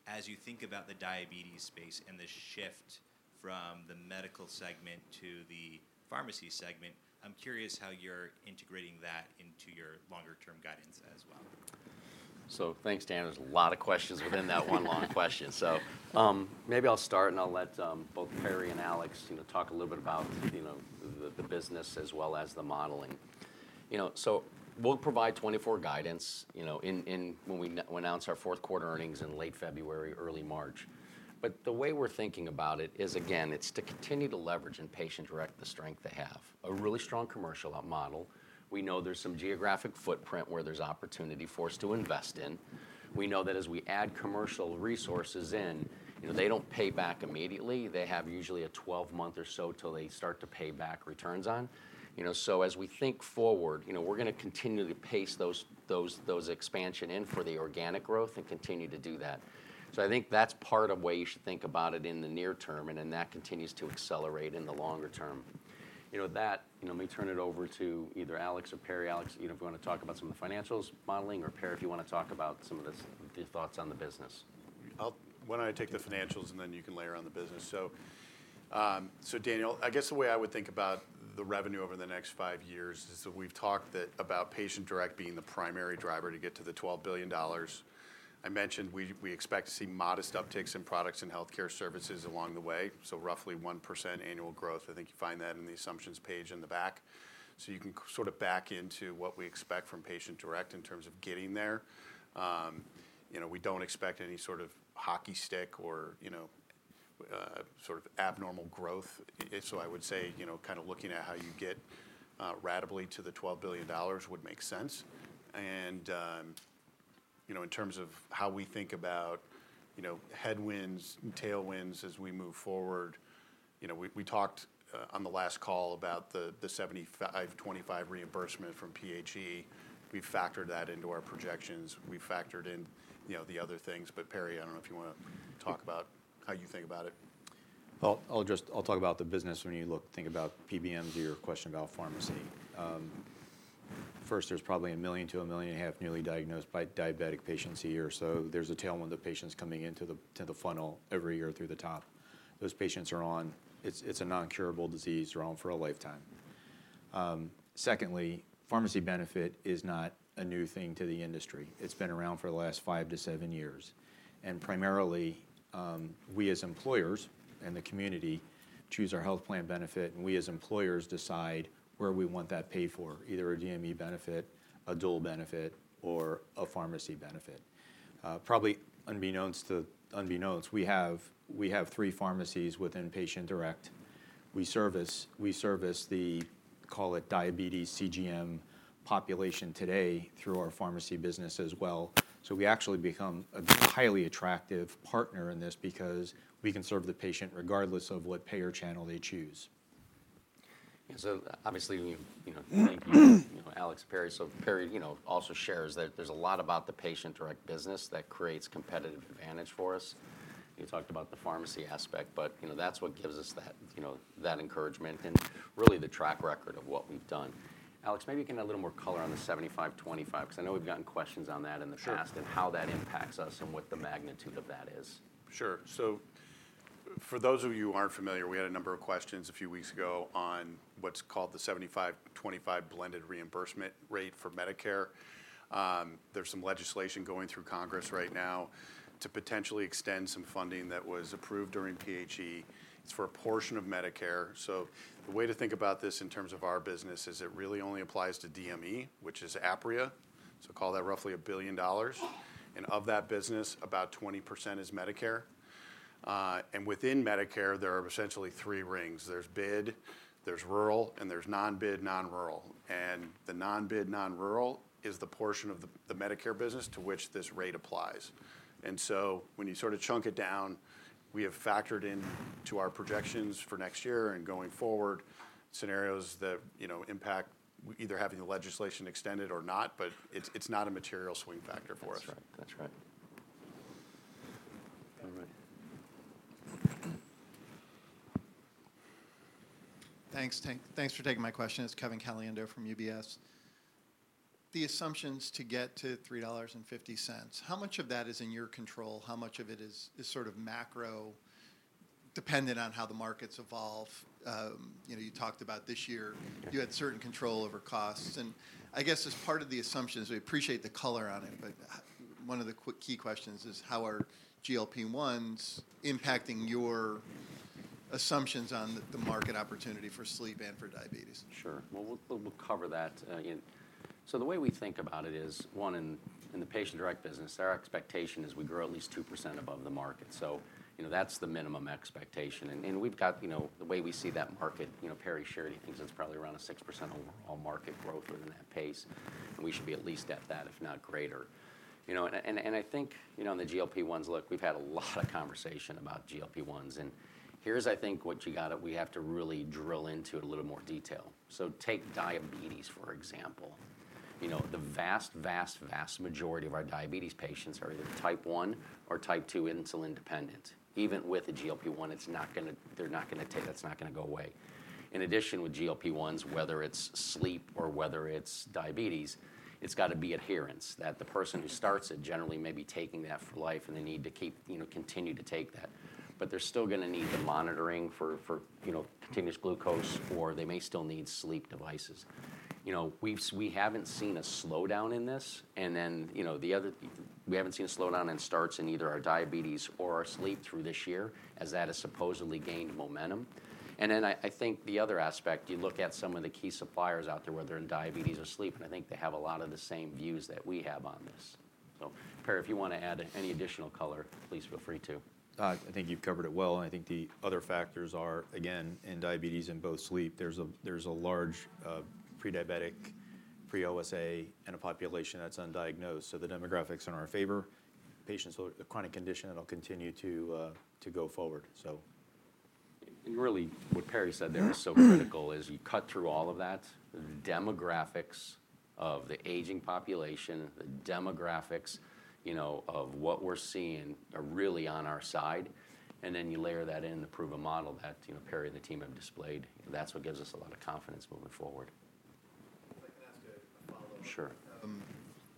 as you think about the diabetes space and the shift from the medical segment to the pharmacy segment, I'm curious how you're integrating that into your longer term guidance as well. So thanks, Dan. There's a lot of questions within that one long question. So, maybe I'll start, and I'll let both Perry and Alex, you know, talk a little bit about, you know, the, the business as well as the modeling. You know, so we'll provide 2024 guidance, you know, in when we announce our fourth quarter earnings in late February, early March. But the way we're thinking about it is, again, it's to continue to leverage in Patient Direct the strength they have. A really strong commercial model. We know there's some geographic footprint where there's opportunity for us to invest in. We know that as we add commercial resources in, you know, they don't pay back immediately. They have usually a 12-month or so till they start to pay back returns on. You know, so as we think forward, you know, we're gonna continue to pace those expansion in for the organic growth and continue to do that. So I think that's part of the way you should think about it in the near term, and then that continues to accelerate in the longer term. You know, with that, you know, let me turn it over to either Alex or Perry. Alex, you know, if you wanna talk about some of the financials modeling, or Perry, if you wanna talk about some of the thoughts on the business. Why don't I take the financials, and then you can layer on the business? So, so Daniel, I guess the way I would think about the revenue over the next 5 years is that we've talked that, about Patient Direct being the primary driver to get to the $12 billion. I mentioned we, we expect to see modest upticks in products and healthcare services along the way, so roughly 1% annual growth. I think you find that in the assumptions page in the back. So you can sort of back into what we expect from Patient Direct in terms of getting there. You know, we don't expect any sort of hockey stick or, you know, sort of abnormal growth. So I would say, you know, kind of looking at how you get, ratably to the $12 billion would make sense. You know, in terms of how we think about, you know, headwinds and tailwinds as we move forward, you know, we talked on the last call about the 75-25 reimbursement from PHE. We've factored that into our projections. We've factored in, you know, the other things. But, Perry, I don't know if you wanna talk about how you think about it. Well, I'll just I'll talk about the business when you look, think about PBMs or your question about pharmacy. First, there's probably 1 million to 1.5 million newly diagnosed diabetic patients a year, so there's a tailwind of patients coming into the funnel every year through the top. Those patients are on—it's a non-curable disease, they're on for a lifetime. Secondly, pharmacy benefit is not a new thing to the industry. It's been around for the last 5 to 7 years, and primarily, we, as employers and the community, choose our health plan benefit, and we, as employers, decide where we want that paid for, either a DME benefit, a dual benefit, or a pharmacy benefit. Probably unbeknownst to, we have 3 pharmacies within Patient Direct. We service the, call it, diabetes CGM population today through our pharmacy business as well. So we actually become a highly attractive partner in this because we can serve the patient regardless of what payer channel they choose. Obviously, we, you know, thank you, you know, Alex, Perry. Perry, you know, also shares that there's a lot about the Patient Direct business that creates competitive advantage for us. You talked about the pharmacy aspect, but, you know, that's what gives us that, you know, that encouragement and really the track record of what we've done. Alex, maybe you can add a little more color on the 75/25, 'cause I know we've gotten questions on that in the past. Sure... and how that impacts us and what the magnitude of that is. Sure. So for those of you who aren't familiar, we had a number of questions a few weeks ago on what's called the 75-25 blended reimbursement rate for Medicare. There's some legislation going through Congress right now to potentially extend some funding that was approved during PHE. It's for a portion of Medicare. So the way to think about this in terms of our business is it really only applies to DME, which is Apria, so call that roughly $1 billion. And of that business, about 20% is Medicare. And within Medicare, there are essentially three rings: there's bid, there's rural, and there's non-bid, non-rural. And the non-bid, non-rural is the portion of the Medicare business to which this rate applies. And so when you sort of chunk it down, we have factored into our projections for next year and going forward, scenarios that, you know, impact whether either having the legislation extended or not, but it's, it's not a material swing factor for us. That's right. That's right. All right. Thanks for taking my question. It's Kevin Caliendo from UBS. The assumptions to get to $3.50, how much of that is in your control? How much of it is sort of macro, dependent on how the markets evolve? You know, you talked about this year, you had certain control over costs. And I guess as part of the assumptions, we appreciate the color on it, but one of the quick key questions is: How are GLP-1s impacting your assumptions on the market opportunity for sleep and for diabetes? Sure. Well, we'll cover that in. So the way we think about it is, one, in the Patient Direct business, our expectation is we grow at least 2% above the market. So, you know, that's the minimum expectation, and we've got, you know. The way we see that market, you know, Perry shared, he thinks it's probably around a 6% overall market growth or more than that pace, and we should be at least at that, if not greater. You know, and I think, you know, in the GLP-1s, look, we've had a lot of conversation about GLP-1s, and here's, I think, what you gotta, we have to really drill into a little more detail. So take diabetes, for example. You know, the vast, vast, vast majority of our diabetes patients are either Type 1 or Type 2 insulin dependent. Even with a GLP-1, it's not gonna—they're not gonna take, that's not gonna go away. In addition, with GLP-1s, whether it's sleep or whether it's diabetes, it's gotta be adherence, that the person who starts it generally may be taking that for life, and they need to keep, you know, continue to take that. But they're still gonna need the monitoring for, you know, continuous glucose, or they may still need sleep devices. You know, we've, we haven't seen a slowdown in this, and then, you know, the other- we haven't seen a slowdown in starts in either our diabetes or our sleep through this year, as that has supposedly gained momentum. Then I think the other aspect, you look at some of the key suppliers out there, whether in diabetes or sleep, and I think they have a lot of the same views that we have on this. So Perry, if you want to add any additional color, please feel free to. I think you've covered it well, and I think the other factors are, again, in diabetes, in both sleep, there's a large pre-diabetic, pre-OSA, and a population that's undiagnosed. So the demographics are in our favor. Patients with a chronic condition that'll continue to go forward, so. And really, what Perry said there that is so critical is you cut through all of that, the demographics of the aging population, the demographics, you know, of what we're seeing are really on our side, and then you layer that in the proven model that, you know, Perry and the team have displayed, that's what gives us a lot of confidence moving forward. If I can ask a follow-up- Sure.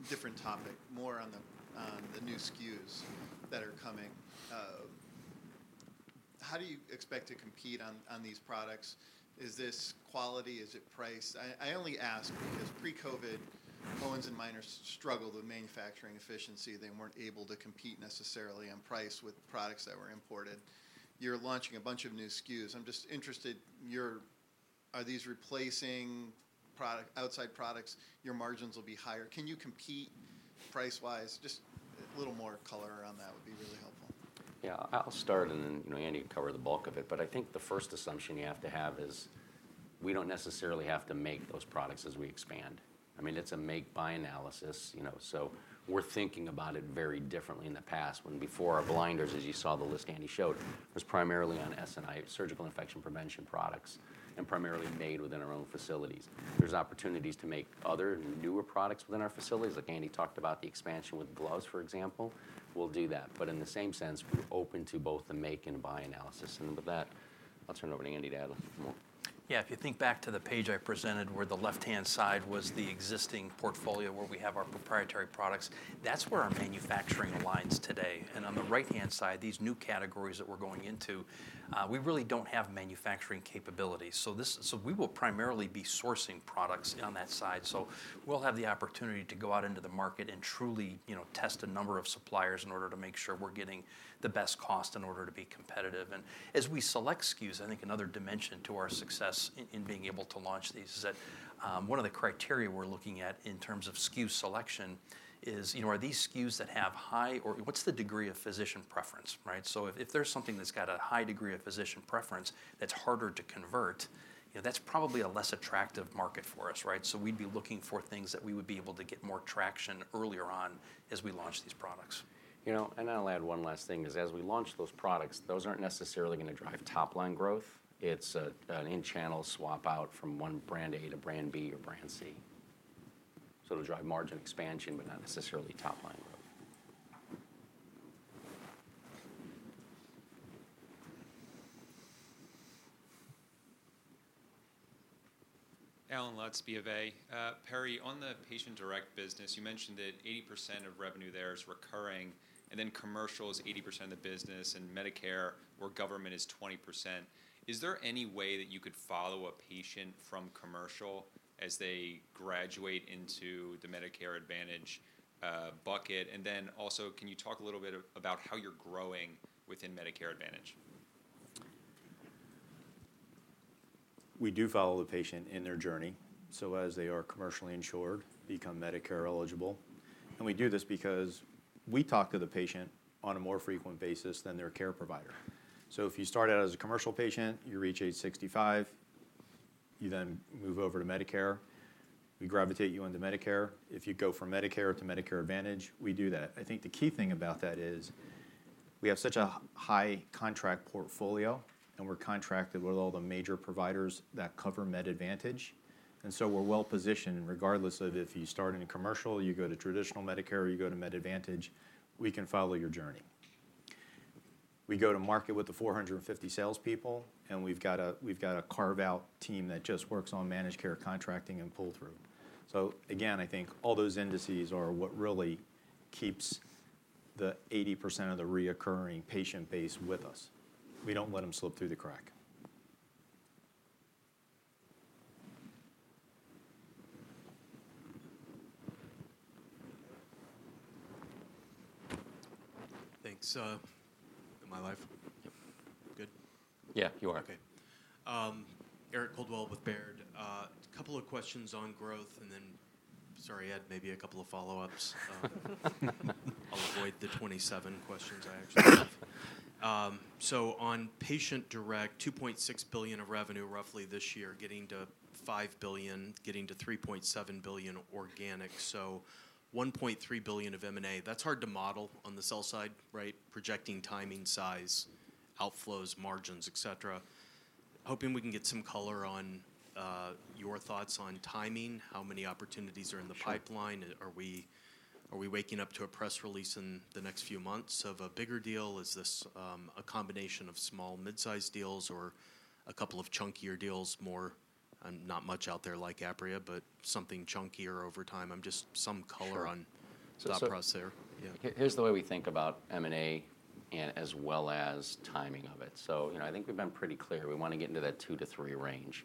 Different topic. More on the new SKUs that are coming. How do you expect to compete on these products? Is this quality? Is it price? I only ask because pre-COVID, Owens & Minor struggled with manufacturing efficiency. They weren't able to compete necessarily on price with products that were imported. You're launching a bunch of new SKUs. I'm just interested. Are these replacing outside products? Your margins will be higher. Can you compete price-wise? Just a little more color around that would be really helpful. Yeah. I'll start, and then, you know, Andy, you can cover the bulk of it. But I think the first assumption you have to have is, we don't necessarily have to make those products as we expand. I mean, it's a make-buy analysis, you know. So we're thinking about it very differently in the past when before our blinders, as you saw the list Andy showed, was primarily on S&IP, surgical infection prevention products, and primarily made within our own facilities. There's opportunities to make other and newer products within our facilities, like Andy talked about the expansion with gloves, for example. We'll do that. But in the same sense, we're open to both the make and buy analysis. And with that, I'll turn it over to Andy to add a little more. Yeah, if you think back to the page I presented, where the left-hand side was the existing portfolio, where we have our proprietary products, that's where our manufacturing lies today. And on the right-hand side, these new categories that we're going into, we really don't have manufacturing capabilities. So we will primarily be sourcing products on that side. So we'll have the opportunity to go out into the market and truly, you know, test a number of suppliers in order to make sure we're getting the best cost in order to be competitive. And as we select SKUs, I think another dimension to our success in being able to launch these is that, one of the criteria we're looking at in terms of SKU selection is, you know, are these SKUs that have high or what's the degree of physician preference, right? So if there's something that's got a high degree of physician preference that's harder to convert, you know, that's probably a less attractive market for us, right? So we'd be looking for things that we would be able to get more traction earlier on as we launch these products. You know, and I'll add one last thing is, as we launch those products, those aren't necessarily going to drive top-line growth. It's a, an in-channel swap out from one brand A to brand B or brand C. So it'll drive margin expansion, but not necessarily top-line growth. Allen Lutz, B of A. Perry, on the Patient Direct business, you mentioned that 80% of revenue there is recurring, and then commercial is 80% of the business, and Medicare or government is 20%. Is there any way that you could follow a patient from commercial as they graduate into the Medicare Advantage bucket? And then also, can you talk a little bit about how you're growing within Medicare Advantage? We do follow the patient in their journey, so as they are commercially insured, become Medicare eligible. We do this because we talk to the patient on a more frequent basis than their care provider. So if you start out as a commercial patient, you reach age 65, you then move over to Medicare, we gravitate you into Medicare. If you go from Medicare to Medicare Advantage, we do that. I think the key thing about that is, we have such a high contract portfolio, and we're contracted with all the major providers that cover Med Advantage, and so we're well positioned, regardless of if you start in a commercial, you go to traditional Medicare, or you go to Med Advantage, we can follow your journey. We go to market with the 450 salespeople, and we've got a carve-out team that just works on managed care, contracting, and pull-through. So again, I think all those indices are what really keeps the 80% of the recurring patient base with us. We don't let them slip through the cracks. Thanks. Am I live? Yep. Good? Yeah, you are. Okay. Eric Coldwell with Baird. A couple of questions on growth, and then, sorry, Ed, maybe a couple of follow-ups. I'll avoid the 27 questions I actually have. So on Patient Direct, $2.6 billion of revenue roughly this year, getting to $5 billion, getting to $3.7 billion organic. So $1.3 billion of M&A, that's hard to model on the sell side, right? Projecting timing, size, outflows, margins, et cetera. Hoping we can get some color on your thoughts on timing, how many opportunities are in the pipeline? Sure. Are we, are we waking up to a press release in the next few months of a bigger deal? Is this a combination of small, mid-sized deals or a couple of chunkier deals, more, and not much out there like Apria, but something chunkier over time? Just some color on- Sure... the thought process there. Yeah. Here's the way we think about M&A and as well as timing of it. So, you know, I think we've been pretty clear. We wanna get into that 2-3 range.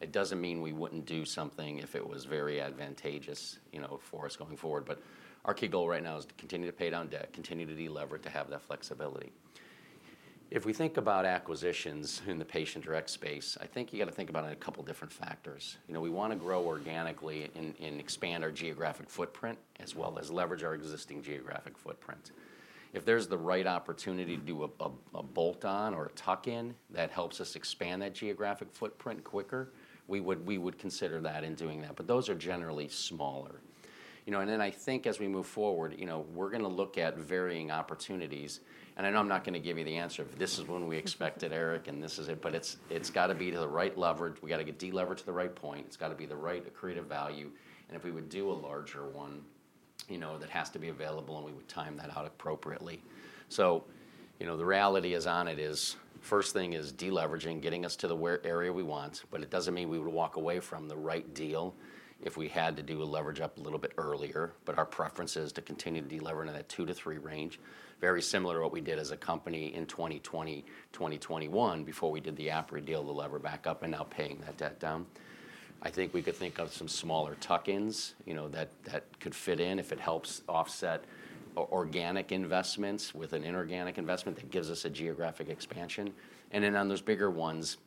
It doesn't mean we wouldn't do something if it was very advantageous, you know, for us going forward, but our key goal right now is to continue to pay down debt, continue to delever, to have that flexibility. If we think about acquisitions in the Patient Direct space, I think you gotta think about it in a couple different factors. You know, we wanna grow organically and expand our geographic footprint, as well as leverage our existing geographic footprint. If there's the right opportunity to do a bolt-on or a tuck-in that helps us expand that geographic footprint quicker, we would consider that in doing that. But those are generally smaller. You know, and then I think as we move forward, you know, we're gonna look at varying opportunities, and I know I'm not gonna give you the answer, "This is when we expected, Eric, and this is it," but it's, it's gotta be to the right leverage. We gotta get deleveraged to the right point. It's gotta be the right to create a value, and if we would do a larger one, you know, that has to be available, and we would time that out appropriately. So, you know, the reality is on it is, first thing is deleveraging, getting us to the area we want, but it doesn't mean we would walk away from the right deal if we had to do a leverage up a little bit earlier. But our preference is to continue to delever into that 2-3 range, very similar to what we did as a company in 2020, 2021 before we did the Apria deal to lever back up and now paying that debt down. I think we could think of some smaller tuck-ins, you know, that could fit in if it helps offset organic investments with an inorganic investment that gives us a geographic expansion. And then on those bigger ones,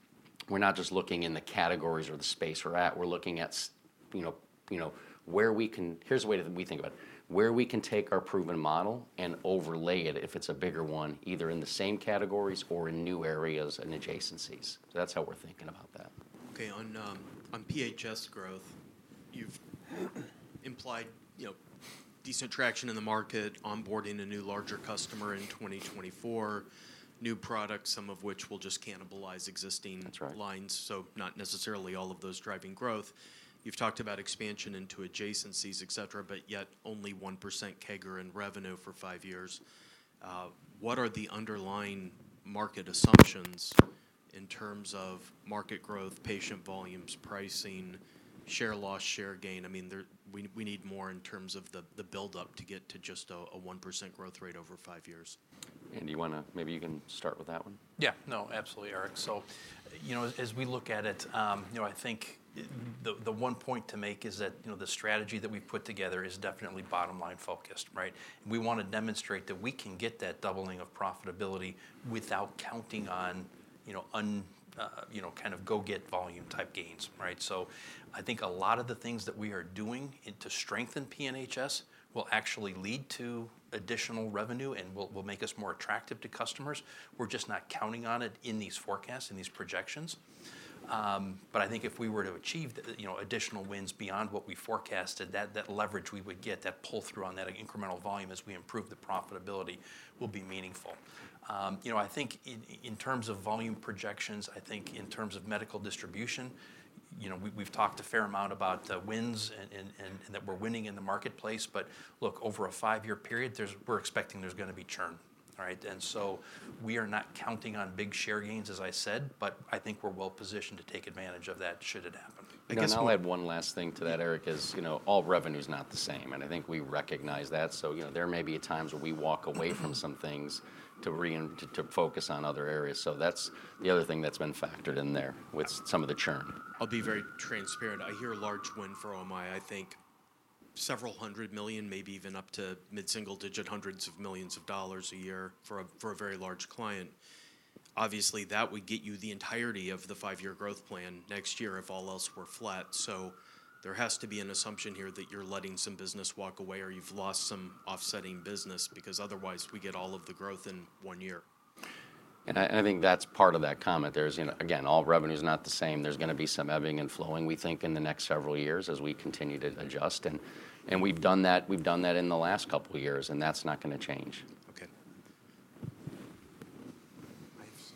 we're not just looking in the categories or the space we're at, we're looking at, you know, you know, where we can... Here's the way that we think about it: where we can take our proven model and overlay it, if it's a bigger one, either in the same categories or in new areas and adjacencies. So that's how we're thinking about that. Okay, on PHS growth, you've implied, you know, decent traction in the market, onboarding a new larger customer in 2024, new products, some of which will just cannibalize existing- That's right... lines, so not necessarily all of those driving growth. You've talked about expansion into adjacencies, et cetera, but yet only 1% CAGR in revenue for five years. What are the underlying market assumptions in terms of market growth, patient volumes, pricing, share loss, share gain? I mean, we need more in terms of the buildup to get to just a 1% growth rate over five years. Andy, you wanna... Maybe you can start with that one? Yeah. No, absolutely, Eric. So, you know, as we look at it, you know, I think the one point to make is that, you know, the strategy that we've put together is definitely bottom-line focused, right? We wanna demonstrate that we can get that doubling of profitability without counting on, you know, you know, kind of go-get-volume-type gains, right? So I think a lot of the things that we are doing and to strengthen P&HS will actually lead to additional revenue and will make us more attractive to customers. We're just not counting on it in these forecasts, in these projections. But I think if we were to achieve the, you know, additional wins beyond what we forecasted, that leverage we would get, that pull-through on that incremental volume as we improve the profitability will be meaningful. You know, I think in terms of volume projections, I think in terms of medical distribution, you know, we've talked a fair amount about the wins and that we're winning in the marketplace, but look, over a five-year period, we're expecting there's gonna be churn, all right? And so we are not counting on big share gains, as I said, but I think we're well positioned to take advantage of that, should it happen. Because- I'll add one last thing to that, Eric, is, you know, all revenue's not the same, and I think we recognize that. So, you know, there may be times where we walk away from some things to focus on other areas. So that's the other thing that's been factored in there with some of the churn. I'll be very transparent. I hear a large win for OMI. I think $several hundred million, maybe even up to mid-single-digit $hundreds of millions a year for a very large client. Obviously, that would get you the entirety of the five-year growth plan next year if all else were flat. So there has to be an assumption here that you're letting some business walk away, or you've lost some offsetting business, because otherwise, we get all of the growth in one year. And I think that's part of that comment. There's, you know, again, all revenue's not the same. There's gonna be some ebbing and flowing, we think, in the next several years as we continue to adjust. And we've done that in the last couple of years, and that's not gonna change. Okay. Nice.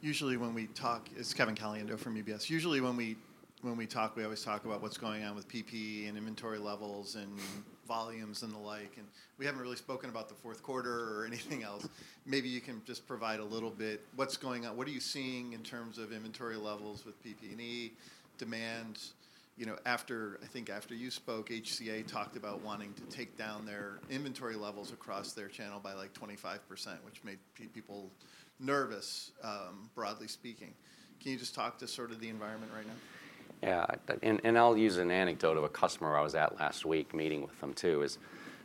Usually when we talk, it's Kevin Caliendo from UBS. Usually when we talk, we always talk about what's going on with PPE and inventory levels and volumes and the like, and we haven't really spoken about the fourth quarter or anything else. Maybe you can just provide a little bit, what's going on? What are you seeing in terms of inventory levels with PPE, demand? You know, after, I think after you spoke, HCA talked about wanting to take down their inventory levels across their channel by, like, 25%, which made people nervous, broadly speaking. Can you just talk to sort of the environment right now? Yeah, and, and I'll use an anecdote of a customer I was at last week, meeting with them, too, is...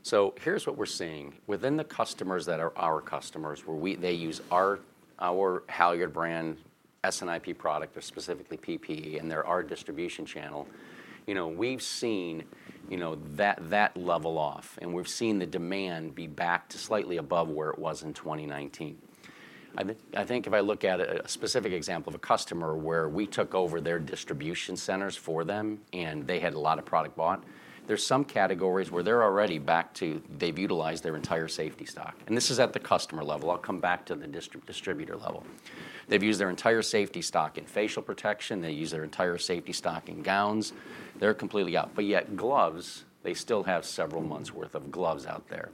So here's what we're seeing. Within the customers that are our customers, where they use our Halyard brand, S&IP product, or specifically PPE, and they're our distribution channel, you know, we've seen, you know, that level off, and we've seen the demand be back to slightly above where it was in 2019. I think, I think if I look at a specific example of a customer where we took over their distribution centers for them, and they had a lot of product bought, there's some categories where they're already back to—they've utilized their entire safety stock, and this is at the customer level. I'll come back to the distributor level. They've used their entire safety stock in facial protection. They've used their entire safety stock in gowns. They're completely out. But yet gloves, they still have several months' worth of gloves out there.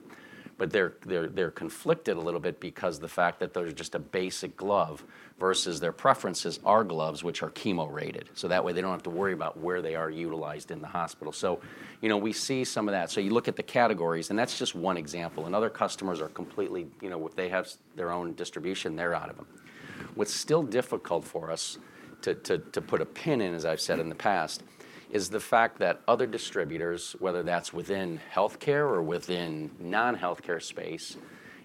But they're conflicted a little bit because the fact that they're just a basic glove versus their preferences are gloves, which are chemo-rated, so that way, they don't have to worry about where they are utilized in the hospital. So, you know, we see some of that. So you look at the categories, and that's just one example. And other customers are completely... You know, if they have their own distribution, they're out of them. What's still difficult for us-... To put a pin in, as I've said in the past, is the fact that other distributors, whether that's within healthcare or within non-healthcare space,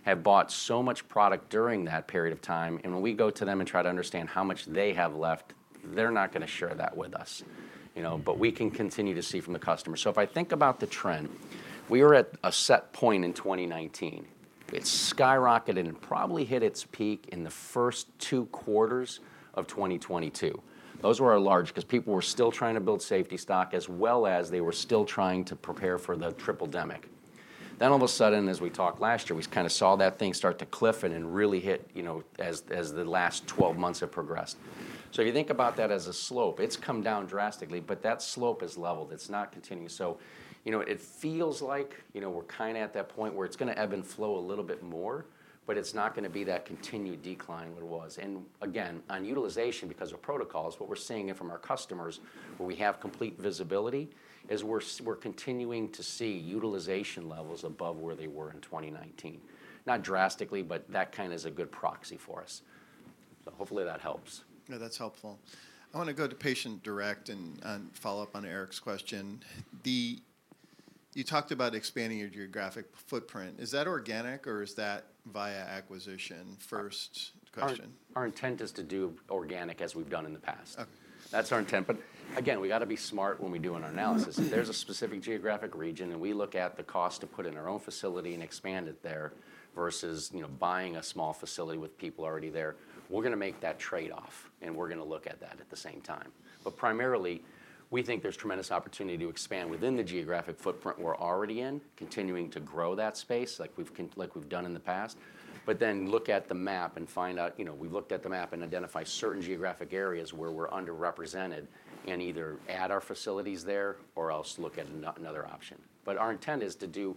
have bought so much product during that period of time, and when we go to them and try to understand how much they have left, they're not gonna share that with us, you know. But we can continue to see from the customer. So if I think about the trend, we were at a set point in 2019. It skyrocketed and probably hit its peak in the first two quarters of 2022. Those were our large-- 'cause people were still trying to build safety stock, as well as they were still trying to prepare for the triple-demic. Then all of a sudden, as we talked last year, we kinda saw that thing start to cliff and really hit, you know, as the last 12 months have progressed. So you think about that as a slope. It's come down drastically, but that slope has leveled. It's not continuing. So, you know, it feels like, you know, we're kinda at that point where it's gonna ebb and flow a little bit more, but it's not gonna be that continued decline that it was. And again, on utilization, because of protocols, what we're seeing it from our customers, where we have complete visibility, is we're continuing to see utilization levels above where they were in 2019. Not drastically, but that kinda is a good proxy for us. So hopefully that helps. Yeah, that's helpful. I wanna go to Patient Direct and follow up on Eric's question. You talked about expanding your geographic footprint. Is that organic, or is that via acquisition? First question. Our intent is to do organic, as we've done in the past. Okay. That's our intent. But again, we gotta be smart when we're doing our analysis. If there's a specific geographic region, and we look at the cost to put in our own facility and expand it there, versus, you know, buying a small facility with people already there, we're gonna make that trade-off, and we're gonna look at that at the same time. But primarily, we think there's tremendous opportunity to expand within the geographic footprint we're already in, continuing to grow that space, like we've done in the past. But then look at the map and find out... You know, we've looked at the map and identified certain geographic areas where we're underrepresented, and either add our facilities there or else look at another option. But our intent is to do...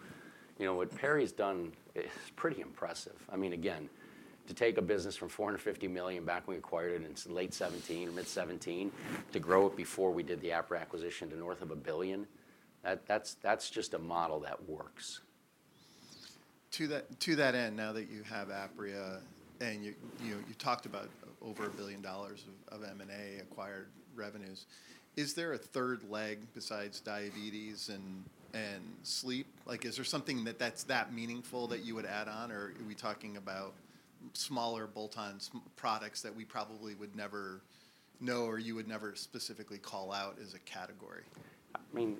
You know, what Perry's done is pretty impressive. I mean, again, to take a business from $450 million back when we acquired it in late 2017 or mid-2017, to grow it before we did the Apria acquisition to north of $1 billion, that, that's, that's just a model that works. To that end, now that you have Apria, and you know, you talked about over $1 billion of M&A acquired revenues, is there a third leg besides diabetes and sleep? Like, is there something that's that meaningful that you would add on, or are we talking about smaller bolt-on small products that we probably would never know or you would never specifically call out as a category? I mean,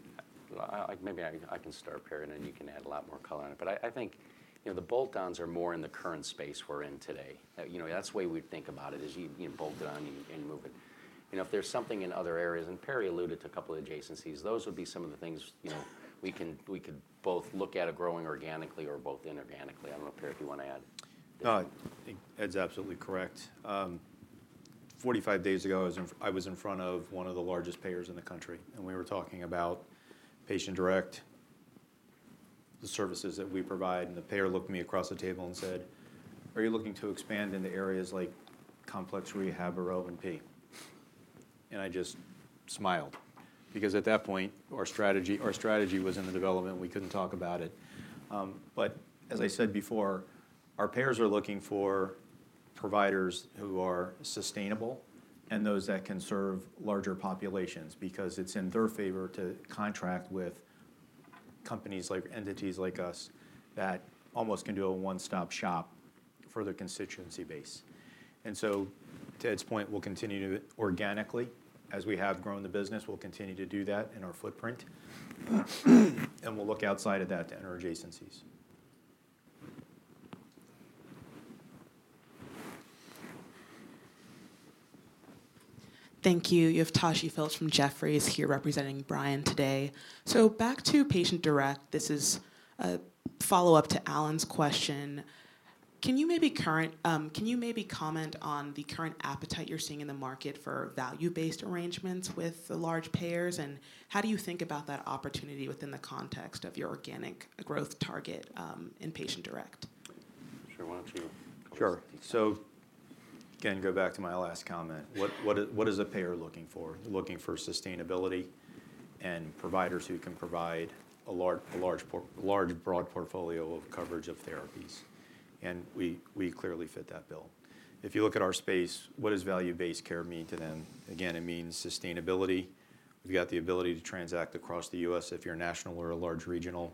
like, maybe I can start, Perry, and then you can add a lot more color on it. But I think, you know, the bolt-ons are more in the current space we're in today. You know, that's the way we think about it, is you bolt it on and move it. You know, if there's something in other areas, and Perry alluded to a couple of adjacencies, those would be some of the things, you know, we could both look at it growing organically or bolt in organically. I don't know, Perry, if you want to add. I think Ed's absolutely correct. 45 days ago, I was in front of one of the largest payers in the country, and we were talking about Patient Direct, the services that we provide, and the payer looked at me across the table and said: "Are you looking to expand into areas like complex rehab or O&P?" I just smiled, because at that point, our strategy was in the development, and we couldn't talk about it. But as I said before, our payers are looking for providers who are sustainable and those that can serve larger populations because it's in their favor to contract with companies like entities like us that almost can do a one-stop shop for their constituency base. So, to Ed's point, we'll continue to organically. As we have grown the business, we'll continue to do that in our footprint, and we'll look outside of that to enter adjacencies. Thank you. You have Toshi Phillips from Jefferies, here representing Brian today. Back to Patient Direct, this is a follow-up to Allen's question. Can you maybe comment on the current appetite you're seeing in the market for value-based arrangements with the large payers, and how do you think about that opportunity within the context of your organic growth target in Patient Direct? Sure. Why don't you? Sure. So again, go back to my last comment. What is a payer looking for? Looking for sustainability and providers who can provide a large, broad portfolio of coverage of therapies, and we clearly fit that bill. If you look at our space, what does value-based care mean to them? Again, it means sustainability. We've got the ability to transact across the U.S. if you're a national or a large regional,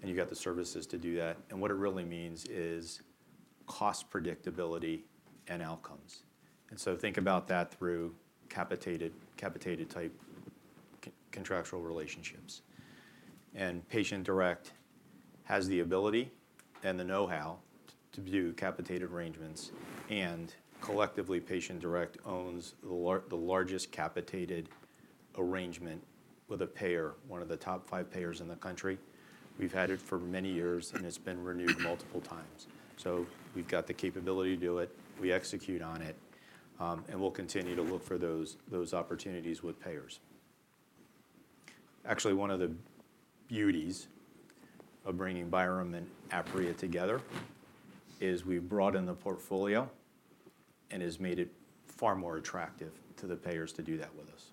and you've got the services to do that. And what it really means is cost predictability and outcomes. And so think about that through capitated-type contractual relationships. And Patient Direct has the ability and the know-how to do capitated arrangements, and collectively, Patient Direct owns the largest capitated arrangement with a payer, one of the top five payers in the country. We've had it for many years, and it's been renewed multiple times. So we've got the capability to do it, we execute on it, and we'll continue to look for those opportunities with payers. Actually, one of the beauties of bringing Byram and Apria together is, we've brought in the portfolio, and it's made it far more attractive to the payers to do that with us. ...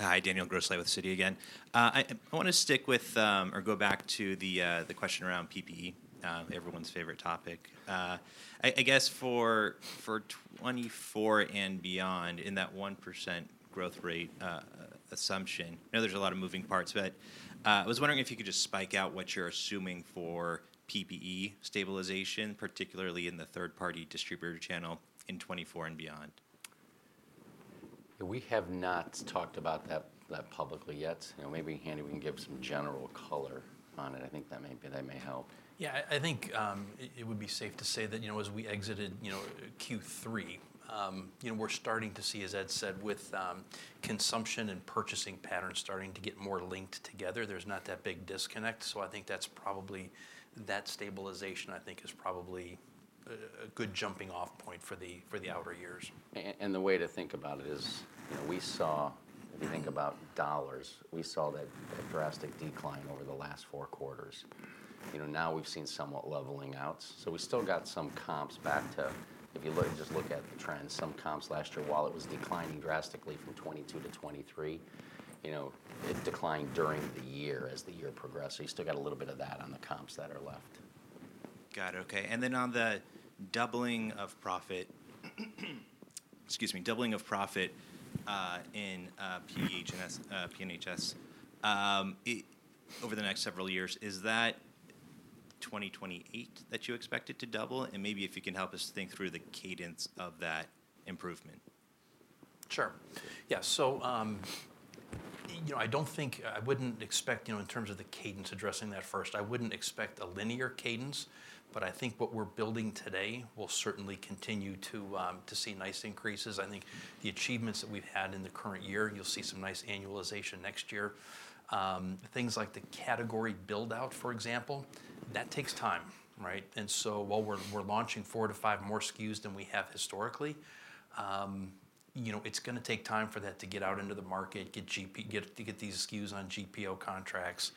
Hi, Daniel Grosslight with Citi again. I wanna stick with or go back to the question around PPE, everyone's favorite topic. I guess for 2024 and beyond, in that 1% growth rate assumption, I know there's a lot of moving parts, but I was wondering if you could just break out what you're assuming for PPE stabilization, particularly in the third-party distributor channel in 2024 and beyond. We have not talked about that, that publicly yet. You know, maybe Andy, we can give some general color on it. I think that may be, that may help. Yeah, I think it would be safe to say that, you know, as we exited, you know, Q3, you know, we're starting to see, as Ed said, with consumption and purchasing patterns starting to get more linked together, there's not that big disconnect. So I think that's probably... That stabilization, I think, is probably a good jumping off point for the outer years. The way to think about it is, you know, we saw, if you think about dollars, we saw that, a drastic decline over the last four quarters. You know, now we've seen somewhat leveling out. So we still got some comps back to. If you look, just look at the trends, some comps last year, while it was declining drastically from 2022 to 2023, you know, it declined during the year as the year progressed. So you still got a little bit of that on the comps that are left. Got it, okay. And then on the doubling of profit, excuse me, doubling of profit, in P&HS, over the next several years, is that 2028 that you expect it to double? And maybe if you can help us think through the cadence of that improvement. Sure. Yeah, so, you know, I don't think, I wouldn't expect, you know, in terms of the cadence addressing that first, I wouldn't expect a linear cadence, but I think what we're building today will certainly continue to see nice increases. I think the achievements that we've had in the current year, and you'll see some nice annualization next year. Things like the category build-out, for example, that takes time, right? And so, while we're launching 4-5 more SKUs than we have historically, you know, it's gonna take time for that to get out into the market, to get these SKUs on GPO contracts,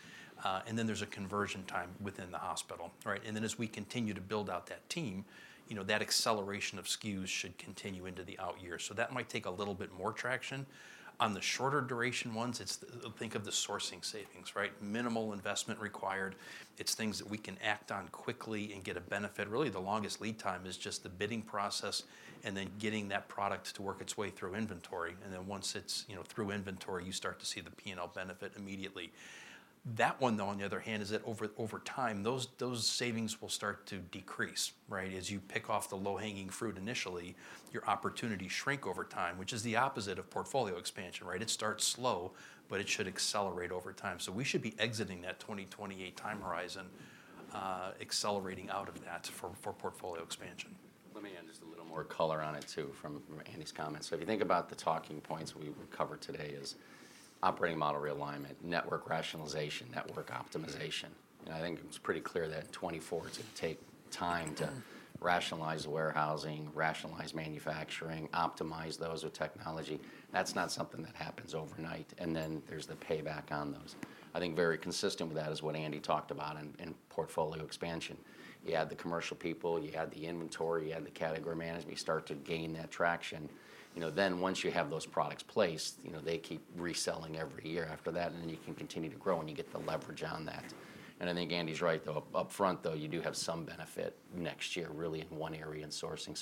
and then there's a conversion time within the hospital, right? And then, as we continue to build out that team, you know, that acceleration of SKUs should continue into the out years. So that might take a little bit more traction. On the shorter duration ones, it's think of the sourcing savings, right? Minimal investment required. It's things that we can act on quickly and get a benefit. Really, the longest lead time is just the bidding process, and then getting that product to work its way through inventory, and then once it's, you know, through inventory, you start to see the P&L benefit immediately. That one, though, on the other hand, is that over, over time, those, those savings will start to decrease, right? As you pick off the low-hanging fruit initially, your opportunities shrink over time, which is the opposite of portfolio expansion, right? It starts slow, but it should accelerate over time. So we should be exiting that 2028 time horizon, accelerating out of that for, for portfolio expansion. Let me add just a little more color on it, too, from Andy's comments. So if you think about the talking points we covered today is Operating Model Realignment, network rationalization, network optimization. And I think it's pretty clear that 2024 is gonna take time to rationalize the warehousing, rationalize manufacturing, optimize those with technology. That's not something that happens overnight, and then there's the payback on those. I think very consistent with that is what Andy talked about in, in portfolio expansion. You add the commercial people, you add the inventory, you add the category management, you start to gain that traction. You know, then once you have those products placed, you know, they keep reselling every year after that, and then you can continue to grow, and you get the leverage on that. And I think Andy's right, though. Up front, though, you do have some benefit next year, really in one area in sourcing.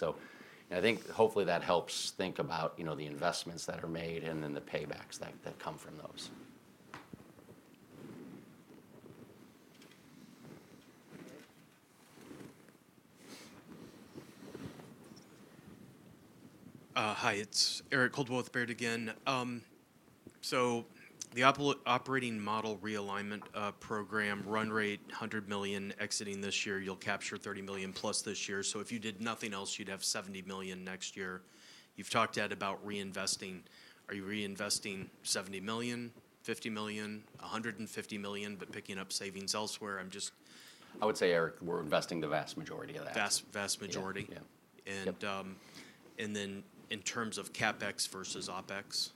I think hopefully, that helps think about, you know, the investments that are made, and then the paybacks that come from those. Hi, it's Eric Coldwell, Baird again. So the Operating Model Realignment program run rate, $100 million exiting this year, you'll capture $30 million plus this year. So if you did nothing else, you'd have $70 million next year. You've talked, Ed, about reinvesting. Are you reinvesting $70 million, $50 million, $150 million, but picking up savings elsewhere? I'm just- I would say, Eric, we're investing the vast majority of that. Vast, vast majority? Yeah. Yeah. And, um- Yep... and then in terms of CapEx versus OpEx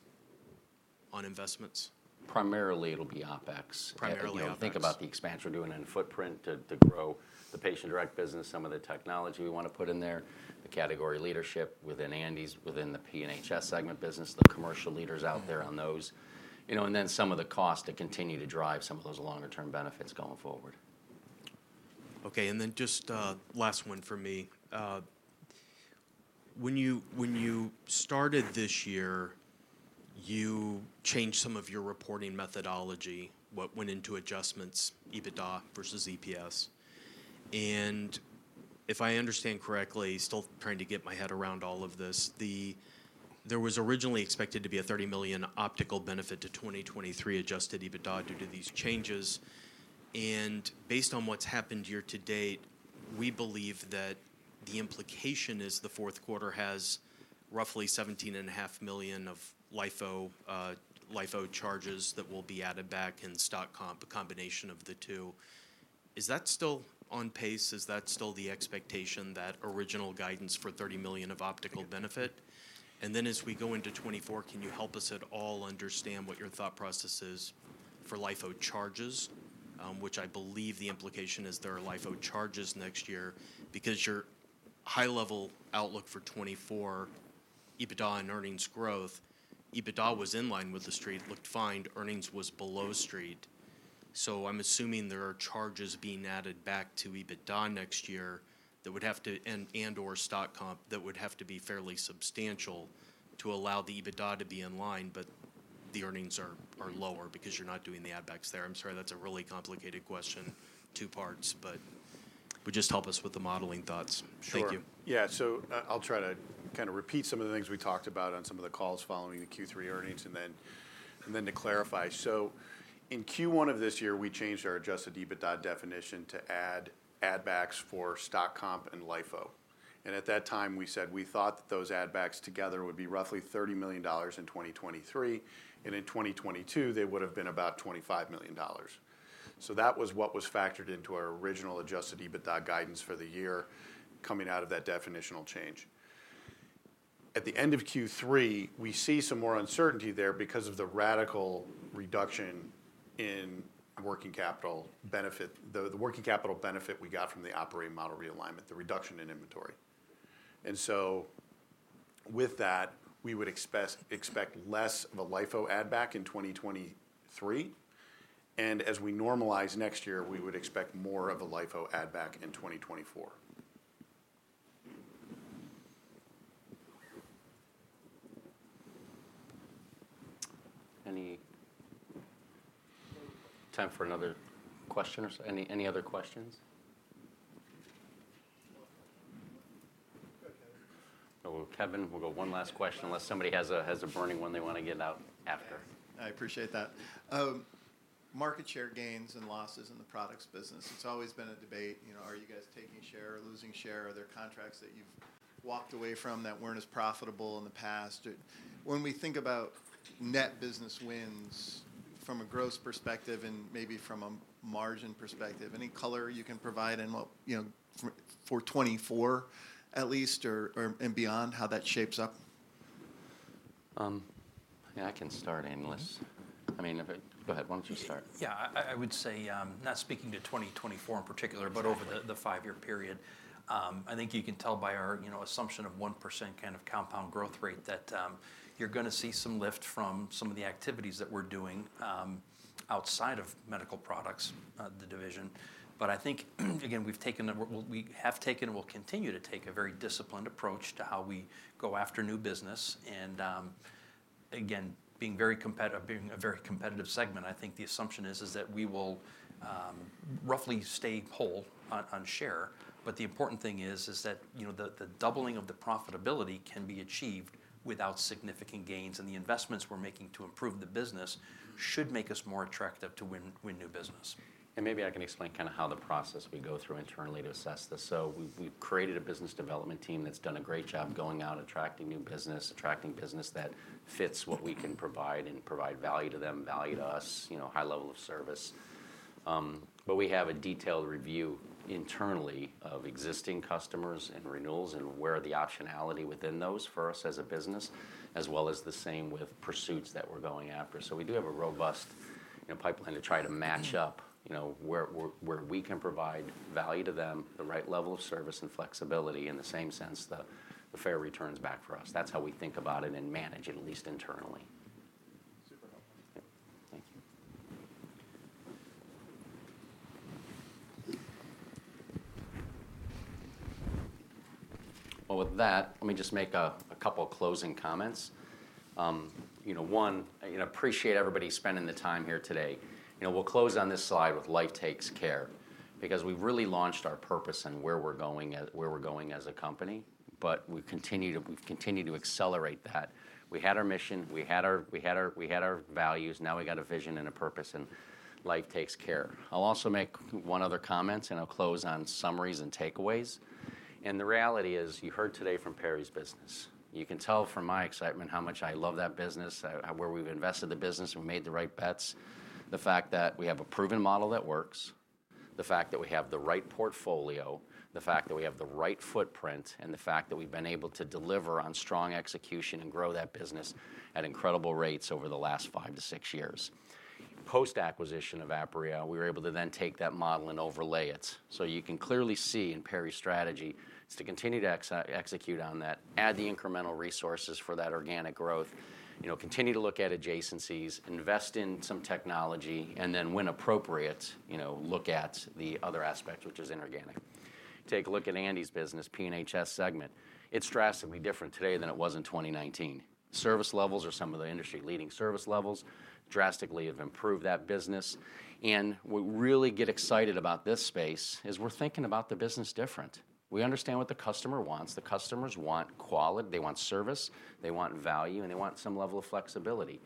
on investments? Primarily, it'll be OpEx. Primarily OpEx. You know, think about the expansion we're doing in footprint to, to grow the Patient Direct business, some of the technology we wanna put in there, the category leadership within Andy's, within the P&HS segment business, the commercial leaders out there on those. You know, and then some of the cost to continue to drive some of those longer-term benefits going forward. Okay, and then just, last one for me. When you, when you started this year, you changed some of your reporting methodology, what went into adjustments, EBITDA versus EPS. And if I understand correctly, still trying to get my head around all of this, there was originally expected to be a $30 million optical benefit to 2023 adjusted EBITDA due to these changes. And based on what's happened year-to-date, we believe that the implication is the fourth quarter has roughly $17.5 million of LIFO charges that will be added back in stock comp, a combination of the two. Is that still on pace? Is that still the expectation, that original guidance for $30 million of optical benefit? Yep. Then, as we go into 2024, can you help us at all understand what your thought process is for LIFO charges? Which I believe the implication is there are LIFO charges next year. Because high level outlook for 2024, EBITDA and earnings growth, EBITDA was in line with the street looked fine, earnings was below street. So I'm assuming there are charges being added back to EBITDA next year that would have to, and, and/or stock comp, that would have to be fairly substantial to allow the EBITDA to be in line, but the earnings are, are lower because you're not doing the add backs there. I'm sorry, that's a really complicated question, two parts, but would just help us with the modeling thoughts. Thank you. Sure. Yeah. So, I'll try to kinda repeat some of the things we talked about on some of the calls following the Q3 earnings, and then to clarify. So in Q1 of this year, we changed our Adjusted EBITDA definition to add backs for stock comp and LIFO. And at that time, we said we thought that those add backs together would be roughly $30 million in 2023, and in 2022, they would have been about $25 million. So that was what was factored into our original Adjusted EBITDA guidance for the year coming out of that definitional change. At the end of Q3, we see some more uncertainty there because of the radical reduction in working capital benefit—the working capital benefit we got from the Operating Model Realignment, the reduction in inventory. And so with that, we would expect less of a LIFO add back in 2023, and as we normalize next year, we would expect more of a LIFO add back in 2024. Any time for another question or so? Any, any other questions? Go ahead, Kevin. Oh, Kevin, we'll go one last question unless somebody has a burning one they wanna get out after. I appreciate that. Market share gains and losses in the products business, it's always been a debate, you know, are you guys taking share or losing share? Are there contracts that you've walked away from that weren't as profitable in the past? Or when we think about net business wins from a gross perspective and maybe from a margin perspective, any color you can provide in what, you know, for 2024 at least, or and beyond, how that shapes up? I can start, analyst. Mm-hmm. I mean, if I - Go ahead. Why don't you start? Yeah, I would say, not speaking to 2024 in particular- Exactly... but over the five-year period, I think you can tell by our, you know, assumption of 1% kind of compound growth rate that you're gonna see some lift from some of the activities that we're doing outside of medical products the division. But I think, again, we have taken and will continue to take a very disciplined approach to how we go after new business. And again, being a very competitive segment, I think the assumption is that we will roughly stay whole on share. But the important thing is that, you know, the doubling of the profitability can be achieved without significant gains, and the investments we're making to improve the business should make us more attractive to win new business. Maybe I can explain kinda how the process we go through internally to assess this. So we've created a business development team that's done a great job going out, attracting new business, attracting business that fits what we can provide and provide value to them, value to us, you know, high level of service. But we have a detailed review internally of existing customers and renewals and where are the optionality within those for us as a business, as well as the same with pursuits that we're going after. So we do have a robust, you know, pipeline to try to match up, you know, where we can provide value to them, the right level of service and flexibility, in the same sense, the fair returns back for us. That's how we think about it and manage it, at least internally. Super helpful. Thank you. Well, with that, let me just make a couple of closing comments. You know, one, I, you know, appreciate everybody spending the time here today. You know, we'll close on this slide with Life Takes Care because we've really launched our purpose and where we're going as a company, but we continue to accelerate that. We had our mission, we had our values, now we got a vision and a purpose, and Life Takes Care. I'll also make one other comment, and I'll close on summaries and takeaways. The reality is, you heard today from Perry's business. You can tell from my excitement how much I love that business, where we've invested the business and made the right bets. The fact that we have a proven model that works, the fact that we have the right portfolio, the fact that we have the right footprint, and the fact that we've been able to deliver on strong execution and grow that business at incredible rates over the last 5-6 years. Post-acquisition of Apria, we were able to then take that model and overlay it. So you can clearly see in Perry's strategy is to continue to execute on that, add the incremental resources for that organic growth, you know, continue to look at adjacencies, invest in some technology, and then when appropriate, you know, look at the other aspect, which is inorganic. Take a look at Andy's business, P&HS segment. It's drastically different today than it was in 2019. Service levels are some of the industry-leading service levels, drastically have improved that business. And we really get excited about this space, is we're thinking about the business different. We understand what the customer wants. The customers want quality, they want service, they want value, and they want some level of flexibility.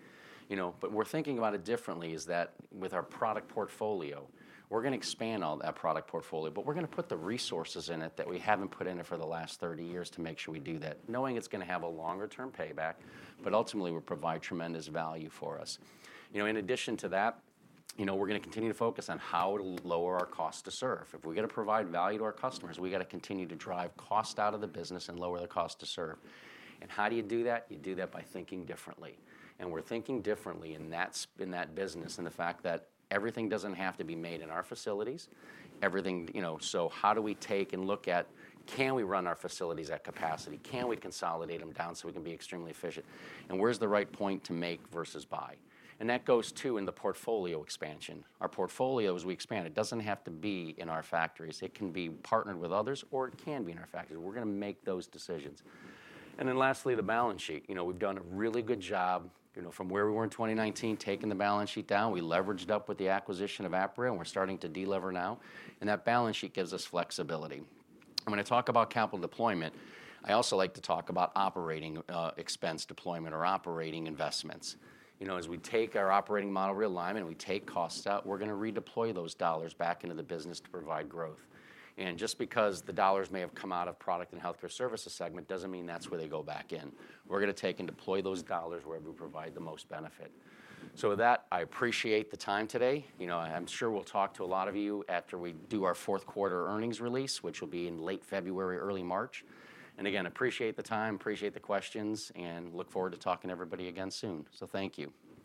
You know, but we're thinking about it differently is that with our product portfolio, we're gonna expand all that product portfolio, but we're gonna put the resources in it that we haven't put in it for the last 30 years to make sure we do that, knowing it's gonna have a longer-term payback, but ultimately, will provide tremendous value for us. You know, in addition to that, you know, we're gonna continue to focus on how to lower our cost to serve. If we're gonna provide value to our customers, we gotta continue to drive cost out of the business and lower the cost to serve. And how do you do that? You do that by thinking differently. We're thinking differently, and that's in that business, and the fact that everything doesn't have to be made in our facilities, everything. You know, so how do we take and look at, can we run our facilities at capacity? Can we consolidate them down so we can be extremely efficient? Where's the right point to make versus buy? And that goes, too, in the portfolio expansion. Our portfolio, as we expand, it doesn't have to be in our factories. It can be partnered with others, or it can be in our factories. We're gonna make those decisions. Then lastly, the balance sheet. You know, we've done a really good job, you know, from where we were in 2019, taking the balance sheet down. We leveraged up with the acquisition of Apria, and we're starting to delever now, and that balance sheet gives us flexibility. When I talk about capital deployment, I also like to talk about operating expense deployment or operating investments. You know, as we take our Operating Model Realignment, we take costs out, we're gonna redeploy those dollars back into the business to provide growth. And just because the dollars may have come out of Products & Healthcare Services segment, doesn't mean that's where they go back in. We're gonna take and deploy those dollars where it will provide the most benefit. So with that, I appreciate the time today. You know, I'm sure we'll talk to a lot of you after we do our fourth quarter earnings release, which will be in late February, early March. Again, appreciate the time, appreciate the questions, and look forward to talking to everybody again soon. Thank you.